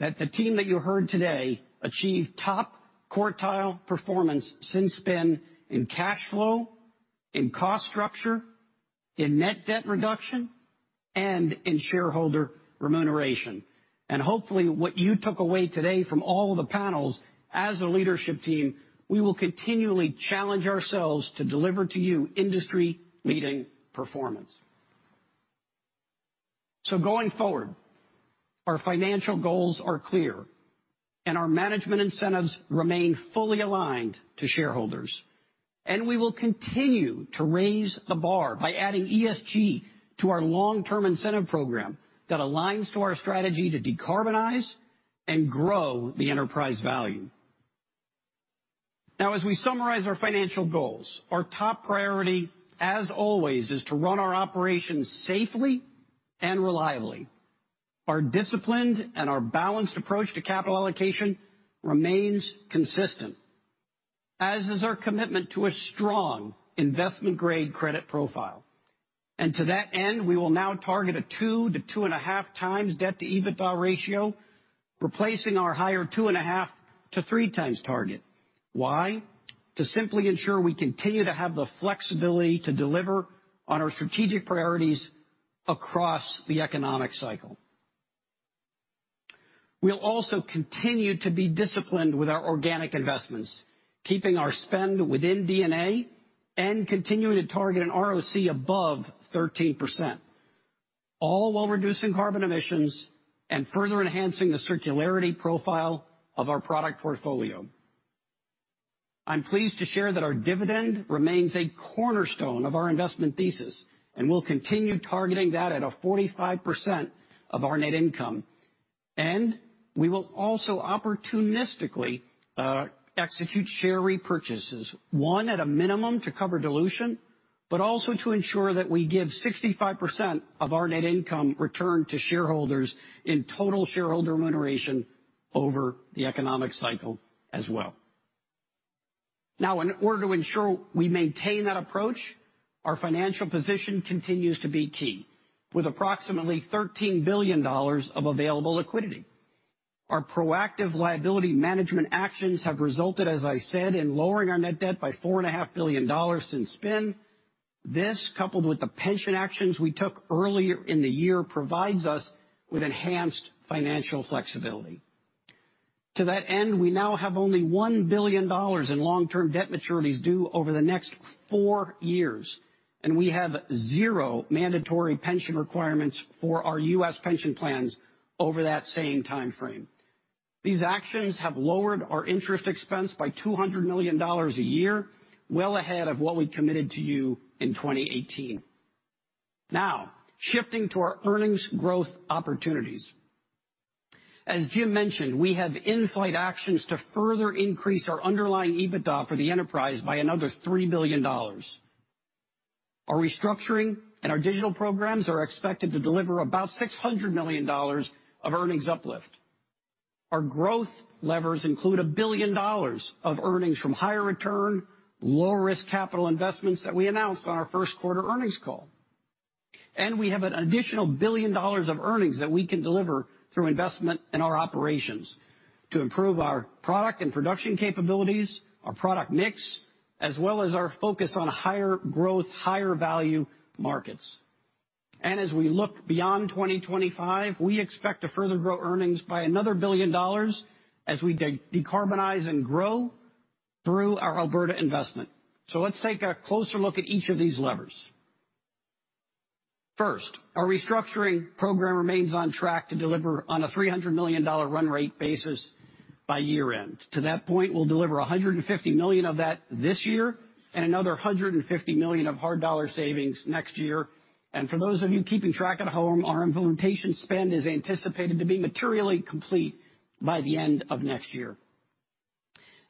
that the team that you heard today achieved top quartile performance since spin in cash flow, in cost structure, in net debt reduction, and in shareholder remuneration. Hopefully, what you took away today from all the panels, as a leadership team, we will continually challenge ourselves to deliver to you industry-leading performance. Going forward, our financial goals are clear, and our management incentives remain fully aligned to shareholders. We will continue to raise the bar by adding ESG to our long-term incentive program that aligns to our strategy to decarbonize and grow the enterprise value. As we summarize our financial goals, our top priority, as always, is to run our operations safely and reliably. Our disciplined and our balanced approach to capital allocation remains consistent, as is our commitment to a strong investment-grade credit profile. To that end, we will now target a 2x-2.5x debt to EBITDA ratio, replacing our higher 2.5x-3x target. Why? To simply ensure we continue to have the flexibility to deliver on our strategic priorities across the economic cycle. We'll also continue to be disciplined with our organic investments, keeping our spend within D&A and continuing to target an ROC above 13%, all while reducing carbon emissions and further enhancing the circularity profile of our product portfolio. I'm pleased to share that our dividend remains a cornerstone of our investment thesis, we'll continue targeting that at a 45% of our net income. We will also opportunistically execute share repurchases, one, at a minimum to cover dilution, but also to ensure that we give 65% of our net income return to shareholders in total shareholder remuneration over the economic cycle as well. In order to ensure we maintain that approach, our financial position continues to be key. With approximately $13 billion of available liquidity. Our proactive liability management actions have resulted, as I said, in lowering our net debt by $4.5 billion since spin. This, coupled with the pension actions we took earlier in the year, provides us with enhanced financial flexibility. To that end, we now have only $1 billion in long-term debt maturities due over the next four years, and we have zero mandatory pension requirements for our U.S. pension plans over that same time frame. These actions have lowered our interest expense by $200 million a year, well ahead of what we committed to you in 2018. Now, shifting to our earnings growth opportunities. As Jim mentioned, we have in-flight actions to further increase our underlying EBITDA for the enterprise by another $3 billion. Our restructuring and our digital programs are expected to deliver about $600 million of earnings uplift. Our growth levers include $1 billion of earnings from higher return, low-risk capital investments that we announced on our first quarter earnings call. We have an additional $1 billion of earnings that we can deliver through investment in our operations to improve our product and production capabilities, our product mix, as well as our focus on higher growth, higher value markets. As we look beyond 2025, we expect to further grow earnings by another $1 billion as we decarbonize and grow through our Alberta investment. Let's take a closer look at each of these levers. First, our restructuring program remains on track to deliver on a $300 million run rate basis by year-end. To that point, we'll deliver $150 million of that this year, and another $150 million of hard dollar savings next year. For those of you keeping track at home, our implementation spend is anticipated to be materially complete by the end of next year.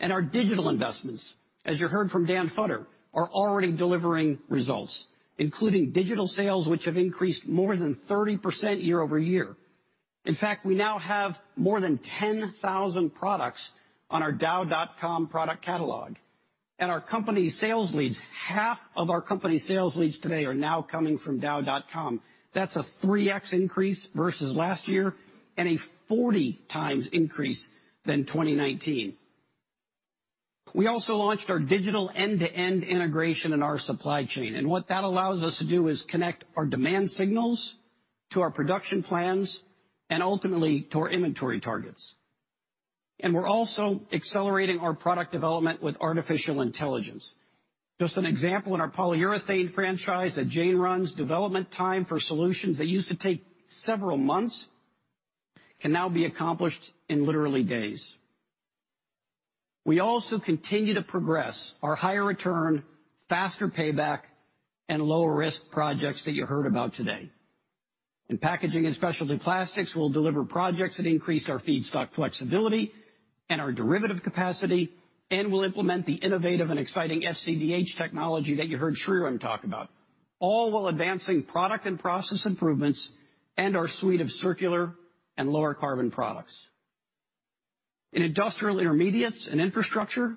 Our digital investments, as you heard from Dan Futter, are already delivering results, including digital sales, which have increased more than 30% year-over-year. In fact, we now have more than 10,000 products on our dow.com product catalog. Our company sales leads, half of our company sales leads today are now coming from dow.com. That's a 3x increase versus last year and a 40x increase than 2019. We also launched our digital end-to-end integration in our supply chain, and what that allows us to do is connect our demand signals to our production plans and ultimately to our inventory targets. We're also accelerating our product development with artificial intelligence. Just an example, in our polyurethane franchise that Jane runs, development time for solutions that used to take several months can now be accomplished in literally days. We also continue to progress our higher return, faster payback, and lower risk projects that you heard about today. In Packaging and Specialty Plastics, we'll deliver projects that increase our feedstock flexibility and our derivative capacity, and we'll implement the innovative and exciting FCDh technology that you heard Sreeram talk about, all while advancing product and process improvements and our suite of circular and lower carbon products. In Industrial Intermediates & Infrastructure,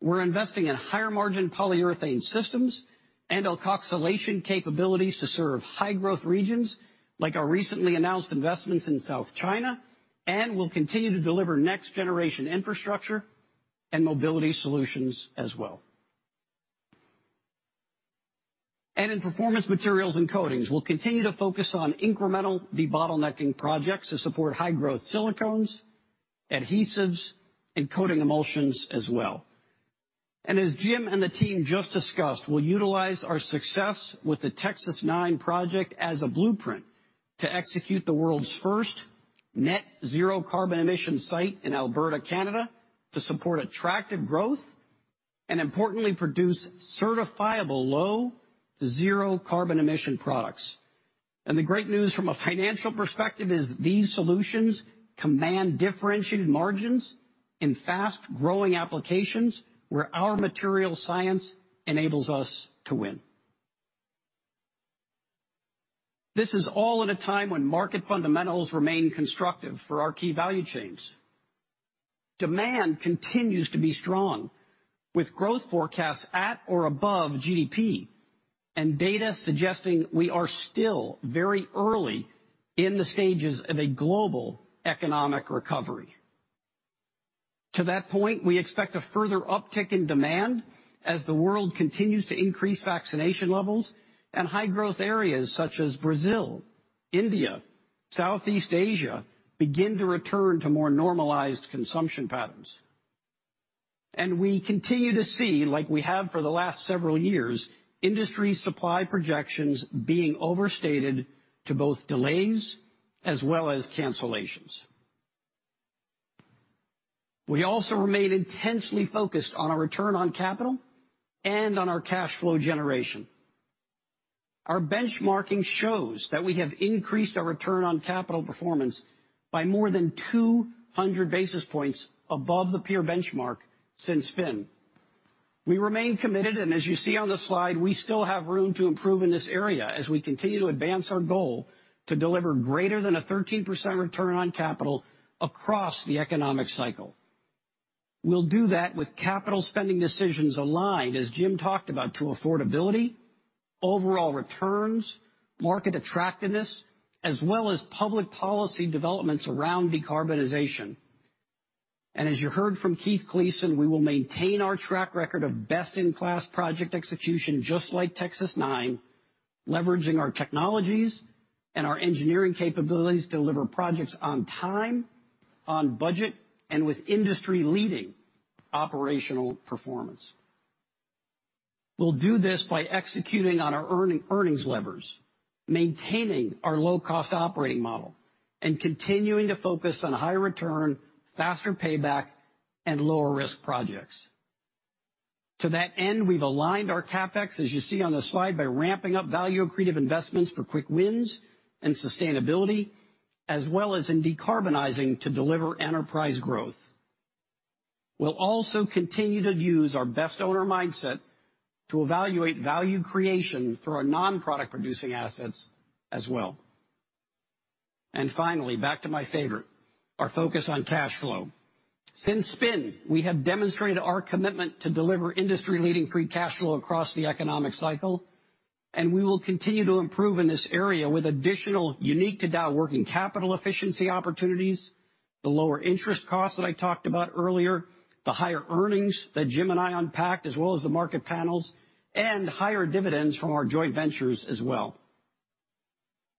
we're investing in higher margin polyurethane systems and alkoxylation capabilities to serve high growth regions, like our recently announced investments in South China, and we'll continue to deliver next generation infrastructure and mobility solutions as well. In Performance Materials & Coatings, we'll continue to focus on incremental debottlenecking projects to support high growth silicones, adhesives, and coating emulsions as well. As Jim and the team just discussed, we'll utilize our success with the Texas-9 project as a blueprint to execute the world's first net zero carbon emission site in Alberta, Canada, to support attractive growth and importantly, produce certifiable low to zero carbon emission products. The great news from a financial perspective is these solutions command differentiated margins in fast growing applications where our material science enables us to win. This is all at a time when market fundamentals remain constructive for our key value chains. Demand continues to be strong, with growth forecasts at or above GDP and data suggesting we are still very early in the stages of a global economic recovery. To that point, we expect a further uptick in demand as the world continues to increase vaccination levels and high growth areas such as Brazil, India, Southeast Asia, begin to return to more normalized consumption patterns. We continue to see, like we have for the last several years, industry supply projections being overstated due to both delays as well as cancellations. We also remain intensely focused on our return on capital and on our cash flow generation. Our benchmarking shows that we have increased our return on capital performance by more than 200 basis points above the peer benchmark since Spin. We remain committed, as you see on the slide, we still have room to improve in this area as we continue to advance our goal to deliver greater than a 13% return on capital across the economic cycle. We'll do that with capital spending decisions aligned, as Jim Fitterling talked about, to affordability, overall returns, market attractiveness, as well as public policy developments around decarbonization. As you heard from Keith Cleason, we will maintain our track record of best in class project execution, just like Texas-9, leveraging our technologies and our engineering capabilities to deliver projects on time, on budget, and with industry leading operational performance. We'll do this by executing on our earnings levers, maintaining our low cost operating model, and continuing to focus on higher return, faster payback, and lower risk projects. To that end, we've aligned our CapEx, as you see on the slide, by ramping up value accretive investments for quick wins and sustainability, as well as in decarbonizing to deliver enterprise growth. We'll also continue to use our best owner mindset to evaluate value creation through our non-product producing assets as well. Finally, back to my favorite, our focus on cash flow. Since Spin, we have demonstrated our commitment to deliver industry-leading free cash flow across the economic cycle, and we will continue to improve in this area with additional unique-to-Dow working capital efficiency opportunities, the lower interest costs that I talked about earlier, the higher earnings that Jim and I unpacked, as well as the market panels, and higher dividends from our joint ventures as well.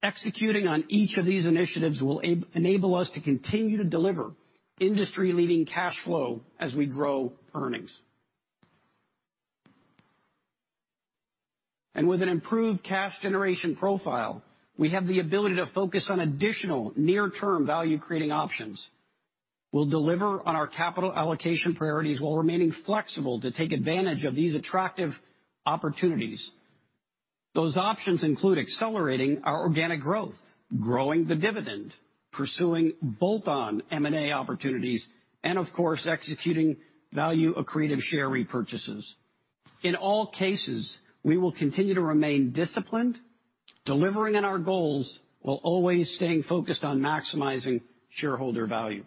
Executing on each of these initiatives will enable us to continue to deliver industry-leading cash flow as we grow earnings. With an improved cash generation profile, we have the ability to focus on additional near-term value-creating options. We'll deliver on our capital allocation priorities while remaining flexible to take advantage of these attractive opportunities. Those options include accelerating our organic growth, growing the dividend, pursuing bolt-on M&A opportunities, and of course, executing value-accretive share repurchases. In all cases, we will continue to remain disciplined, delivering on our goals while always staying focused on maximizing shareholder value.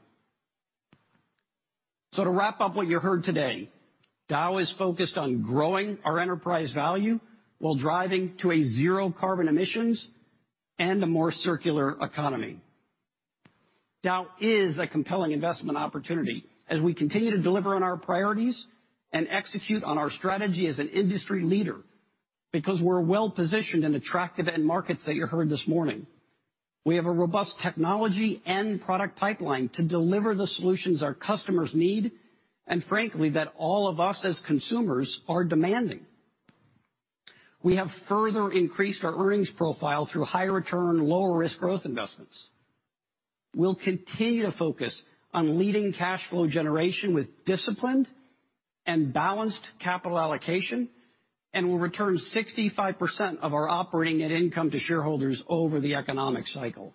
To wrap up what you heard today, Dow is focused on growing our enterprise value while driving to a zero carbon emissions and a more circular economy. Dow is a compelling investment opportunity as we continue to deliver on our priorities and execute on our strategy as an industry leader. We're well-positioned in attractive end markets that you heard this morning. We have a robust technology and product pipeline to deliver the solutions our customers need, and frankly, that all of us as consumers are demanding. We have further increased our earnings profile through high return, low risk growth investments. We'll continue to focus on leading cash flow generation with disciplined and balanced capital allocation, we'll return 65% of our operating net income to shareholders over the economic cycle.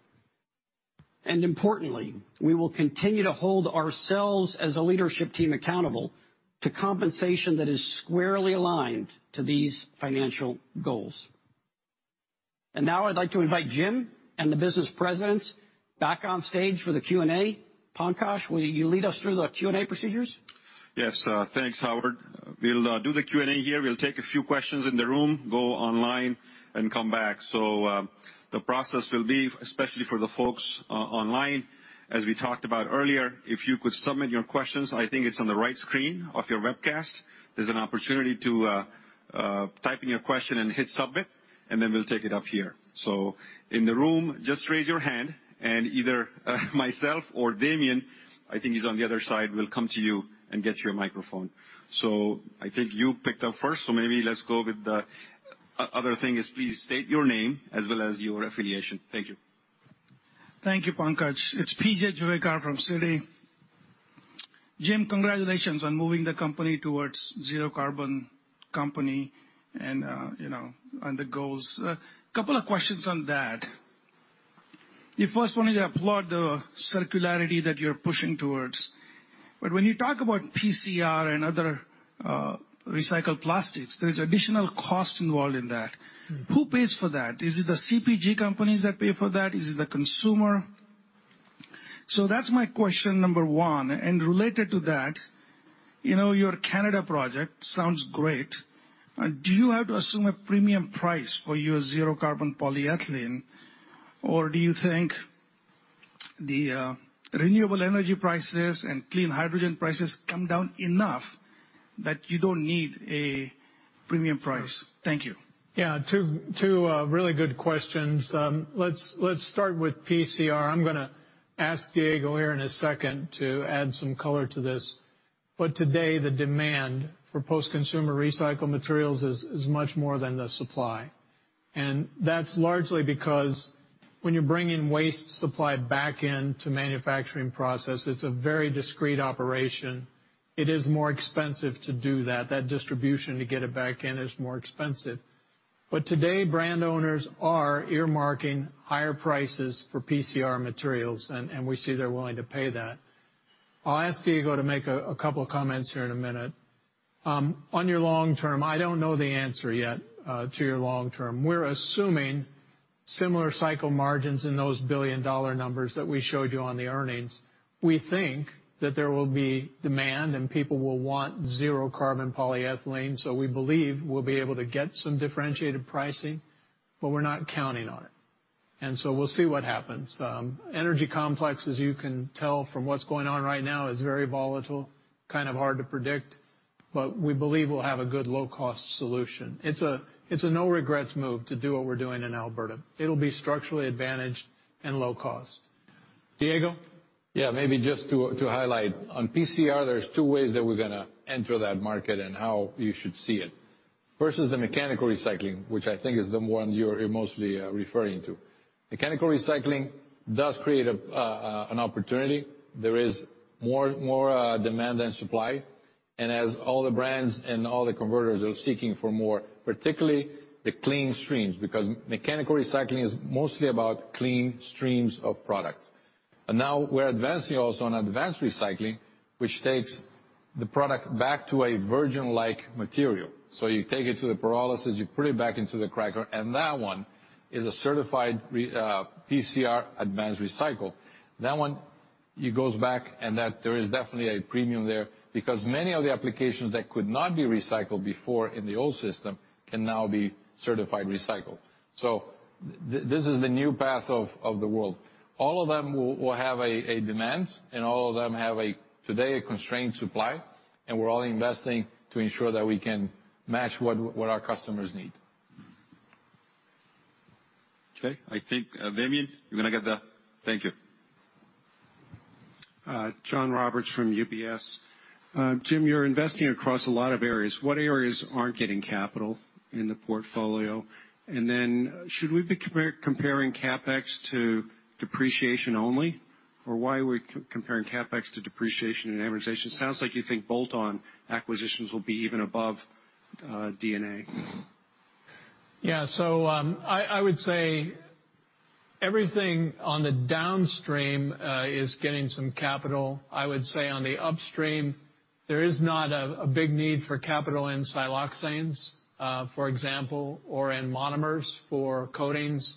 Importantly, we will continue to hold ourselves as a leadership team accountable to compensation that is squarely aligned to these financial goals. Now I'd like to invite Jim and the business presidents back on stage for the Q&A. Pankaj, will you lead us through the Q&A procedures? Yes. Thanks, Howard. We'll do the Q&A here. We'll take a few questions in the room, go online and come back. The process will be, especially for the folks online, as we talked about earlier, if you could submit your questions, I think it's on the right screen of your webcast. There's an opportunity to type in your question and hit submit, and then we'll take it up here. In the room, just raise your hand and either myself or Damien, I think he's on the other side, will come to you and get you a microphone. I think you picked up first, so maybe let's go with the other thing is, please state your name as well as your affiliation. Thank you. Thank you, Pankaj. It's P.J. Juvekar from Citi. Jim, congratulations on moving the company towards zero carbon company and on the goals. A couple of questions on that. I first wanted to applaud the circularity that you are pushing towards, when you talk about PCR and other recycled plastics, there is additional cost involved in that. Who pays for that? Is it the CPG companies that pay for that? Is it the consumer? That is my question number one. Related to that, your Canada project sounds great. Do you have to assume a premium price for your zero carbon polyethylene, or do you think the renewable energy prices and clean hydrogen prices come down enough that you do not need a premium price? Thank you. Two really good questions. Let's start with PCR. I'm going to ask Diego here in a second to add some color to this. Today, the demand for post-consumer recycled materials is much more than the supply. That's largely because when you bring in waste supply back in to manufacturing process, it's a very discreet operation. It is more expensive to do that. That distribution to get it back in is more expensive. Today, brand owners are earmarking higher prices for PCR materials, and we see they're willing to pay that. I'll ask Diego to make a couple comments here in a minute. On your long term, I don't know the answer yet to your long term. We're assuming similar cycle margins in those billion-dollar numbers that we showed you on the earnings. We think that there will be demand and people will want zero carbon polyethylene. We believe we'll be able to get some differentiated pricing, but we're not counting on it. We'll see what happens. Energy complex, as you can tell from what's going on right now, is very volatile. Kind of hard to predict. We believe we'll have a good low-cost solution. It's a no-regrets move to do what we're doing in Alberta. It'll be structurally advantaged and low cost. Diego? Yeah. Maybe just to highlight. On PCR, there's two ways that we're going to enter that market and how you should see it. First is the mechanical recycling, which I think is the one you're mostly referring to. Mechanical recycling does create an opportunity. There is more demand than supply. As all the brands and all the converters are seeking for more, particularly the clean streams, because mechanical recycling is mostly about clean streams of products. Now we are advancing also on advanced recycling, which takes the product back to a virgin-like material. You take it to the pyrolysis, you put it back into the cracker, and that one is a certified PCR advanced recycle. That one, it goes back, and that there is definitely a premium there, because many of the applications that could not be recycled before in the old system can now be certified recycled. This is the new path of the world. All of them will have a demand, and all of them have, today, a constrained supply, and we are all investing to ensure that we can match what our customers need. Okay. I think, Damien, you're going to get the thank you. John Roberts from UBS. Jim, you're investing across a lot of areas. What areas aren't getting capital in the portfolio? Should we be comparing CapEx to depreciation only, or why are we comparing CapEx to depreciation and amortization? It sounds like you think bolt-on acquisitions will be even above D&A. I would say everything on the downstream is getting some capital. I would say on the upstream, there is not a big need for capital in siloxanes, for example, or in monomers for coatings,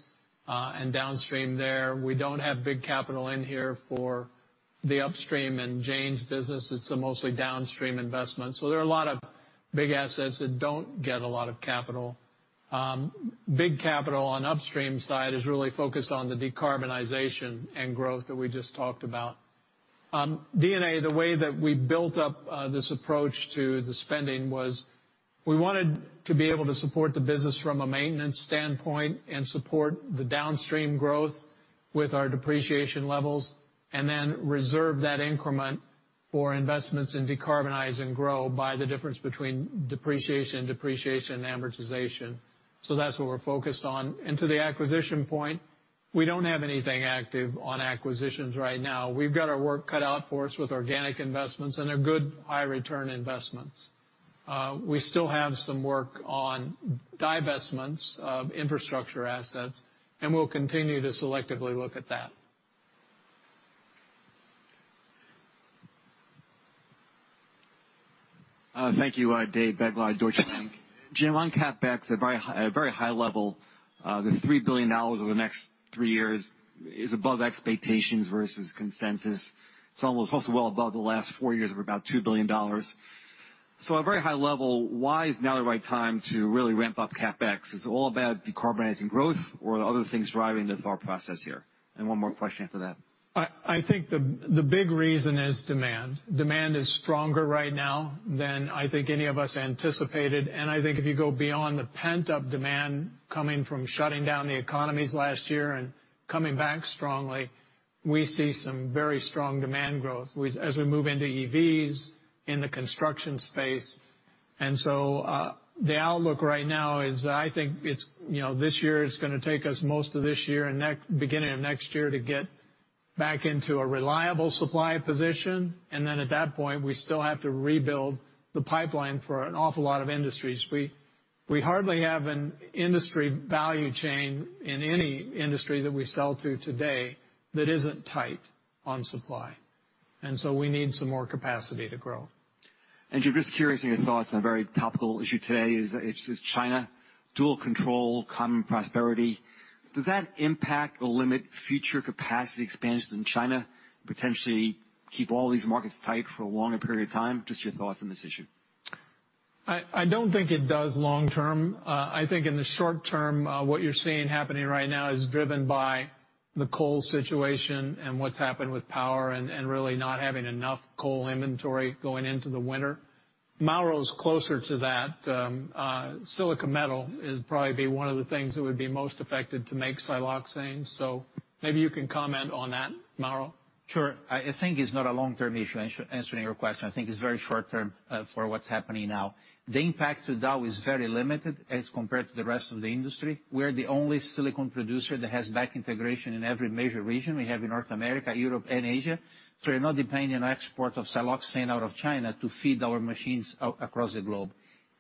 and downstream there. We don't have big capital in here for the upstream and Jane's business. It's a mostly downstream investment. There are a lot of big assets that don't get a lot of capital. Big capital on upstream side is really focused on the decarbonization and growth that we just talked about. D&A, the way that we built up this approach to the spending was, we wanted to be able to support the business from a maintenance standpoint and support the downstream growth with our depreciation levels, and then reserve that increment for investments in decarbonize and grow by the difference between depreciation and amortization. That's what we're focused on. To the acquisition point, we don't have anything active on acquisitions right now. We've got our work cut out for us with organic investments, and they're good high-return investments. We still have some work on divestments of infrastructure assets, and we'll continue to selectively look at that. Thank you. Dave Begleiter, Deutsche Bank. Jim, on CapEx, at a very high level, the $3 billion over the next three years is above expectations versus consensus. It is also well above the last four years of about $2 billion. At a very high level, why is now the right time to really ramp up CapEx? Is this all about decarbonizing growth, or are other things driving the thought process here? One more question after that. I think the big reason is demand. Demand is stronger right now than I think any of us anticipated, I think if you go beyond the pent-up demand coming from shutting down the economies last year and coming back strongly, we see some very strong demand growth as we move into EVs, in the construction space. The outlook right now is, I think this year is going to take us most of this year and beginning of next year to get back into a reliable supply position. At that point, we still have to rebuild the pipeline for an awful lot of industries. We hardly have an industry value chain in any industry that we sell to today that isn't tight on supply. We need some more capacity to grow. Jim, just curious your thoughts on a very topical issue today is China, dual control, common prosperity. Does that impact or limit future capacity expansions in China, potentially keep all these markets tight for a longer period of time? Just your thoughts on this issue. I don't think it does long term. I think in the short term, what you're seeing happening right now is driven by the coal situation and what's happened with power and really not having enough coal inventory going into the winter. Mauro is closer to that. Silicon metal is probably one of the things that would be most affected to make siloxanes. Maybe you can comment on that, Mauro. Sure. I think it's not a long-term issue, answering your question. I think it's very short term for what's happening now. The impact to Dow is very limited as compared to the rest of the industry. We're the only silicone producer that has back integration in every major region. We have in North America, Europe, and Asia. We're not depending on export of siloxane out of China to feed our machines across the globe.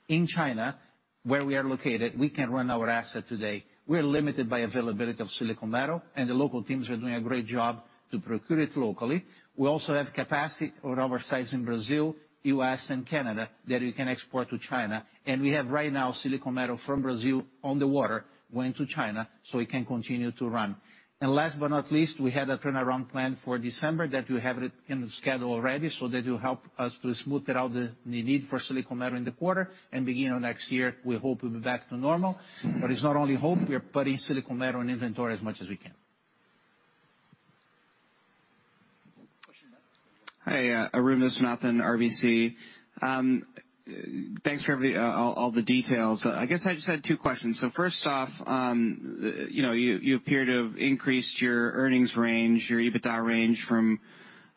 In China, where we are located, we can run our asset today. We are limited by availability of silicone metal, and the local teams are doing a great job to procure it locally. We also have capacity or o in Brazil, U.S., and Canada that we can export to China. We have right now, silicone metal from Brazil on the water going to China so we can continue to run. Last but not least, we have a turnaround plan for December that we have in the schedule already, so that will help us to smooth out the need for silicone metal in the quarter. Beginning of next year, we hope we'll be back to normal. It's not only hope. We are putting silicone metal in inventory as much as we can. Hi, Arun Viswanathan, RBC. Thanks for all the details. I guess I just had two questions. First off, you appear to have increased your earnings range, your EBITDA range from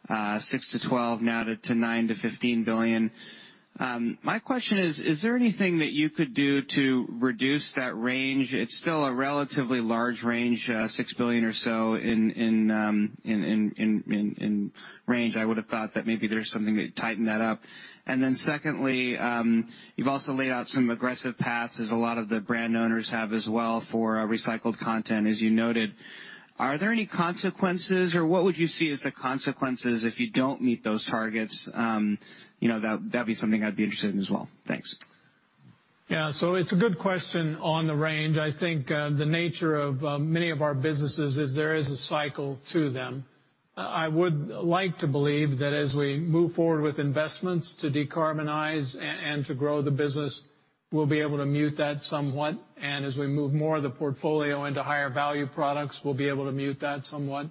$6 billion-$12 billion now to $9 billion-$15 billion. My question is: Is there anything that you could do to reduce that range? It's still a relatively large range, $6 billion or so in range. I would have thought that maybe there's something to tighten that up. Secondly, you've also laid out some aggressive paths, as a lot of the brand owners have as well, for recycled content, as you noted. Are there any consequences, or what would you see as the consequences if you don't meet those targets? That'd be something I'd be interested in as well. Thanks. Yeah. It's a good question on the range. I think the nature of many of our businesses is there is a cycle to them. I would like to believe that as we move forward with investments to decarbonize and to grow the business, we'll be able to mute that somewhat. As we move more of the portfolio into higher value products, we'll be able to mute that somewhat.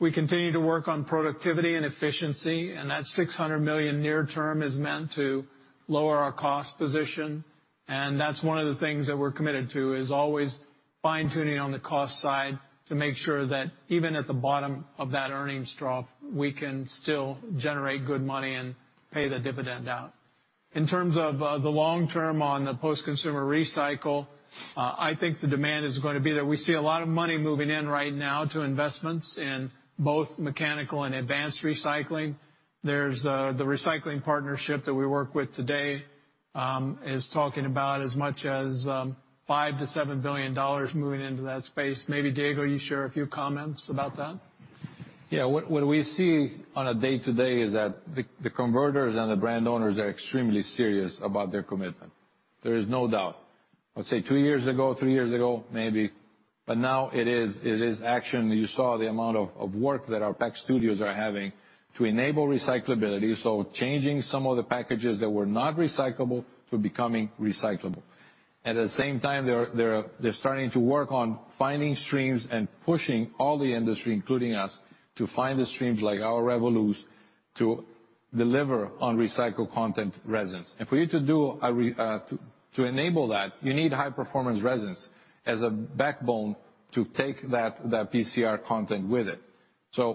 We continue to work on productivity and efficiency, and that $600 million near term is meant to lower our cost position, and that's one of the things that we're committed to, is always fine-tuning on the cost side to make sure that even at the bottom of that earnings trough, we can still generate good money and pay the dividend out. In terms of the long term on the post-consumer recycle, I think the demand is going to be there. We see a lot of money moving in right now to investments in both mechanical and advanced recycling. There's the recycling partnership that we work with today is talking about as much as $5 billion-$7 billion moving into that space. Maybe, Diego, you share a few comments about that? What we see on a day-to-day is that the converters and the brand owners are extremely serious about their commitment. There is no doubt. I'd say two years ago, three years ago, maybe. Now it is action. You saw the amount of work that our Pack Studios are having to enable recyclability. Changing some of the packages that were not recyclable to becoming recyclable. At the same time, they're starting to work on finding streams and pushing all the industry, including us, to find the streams like our REVOLOOP, to deliver on recycled content resins. For you to enable that, you need high-performance resins as a backbone to take that PCR content with it.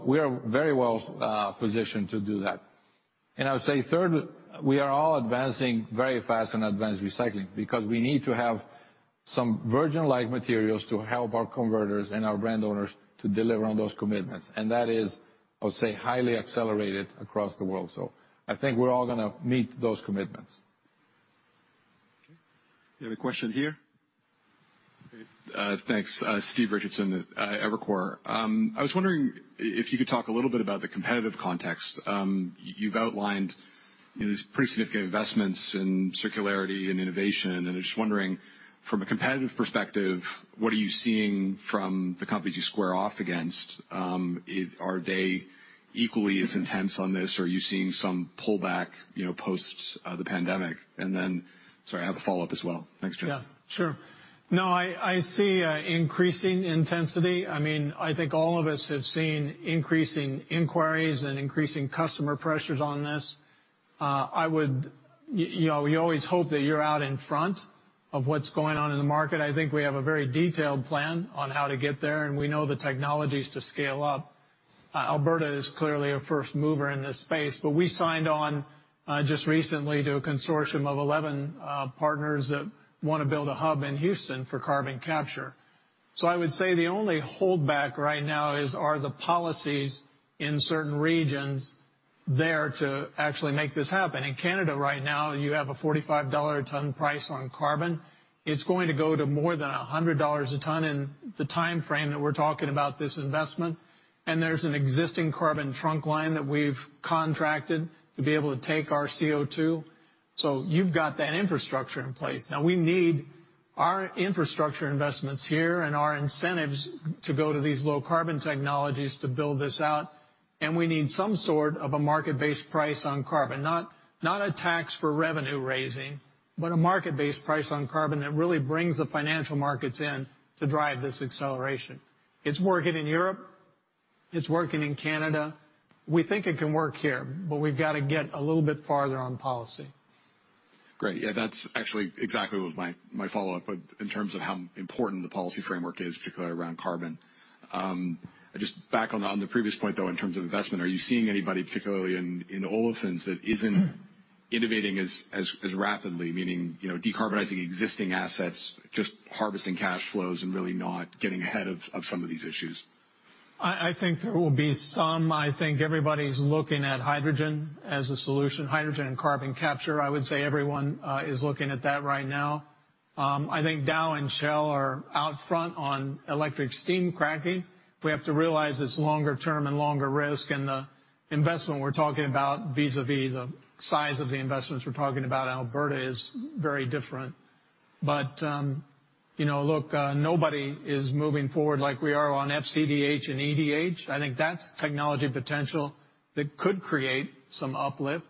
We are very well positioned to do that. I would say third, we are all advancing very fast in advanced recycling because we need to have some virgin-like materials to help our converters and our brand owners to deliver on those commitments. That is, I would say, highly accelerated across the world. I think we're all going to meet those commitments. Okay. You have a question here? Great. Thanks. Stephen Richardson at Evercore. I was wondering if you could talk a little bit about the competitive context. You've outlined these pretty significant investments in circularity and innovation, and I was just wondering, from a competitive perspective, what are you seeing from the companies you square off against? Are they equally as intense on this, or are you seeing some pullback post the pandemic? Sorry, I have a follow-up as well. Thanks, Jim. Yeah. Sure. No, I see increasing intensity. I think all of us have seen increasing inquiries and increasing customer pressures on this. We always hope that you're out in front of what's going on in the market. I think we have a very detailed plan on how to get there, and we know the technologies to scale up. Alberta is clearly a first mover in this space, but we signed on just recently to a consortium of 11 partners that want to build a hub in Houston for carbon capture. I would say the only holdback right now is, are the policies in certain regions there to actually make this happen? In Canada right now, you have a $45 a ton price on carbon. It's going to go to more than $100 a ton in the timeframe that we're talking about this investment. There's an existing carbon trunk line that we've contracted to be able to take our CO2. You've got that infrastructure in place. Now we need our infrastructure investments here and our incentives to go to these low-carbon technologies to build this out, and we need some sort of a market-based price on carbon. Not a tax for revenue-raising, but a market-based price on carbon that really brings the financial markets in to drive this acceleration. It's working in Europe, it's working in Canada. We think it can work here, but we've got to get a little bit farther on policy. Great. That's actually exactly what my follow-up, in terms of how important the policy framework is, particularly around carbon. Back on the previous point, though, in terms of investment, are you seeing anybody, particularly in olefins, that isn't innovating as rapidly? Meaning, decarbonizing existing assets, just harvesting cash flows and really not getting ahead of some of these issues. I think there will be some. I think everybody's looking at hydrogen as a solution. Hydrogen and carbon capture, I would say everyone is looking at that right now. I think Dow and Shell are out front on electric steam cracking. We have to realize it's longer term and longer risk, and the investment we're talking about vis-à-vis the size of the investments we're talking about Alberta is very different. Look, nobody is moving forward like we are on FCDh and EDH. I think that's technology potential that could create some uplift.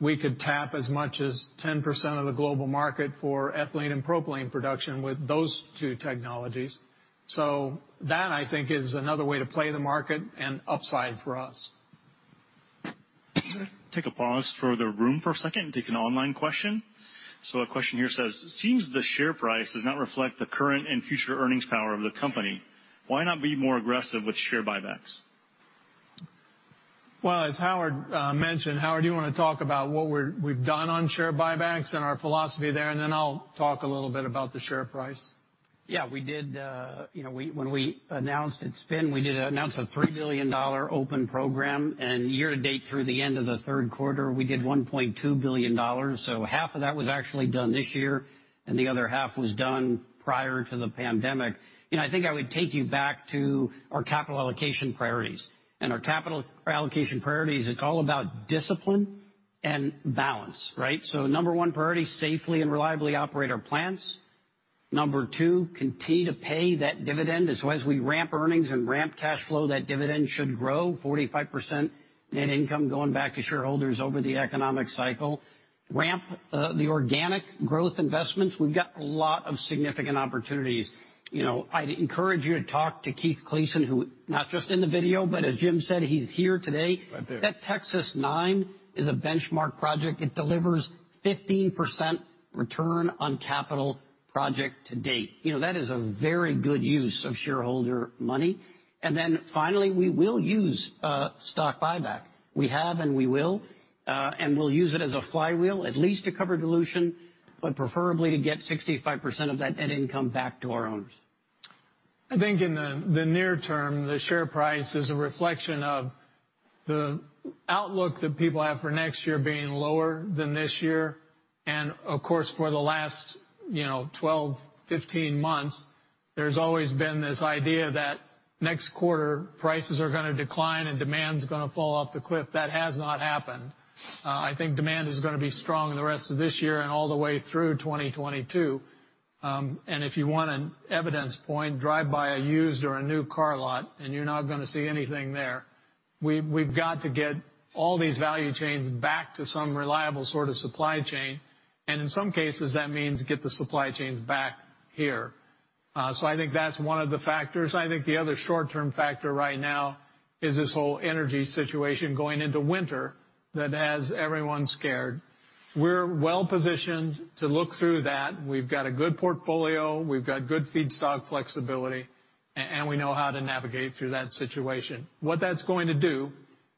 We could tap as much as 10% of the global market for ethylene and propylene production with those two technologies. That, I think, is another way to play the market and upside for us. Take a pause for the room for a second and take an online question. A question here says, "Seems the share price does not reflect the current and future earnings power of the company. Why not be more aggressive with share buybacks? As Howard mentioned, Howard, do you want to talk about what we've done on share buybacks and our philosophy there, and then I'll talk a little bit about the share price? Yeah. When we announced at SPIN, we did announce a $3 billion open program, year-to-date through the end of the third quarter, we did $1.2 billion. Half of that was actually done this year, and the other half was done prior to the pandemic. I think I would take you back to our capital allocation priorities. Our capital allocation priorities, it's all about discipline and balance, right? Number one priority, safely and reliably operate our plants. Number two, continue to pay that dividend as we ramp earnings and ramp cash flow, that dividend should grow 45% net income going back to shareholders over the economic cycle. Ramp the organic growth investments. We've got a lot of significant opportunities. I'd encourage you to talk to Keith Cleason, who not just in the video, but as Jim said, he's here today. Right there. That Texas-9 is a benchmark project. It delivers 15% return on capital project to date. That is a very good use of shareholder money. Finally, we will use stock buyback. We have and we will. We'll use it as a flywheel at least to cover dilution, but preferably to get 65% of that net income back to our owners. I think in the near term, the share price is a reflection of the outlook that people have for next year being lower than this year. Of course, for the last 12, 15 months, there's always been this idea that next quarter prices are going to decline and demand's going to fall off the cliff. That has not happened. I think demand is going to be strong in the rest of this year and all the way through 2022. If you want an evidence point, drive by a used or a new car lot and you're not going to see anything there. We've got to get all these value chains back to some reliable sort of supply chain, and in some cases, that means get the supply chains back here. I think that's one of the factors. I think the other short-term factor right now is this whole energy situation going into winter that has everyone scared. We're well-positioned to look through that. We've got a good portfolio, we've got good feedstock flexibility, and we know how to navigate through that situation. What that's going to do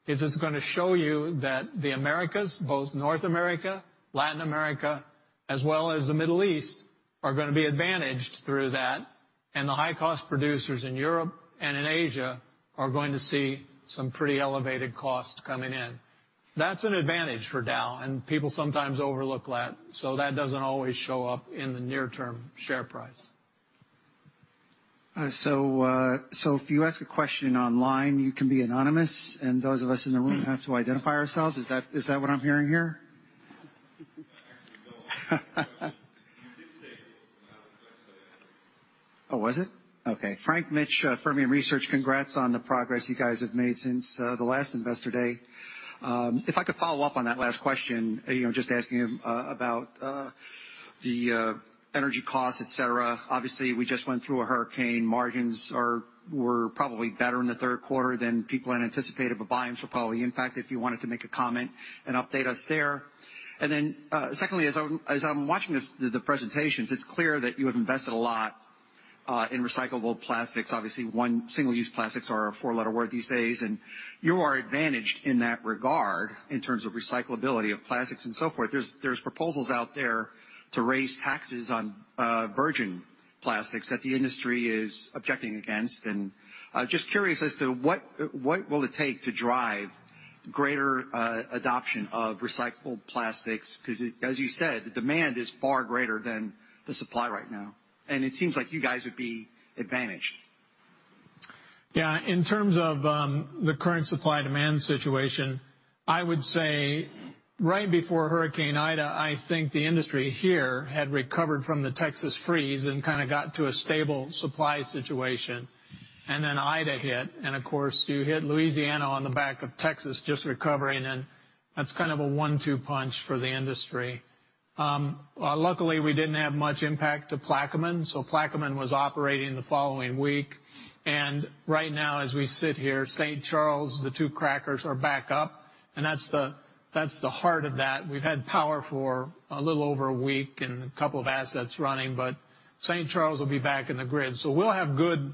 is it's going to show you that the Americas, both North America, Latin America, as well as the Middle East, are going to be advantaged through that, and the high-cost producers in Europe and in Asia are going to see some pretty elevated costs coming in. That's an advantage for Dow, and people sometimes overlook that. That doesn't always show up in the near term share price. If you ask a question online, you can be anonymous, and those of us in the room have to identify ourselves. Is that what I am hearing here? Actually, no. You did say it was from the website. Oh, was it? Okay. Frank Mitsch, Fermium Research. Congrats on the progress you guys have made since the last Investor Day. If I could follow up on that last question, just asking about the energy costs, et cetera. Obviously, we just went through a hurricane. Margins were probably better in the third quarter than people had anticipated, but volumes were probably impacted, if you wanted to make a comment and update us there. Secondly, as I'm watching the presentations, it's clear that you have invested a lot in recyclable plastics. Obviously, single-use plastics are a four-letter word these days, and you are advantaged in that regard in terms of recyclability of plastics and so forth. There's proposals out there to raise taxes on virgin plastics that the industry is objecting against. Just curious as to what will it take to drive greater adoption of recyclable plastics? As you said, the demand is far greater than the supply right now, and it seems like you guys would be advantaged. Yeah. In terms of the current supply-demand situation, I would say right before Hurricane Ida, I think the industry here had recovered from the Texas freeze and kind of got to a stable supply situation. Then Ida hit, and of course, you hit Louisiana on the back of Texas just recovering in. That's kind of a one-two punch for the industry. Luckily, we didn't have much impact to Plaquemine, so Plaquemine was operating the following week. Right now, as we sit here, St. Charles, the two crackers are back up, and that's the heart of that. We've had power for a little over a week and a couple of assets running, but St. Charles will be back in the grid. We'll have good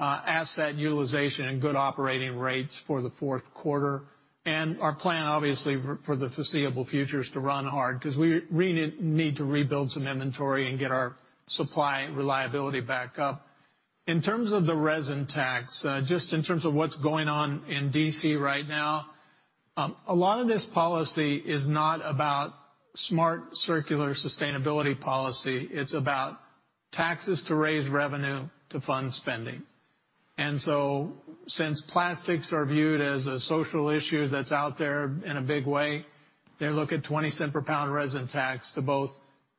asset utilization and good operating rates for the fourth quarter. Our plan, obviously, for the foreseeable future, is to run hard because we really need to rebuild some inventory and get our supply reliability back up. In terms of the resin tax, just in terms of what's going on in D.C. right now, a lot of this policy is not about smart circular sustainability policy. It's about taxes to raise revenue to fund spending. Since plastics are viewed as a social issue that's out there in a big way, they look at $0.20 per pound resin tax to both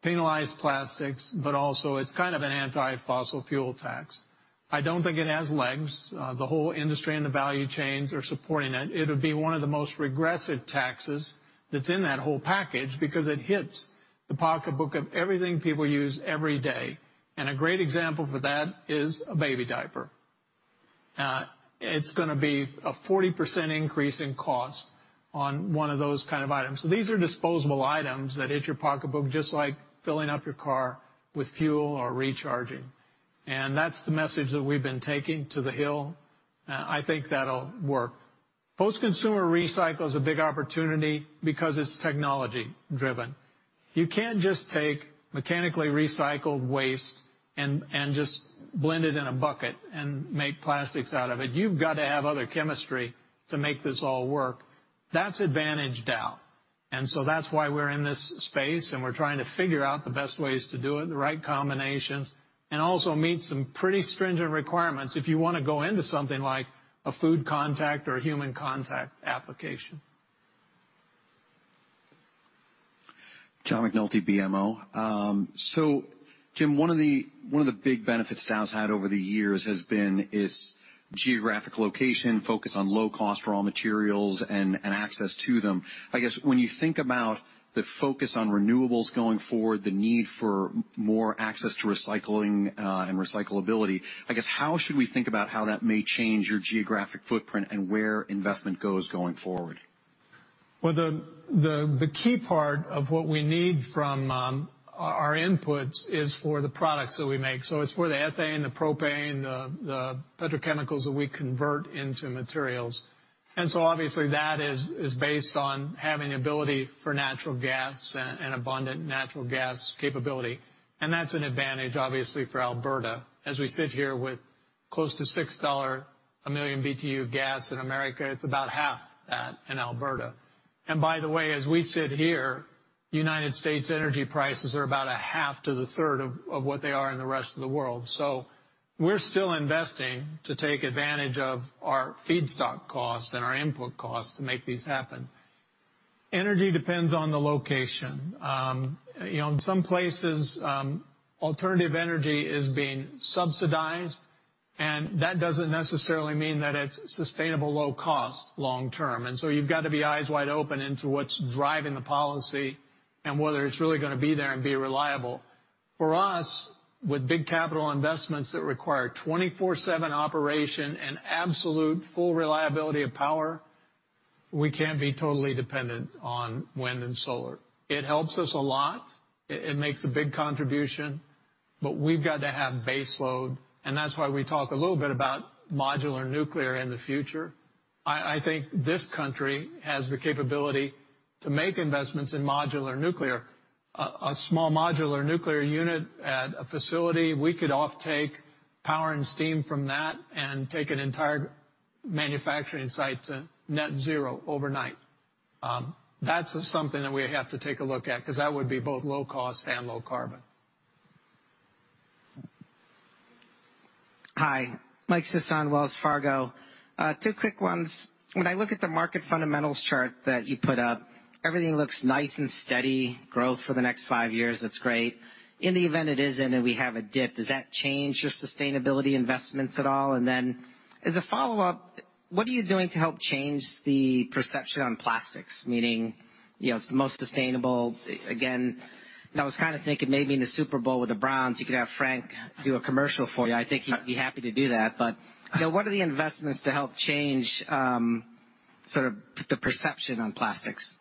penalize plastics, but also it's kind of an anti-fossil fuel tax. I don't think it has legs. The whole industry and the value chains are supporting it. It would be one of the most regressive taxes that's in that whole package because it hits the pocketbook of everything people use every day. A great example for that is a baby diaper. It's going to be a 40% increase in cost on one of those kind of items. These are disposable items that hit your pocketbook just like filling up your car with fuel or recharging. That's the message that we've been taking to the Hill. I think that'll work. Post-consumer recycle is a big opportunity because it's technology driven. You can't just take mechanically recycled waste and just blend it in a bucket and make plastics out of it. You've got to have other chemistry to make this all work. That's advantaged Dow. That's why we're in this space, and we're trying to figure out the best ways to do it, the right combinations, and also meet some pretty stringent requirements if you want to go into something like a food contact or a human contact application. John McNulty, BMO. Jim, one of the big benefits Dow's had over the years has been its geographic location, focus on low cost raw materials and access to them. I guess when you think about the focus on renewables going forward, the need for more access to recycling, and recyclability, I guess how should we think about how that may change your geographic footprint and where investment goes going forward? Well, the key part of what we need from our inputs is for the products that we make. It's for the ethane, the propane, the petrochemicals that we convert into materials. Obviously that is based on having ability for natural gas and abundant natural gas capability. That's an advantage, obviously, for Alberta as we sit here with close to $6 a million BTU gas in the U.S., it's about half that in Alberta. By the way, as we sit here, U.S. energy prices are about a half to a third of what they are in the rest of the world. We're still investing to take advantage of our feedstock costs and our input costs to make these happen. Energy depends on the location. In some places, alternative energy is being subsidized, and that doesn't necessarily mean that it's sustainable low cost long term. You've got to be eyes wide open into what's driving the policy and whether it's really going to be there and be reliable. For us, with big capital investments that require 24/7 operation and absolute full reliability of power, we can't be totally dependent on wind and solar. It helps us a lot. It makes a big contribution, but we've got to have base load, and that's why we talk a little bit about modular nuclear in the future. I think this country has the capability to make investments in modular nuclear. A small modular nuclear unit at a facility, we could offtake power and steam from that and take an entire manufacturing site to net zero overnight. That's something that we have to take a look at because that would be both low cost and low carbon. Hi, Michael Sison, Wells Fargo. two quick ones. When I look at the market fundamentals chart that you put up, everything looks nice and steady growth for the next five years. That's great. In the event it isn't, and we have a dip, does that change your sustainability investments at all? As a follow-up, what are you doing to help change the perception on plastics? Meaning, it's the most sustainable. Again, I was kind of thinking maybe in the Super Bowl with the Browns, you could have Frank do a commercial for you. I think he'd be happy to do that. What are the investments to help change sort of the perception on plastics?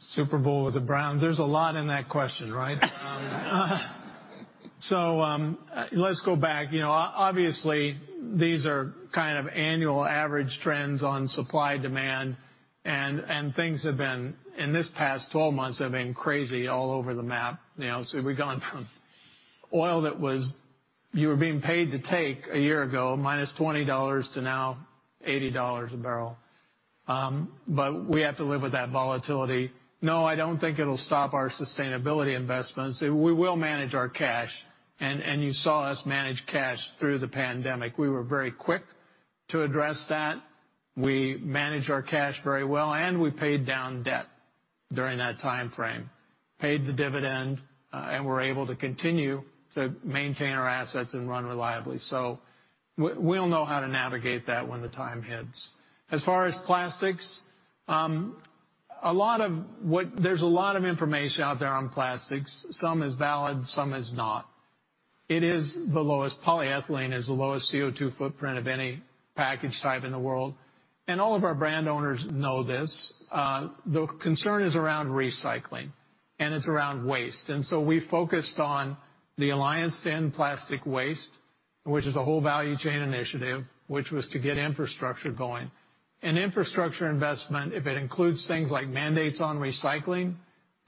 Super Bowl with the Browns. There's a lot in that question, right? Let's go back. Obviously, these are kind of annual average trends on supply, demand, and things have been, in this past 12 months, have been crazy all over the map. We've gone from oil that you were being paid to take a year ago, -$20, to now $80 a barrel. We have to live with that volatility. No, I don't think it'll stop our sustainability investments. We will manage our cash. You saw us manage cash through the pandemic. We were very quick to address that. We managed our cash very well, and we paid down debt during that timeframe, paid the dividend, and were able to continue to maintain our assets and run reliably. We'll know how to navigate that when the time hits. As far as plastics, there's a lot of information out there on plastics. Some is valid, some is not. Polyethylene is the lowest CO2 footprint of any package type in the world, and all of our brand owners know this. The concern is around recycling, and it's around waste. So we focused on the Alliance to End Plastic Waste, which is a whole value chain initiative, which was to get infrastructure going. Infrastructure investment, if it includes things like mandates on recycling.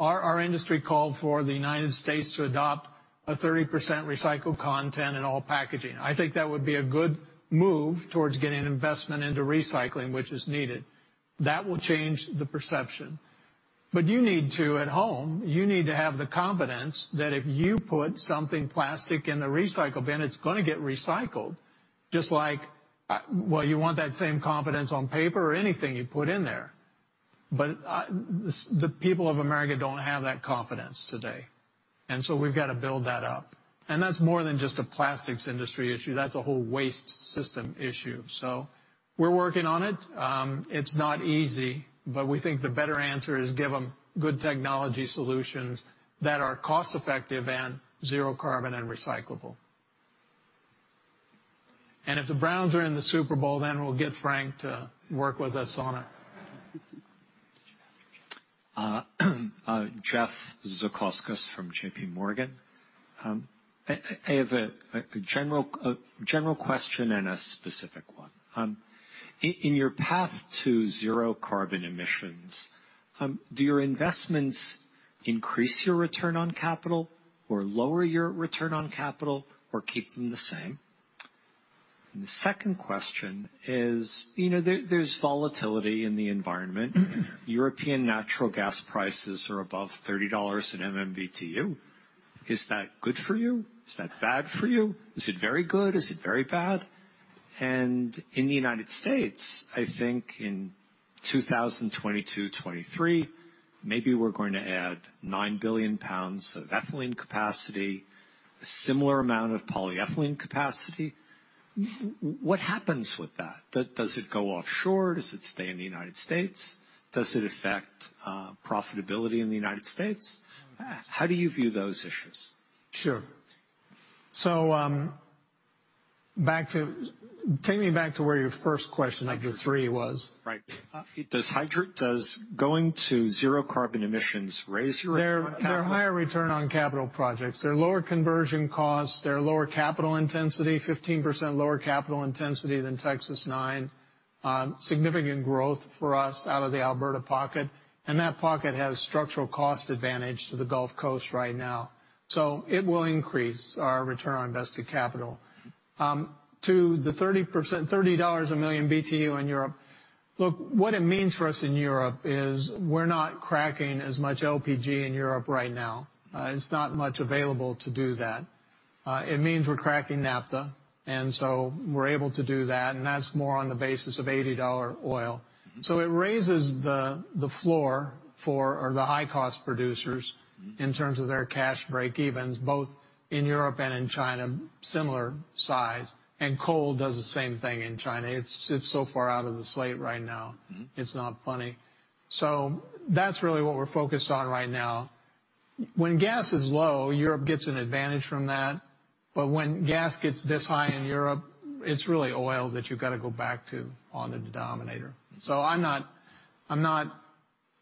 Our industry called for the United States to adopt a 30% recycled content in all packaging. I think that would be a good move towards getting investment into recycling, which is needed. That will change the perception. You need to, at home, you need to have the confidence that if you put something plastic in the recycle bin, it's going to get recycled, just like, well, you want that same confidence on paper or anything you put in there. The people of America don't have that confidence today. We've got to build that up. That's more than just a plastics industry issue. That's a whole waste system issue. We're working on it. It's not easy, but we think the better answer is give them good technology solutions that are cost effective and zero carbon and recyclable. If the Browns are in the Super Bowl, then we'll get Frank to work with us on it. Jeff Zekauskas from JPMorgan. I have a general question and a specific one. In your path to zero carbon emissions, do your investments increase your return on capital or lower your return on capital or keep them the same? The second question is, there's volatility in the environment. European natural gas prices are above $30 in MMBtu. Is that good for you? Is that bad for you? Is it very good? Is it very bad? In the United States, I think in 2022, 2023, maybe we're going to add 9 billion pounds of ethylene capacity, a similar amount of polyethylene capacity. What happens with that? Does it go offshore? Does it stay in the United States? Does it affect profitability in the United States? How do you view those issues? Sure. Take me back to where your first question of the three was. Right. Does going to zero carbon emissions raise your return on capital? They're higher return on capital projects. They're lower conversion costs. They're lower capital intensity, 15% lower capital intensity than Texas-9. Significant growth for us out of the Alberta pocket, and that pocket has structural cost advantage to the Gulf Coast right now. It will increase our return on invested capital. To the $30/MMBtu in Europe, look, what it means for us in Europe is we're not cracking as much LPG in Europe right now. It's not much available to do that. It means we're cracking naphtha, and so we're able to do that, and that's more on the basis of $80 oil. It raises the floor for the high-cost producers in terms of their cash break evens, both in Europe and in China, similar size. Coal does the same thing in China. It's so far out of the slate right now. It's not funny. That's really what we're focused on right now. When gas is low, Europe gets an advantage from that. When gas gets this high in Europe, it's really oil that you've got to go back to on the denominator. I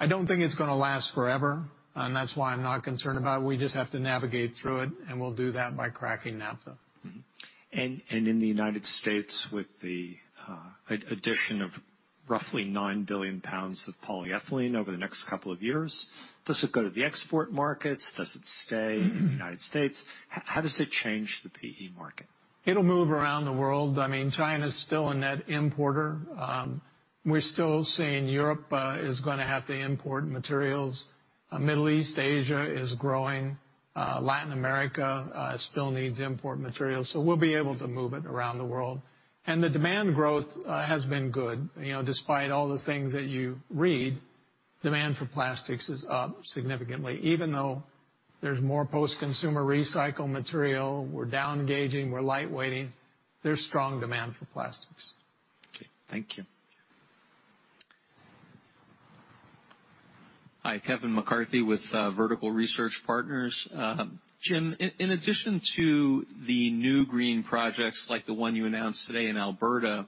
don't think it's going to last forever, and that's why I'm not concerned about it. We just have to navigate through it, and we'll do that by cracking naphtha. Mm-hmm. In the United States, with the addition of roughly 9 billion pounds of polyethylene over the next couple of years, does it go to the export markets? Does it stay in the United States? How does it change the PE market? It'll move around the world. China's still a net importer. We're still seeing Europe is going to have to import materials. Middle East, Asia is growing. Latin America still needs import materials, so we'll be able to move it around the world. The demand growth has been good. Despite all the things that you read, demand for plastics is up significantly. Even though there's more post-consumer recycled material, we're down-gauging, we're light-weighting, there's strong demand for plastics. Okay. Thank you. Hi, Kevin McCarthy with Vertical Research Partners. Jim, in addition to the new green projects like the one you announced today in Alberta,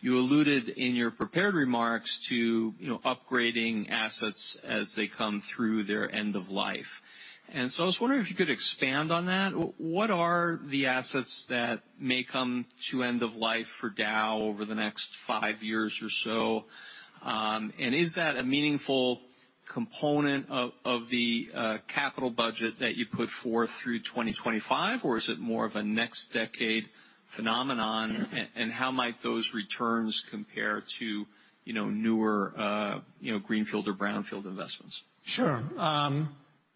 you alluded in your prepared remarks to upgrading assets as they come through their end of life. I was wondering if you could expand on that. What are the assets that may come to end of life for Dow over the next five years or so? Is that a meaningful component of the capital budget that you put forth through 2025, or is it more of a next decade phenomenon? How might those returns compare to newer greenfield or brownfield investments? Sure.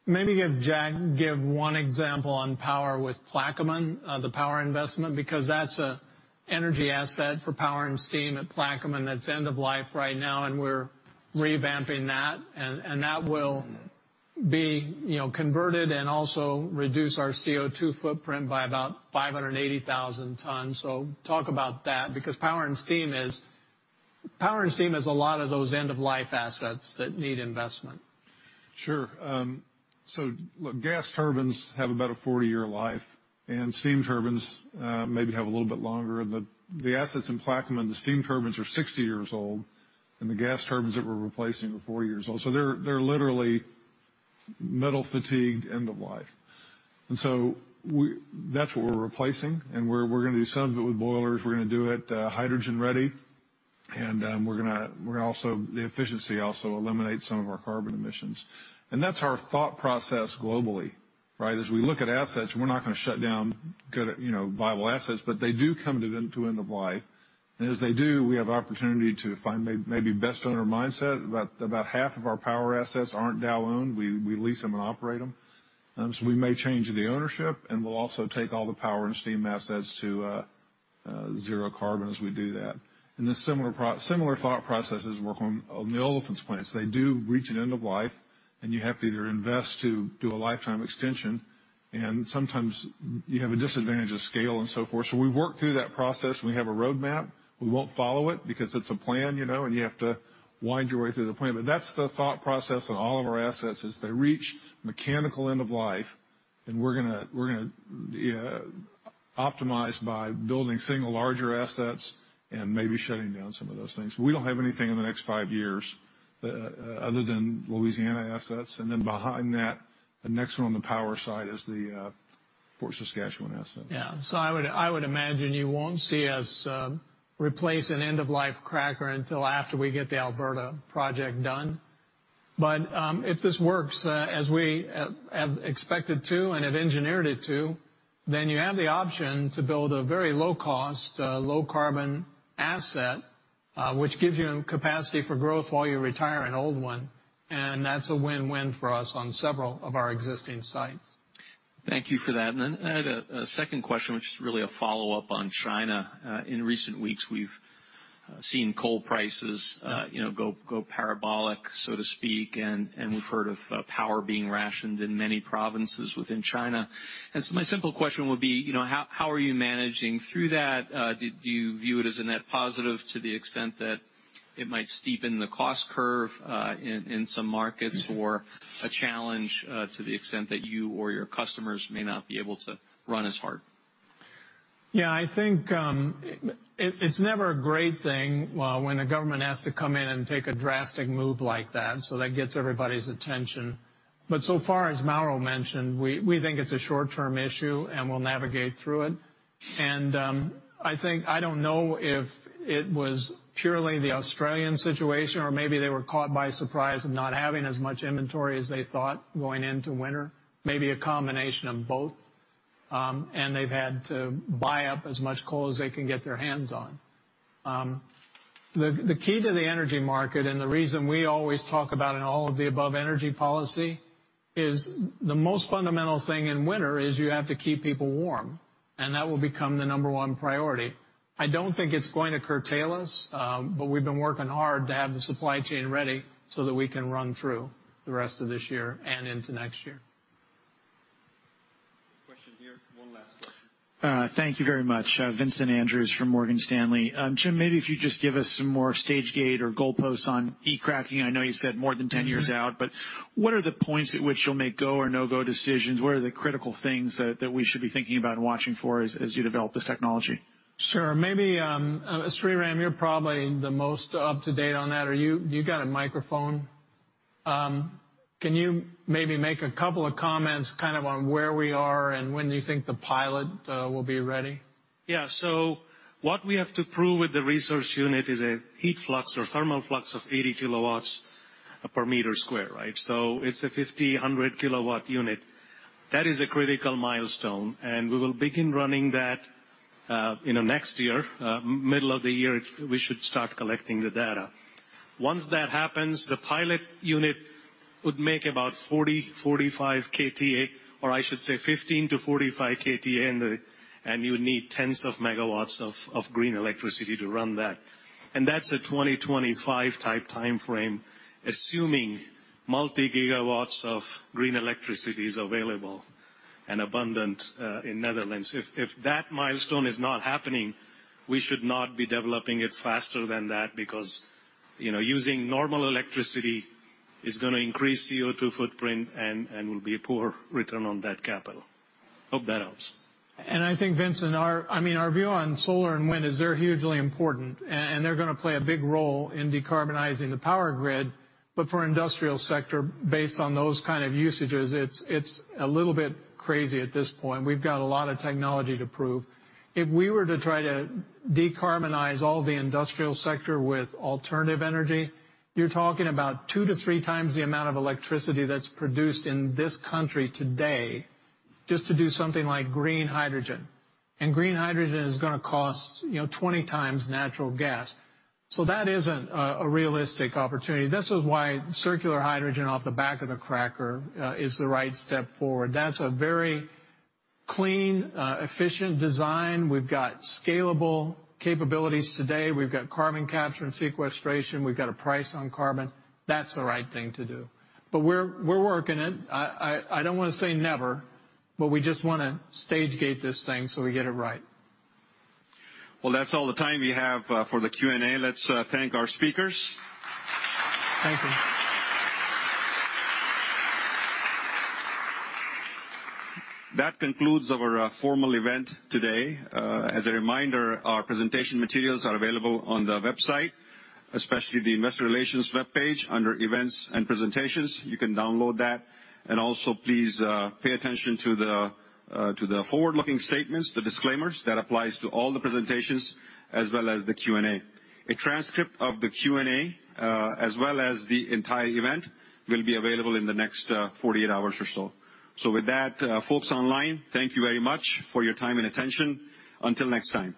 Maybe if Jack can give one example on power with Plaquemine, the power investment, because that's a energy asset for power and steam at Plaquemine that's end-of-life right now, and we're revamping that. That will be converted and also reduce our CO2 footprint by about 580,000 tons. Talk about that, because power and steam is a lot of those end-of-life assets that need investment. Sure. Look, gas turbines have about a 40-year life, and steam turbines maybe have a little bit longer. The assets in Plaquemine, the steam turbines are 60 years old, and the gas turbines that we're replacing are 40 years old. They're literally metal fatigued end of life. That's what we're replacing, and we're going to do some of it with boilers. We're going to do it hydrogen ready, and the efficiency also eliminates some of our carbon emissions. That's our thought process globally, right? As we look at assets, we're not going to shut down good, viable assets, but they do come to end of life. As they do, we have opportunity to find maybe best owner mindset. About half of our power assets aren't Dow owned. We lease them and operate them. We may change the ownership, and we'll also take all the power and steam assets to zero carbon as we do that. The similar thought processes work on the olefins plants. They do reach an end of life, and you have to either invest to do a lifetime extension, and sometimes you have a disadvantage of scale and so forth. We work through that process. We have a roadmap. We won't follow it because it's a plan, and you have to wind your way through the plan. That's the thought process on all of our assets as they reach mechanical end of life, and we're going to optimize by building single larger assets and maybe shutting down some of those things. We don't have anything in the next five years other than Louisiana assets. Behind that, the next one on the power side is the Fort Saskatchewan asset. Yeah. I would imagine you won't see us replace an end-of-life cracker until after we get the Alberta project done. If this works as we have expected it to and have engineered it to, then you have the option to build a very low-cost, low-carbon asset, which gives you capacity for growth while you retire an old one. That's a win-win for us on several of our existing sites. Thank you for that. I had a second question, which is really a follow-up on China. In recent weeks, we've seen coal prices go parabolic, so to speak, and we've heard of power being rationed in many provinces within China. My simple question would be, how are you managing through that? Do you view it as a net positive to the extent that it might steepen the cost curve, in some markets or a challenge to the extent that you or your customers may not be able to run as hard? Yeah, I think, it's never a great thing when a government has to come in and take a drastic move like that. That gets everybody's attention. So far, as Mauro mentioned, we think it's a short-term issue. We'll navigate through it. I don't know if it was purely the Australian situation or maybe they were caught by surprise of not having as much inventory as they thought going into winter, maybe a combination of both. They've had to buy up as much coal as they can get their hands on. The key to the energy market and the reason we always talk about an all-of-the-above energy policy is the most fundamental thing in winter is you have to keep people warm. That will become the number one priority. I don't think it's going to curtail us, but we've been working hard to have the supply chain ready so that we can run through the rest of this year and into next year. Question here. One last question. Thank you very much. Vincent Andrews from Morgan Stanley. Jim, maybe if you just give us some more stage gate or goalposts on e-cracking. I know you said more than 10 years out, but what are the points at which you'll make go or no-go decisions? What are the critical things that we should be thinking about and watching for as you develop this technology? Sure. Maybe, Sreeram, you're probably the most up-to-date on that. You got a microphone? Can you maybe make a couple of comments on where we are and when you think the pilot will be ready? What we have to prove with the research unit is a heat flux or thermal flux of 80 kW per square meter, right? It's a 1,500-kW unit. That is a critical milestone, we will begin running that next year. Middle of the year, we should start collecting the data. Once that happens, the pilot unit would make about 40-45 kta, or I should say 15-45 kta, you need tens of megawatts of green electricity to run that. That's a 2025-type timeframe, assuming multi-gigawatts of green electricity is available and abundant in the Netherlands. If that milestone is not happening, we should not be developing it faster than that because using normal electricity is going to increase CO2 footprint and will be a poor return on that capital. Hope that helps. I think, Vincent, our view on solar and wind is they're hugely important, and they're going to play a big role in decarbonizing the power grid. For industrial sector, based on those kind of usages, it's a little bit crazy at this point. We've got a lot of technology to prove. If we were to try to decarbonize all the industrial sector with alternative energy, you're talking about 2x-3x the amount of electricity that's produced in this country today just to do something like green hydrogen. Green hydrogen is going to cost 20x natural gas. That isn't a realistic opportunity. This is why circular hydrogen off the back of a cracker is the right step forward. That's a very clean, efficient design. We've got scalable capabilities today. We've got carbon capture and sequestration. We've got a price on carbon. That's the right thing to do. We're working it. I don't want to say never, but we just want to stage gate this thing so we get it right. Well, that's all the time we have for the Q&A. Let's thank our speakers. Thank you. That concludes our formal event today. As a reminder, our presentation materials are available on the website, especially the Investor Relations webpage under Events and Presentations. You can download that. Please pay attention to the forward-looking statements, the disclaimers. That applies to all the presentations as well as the Q&A. A transcript of the Q&A, as well as the entire event, will be available in the next 48 hours or so. With that, folks online, thank you very much for your time and attention. Until next time.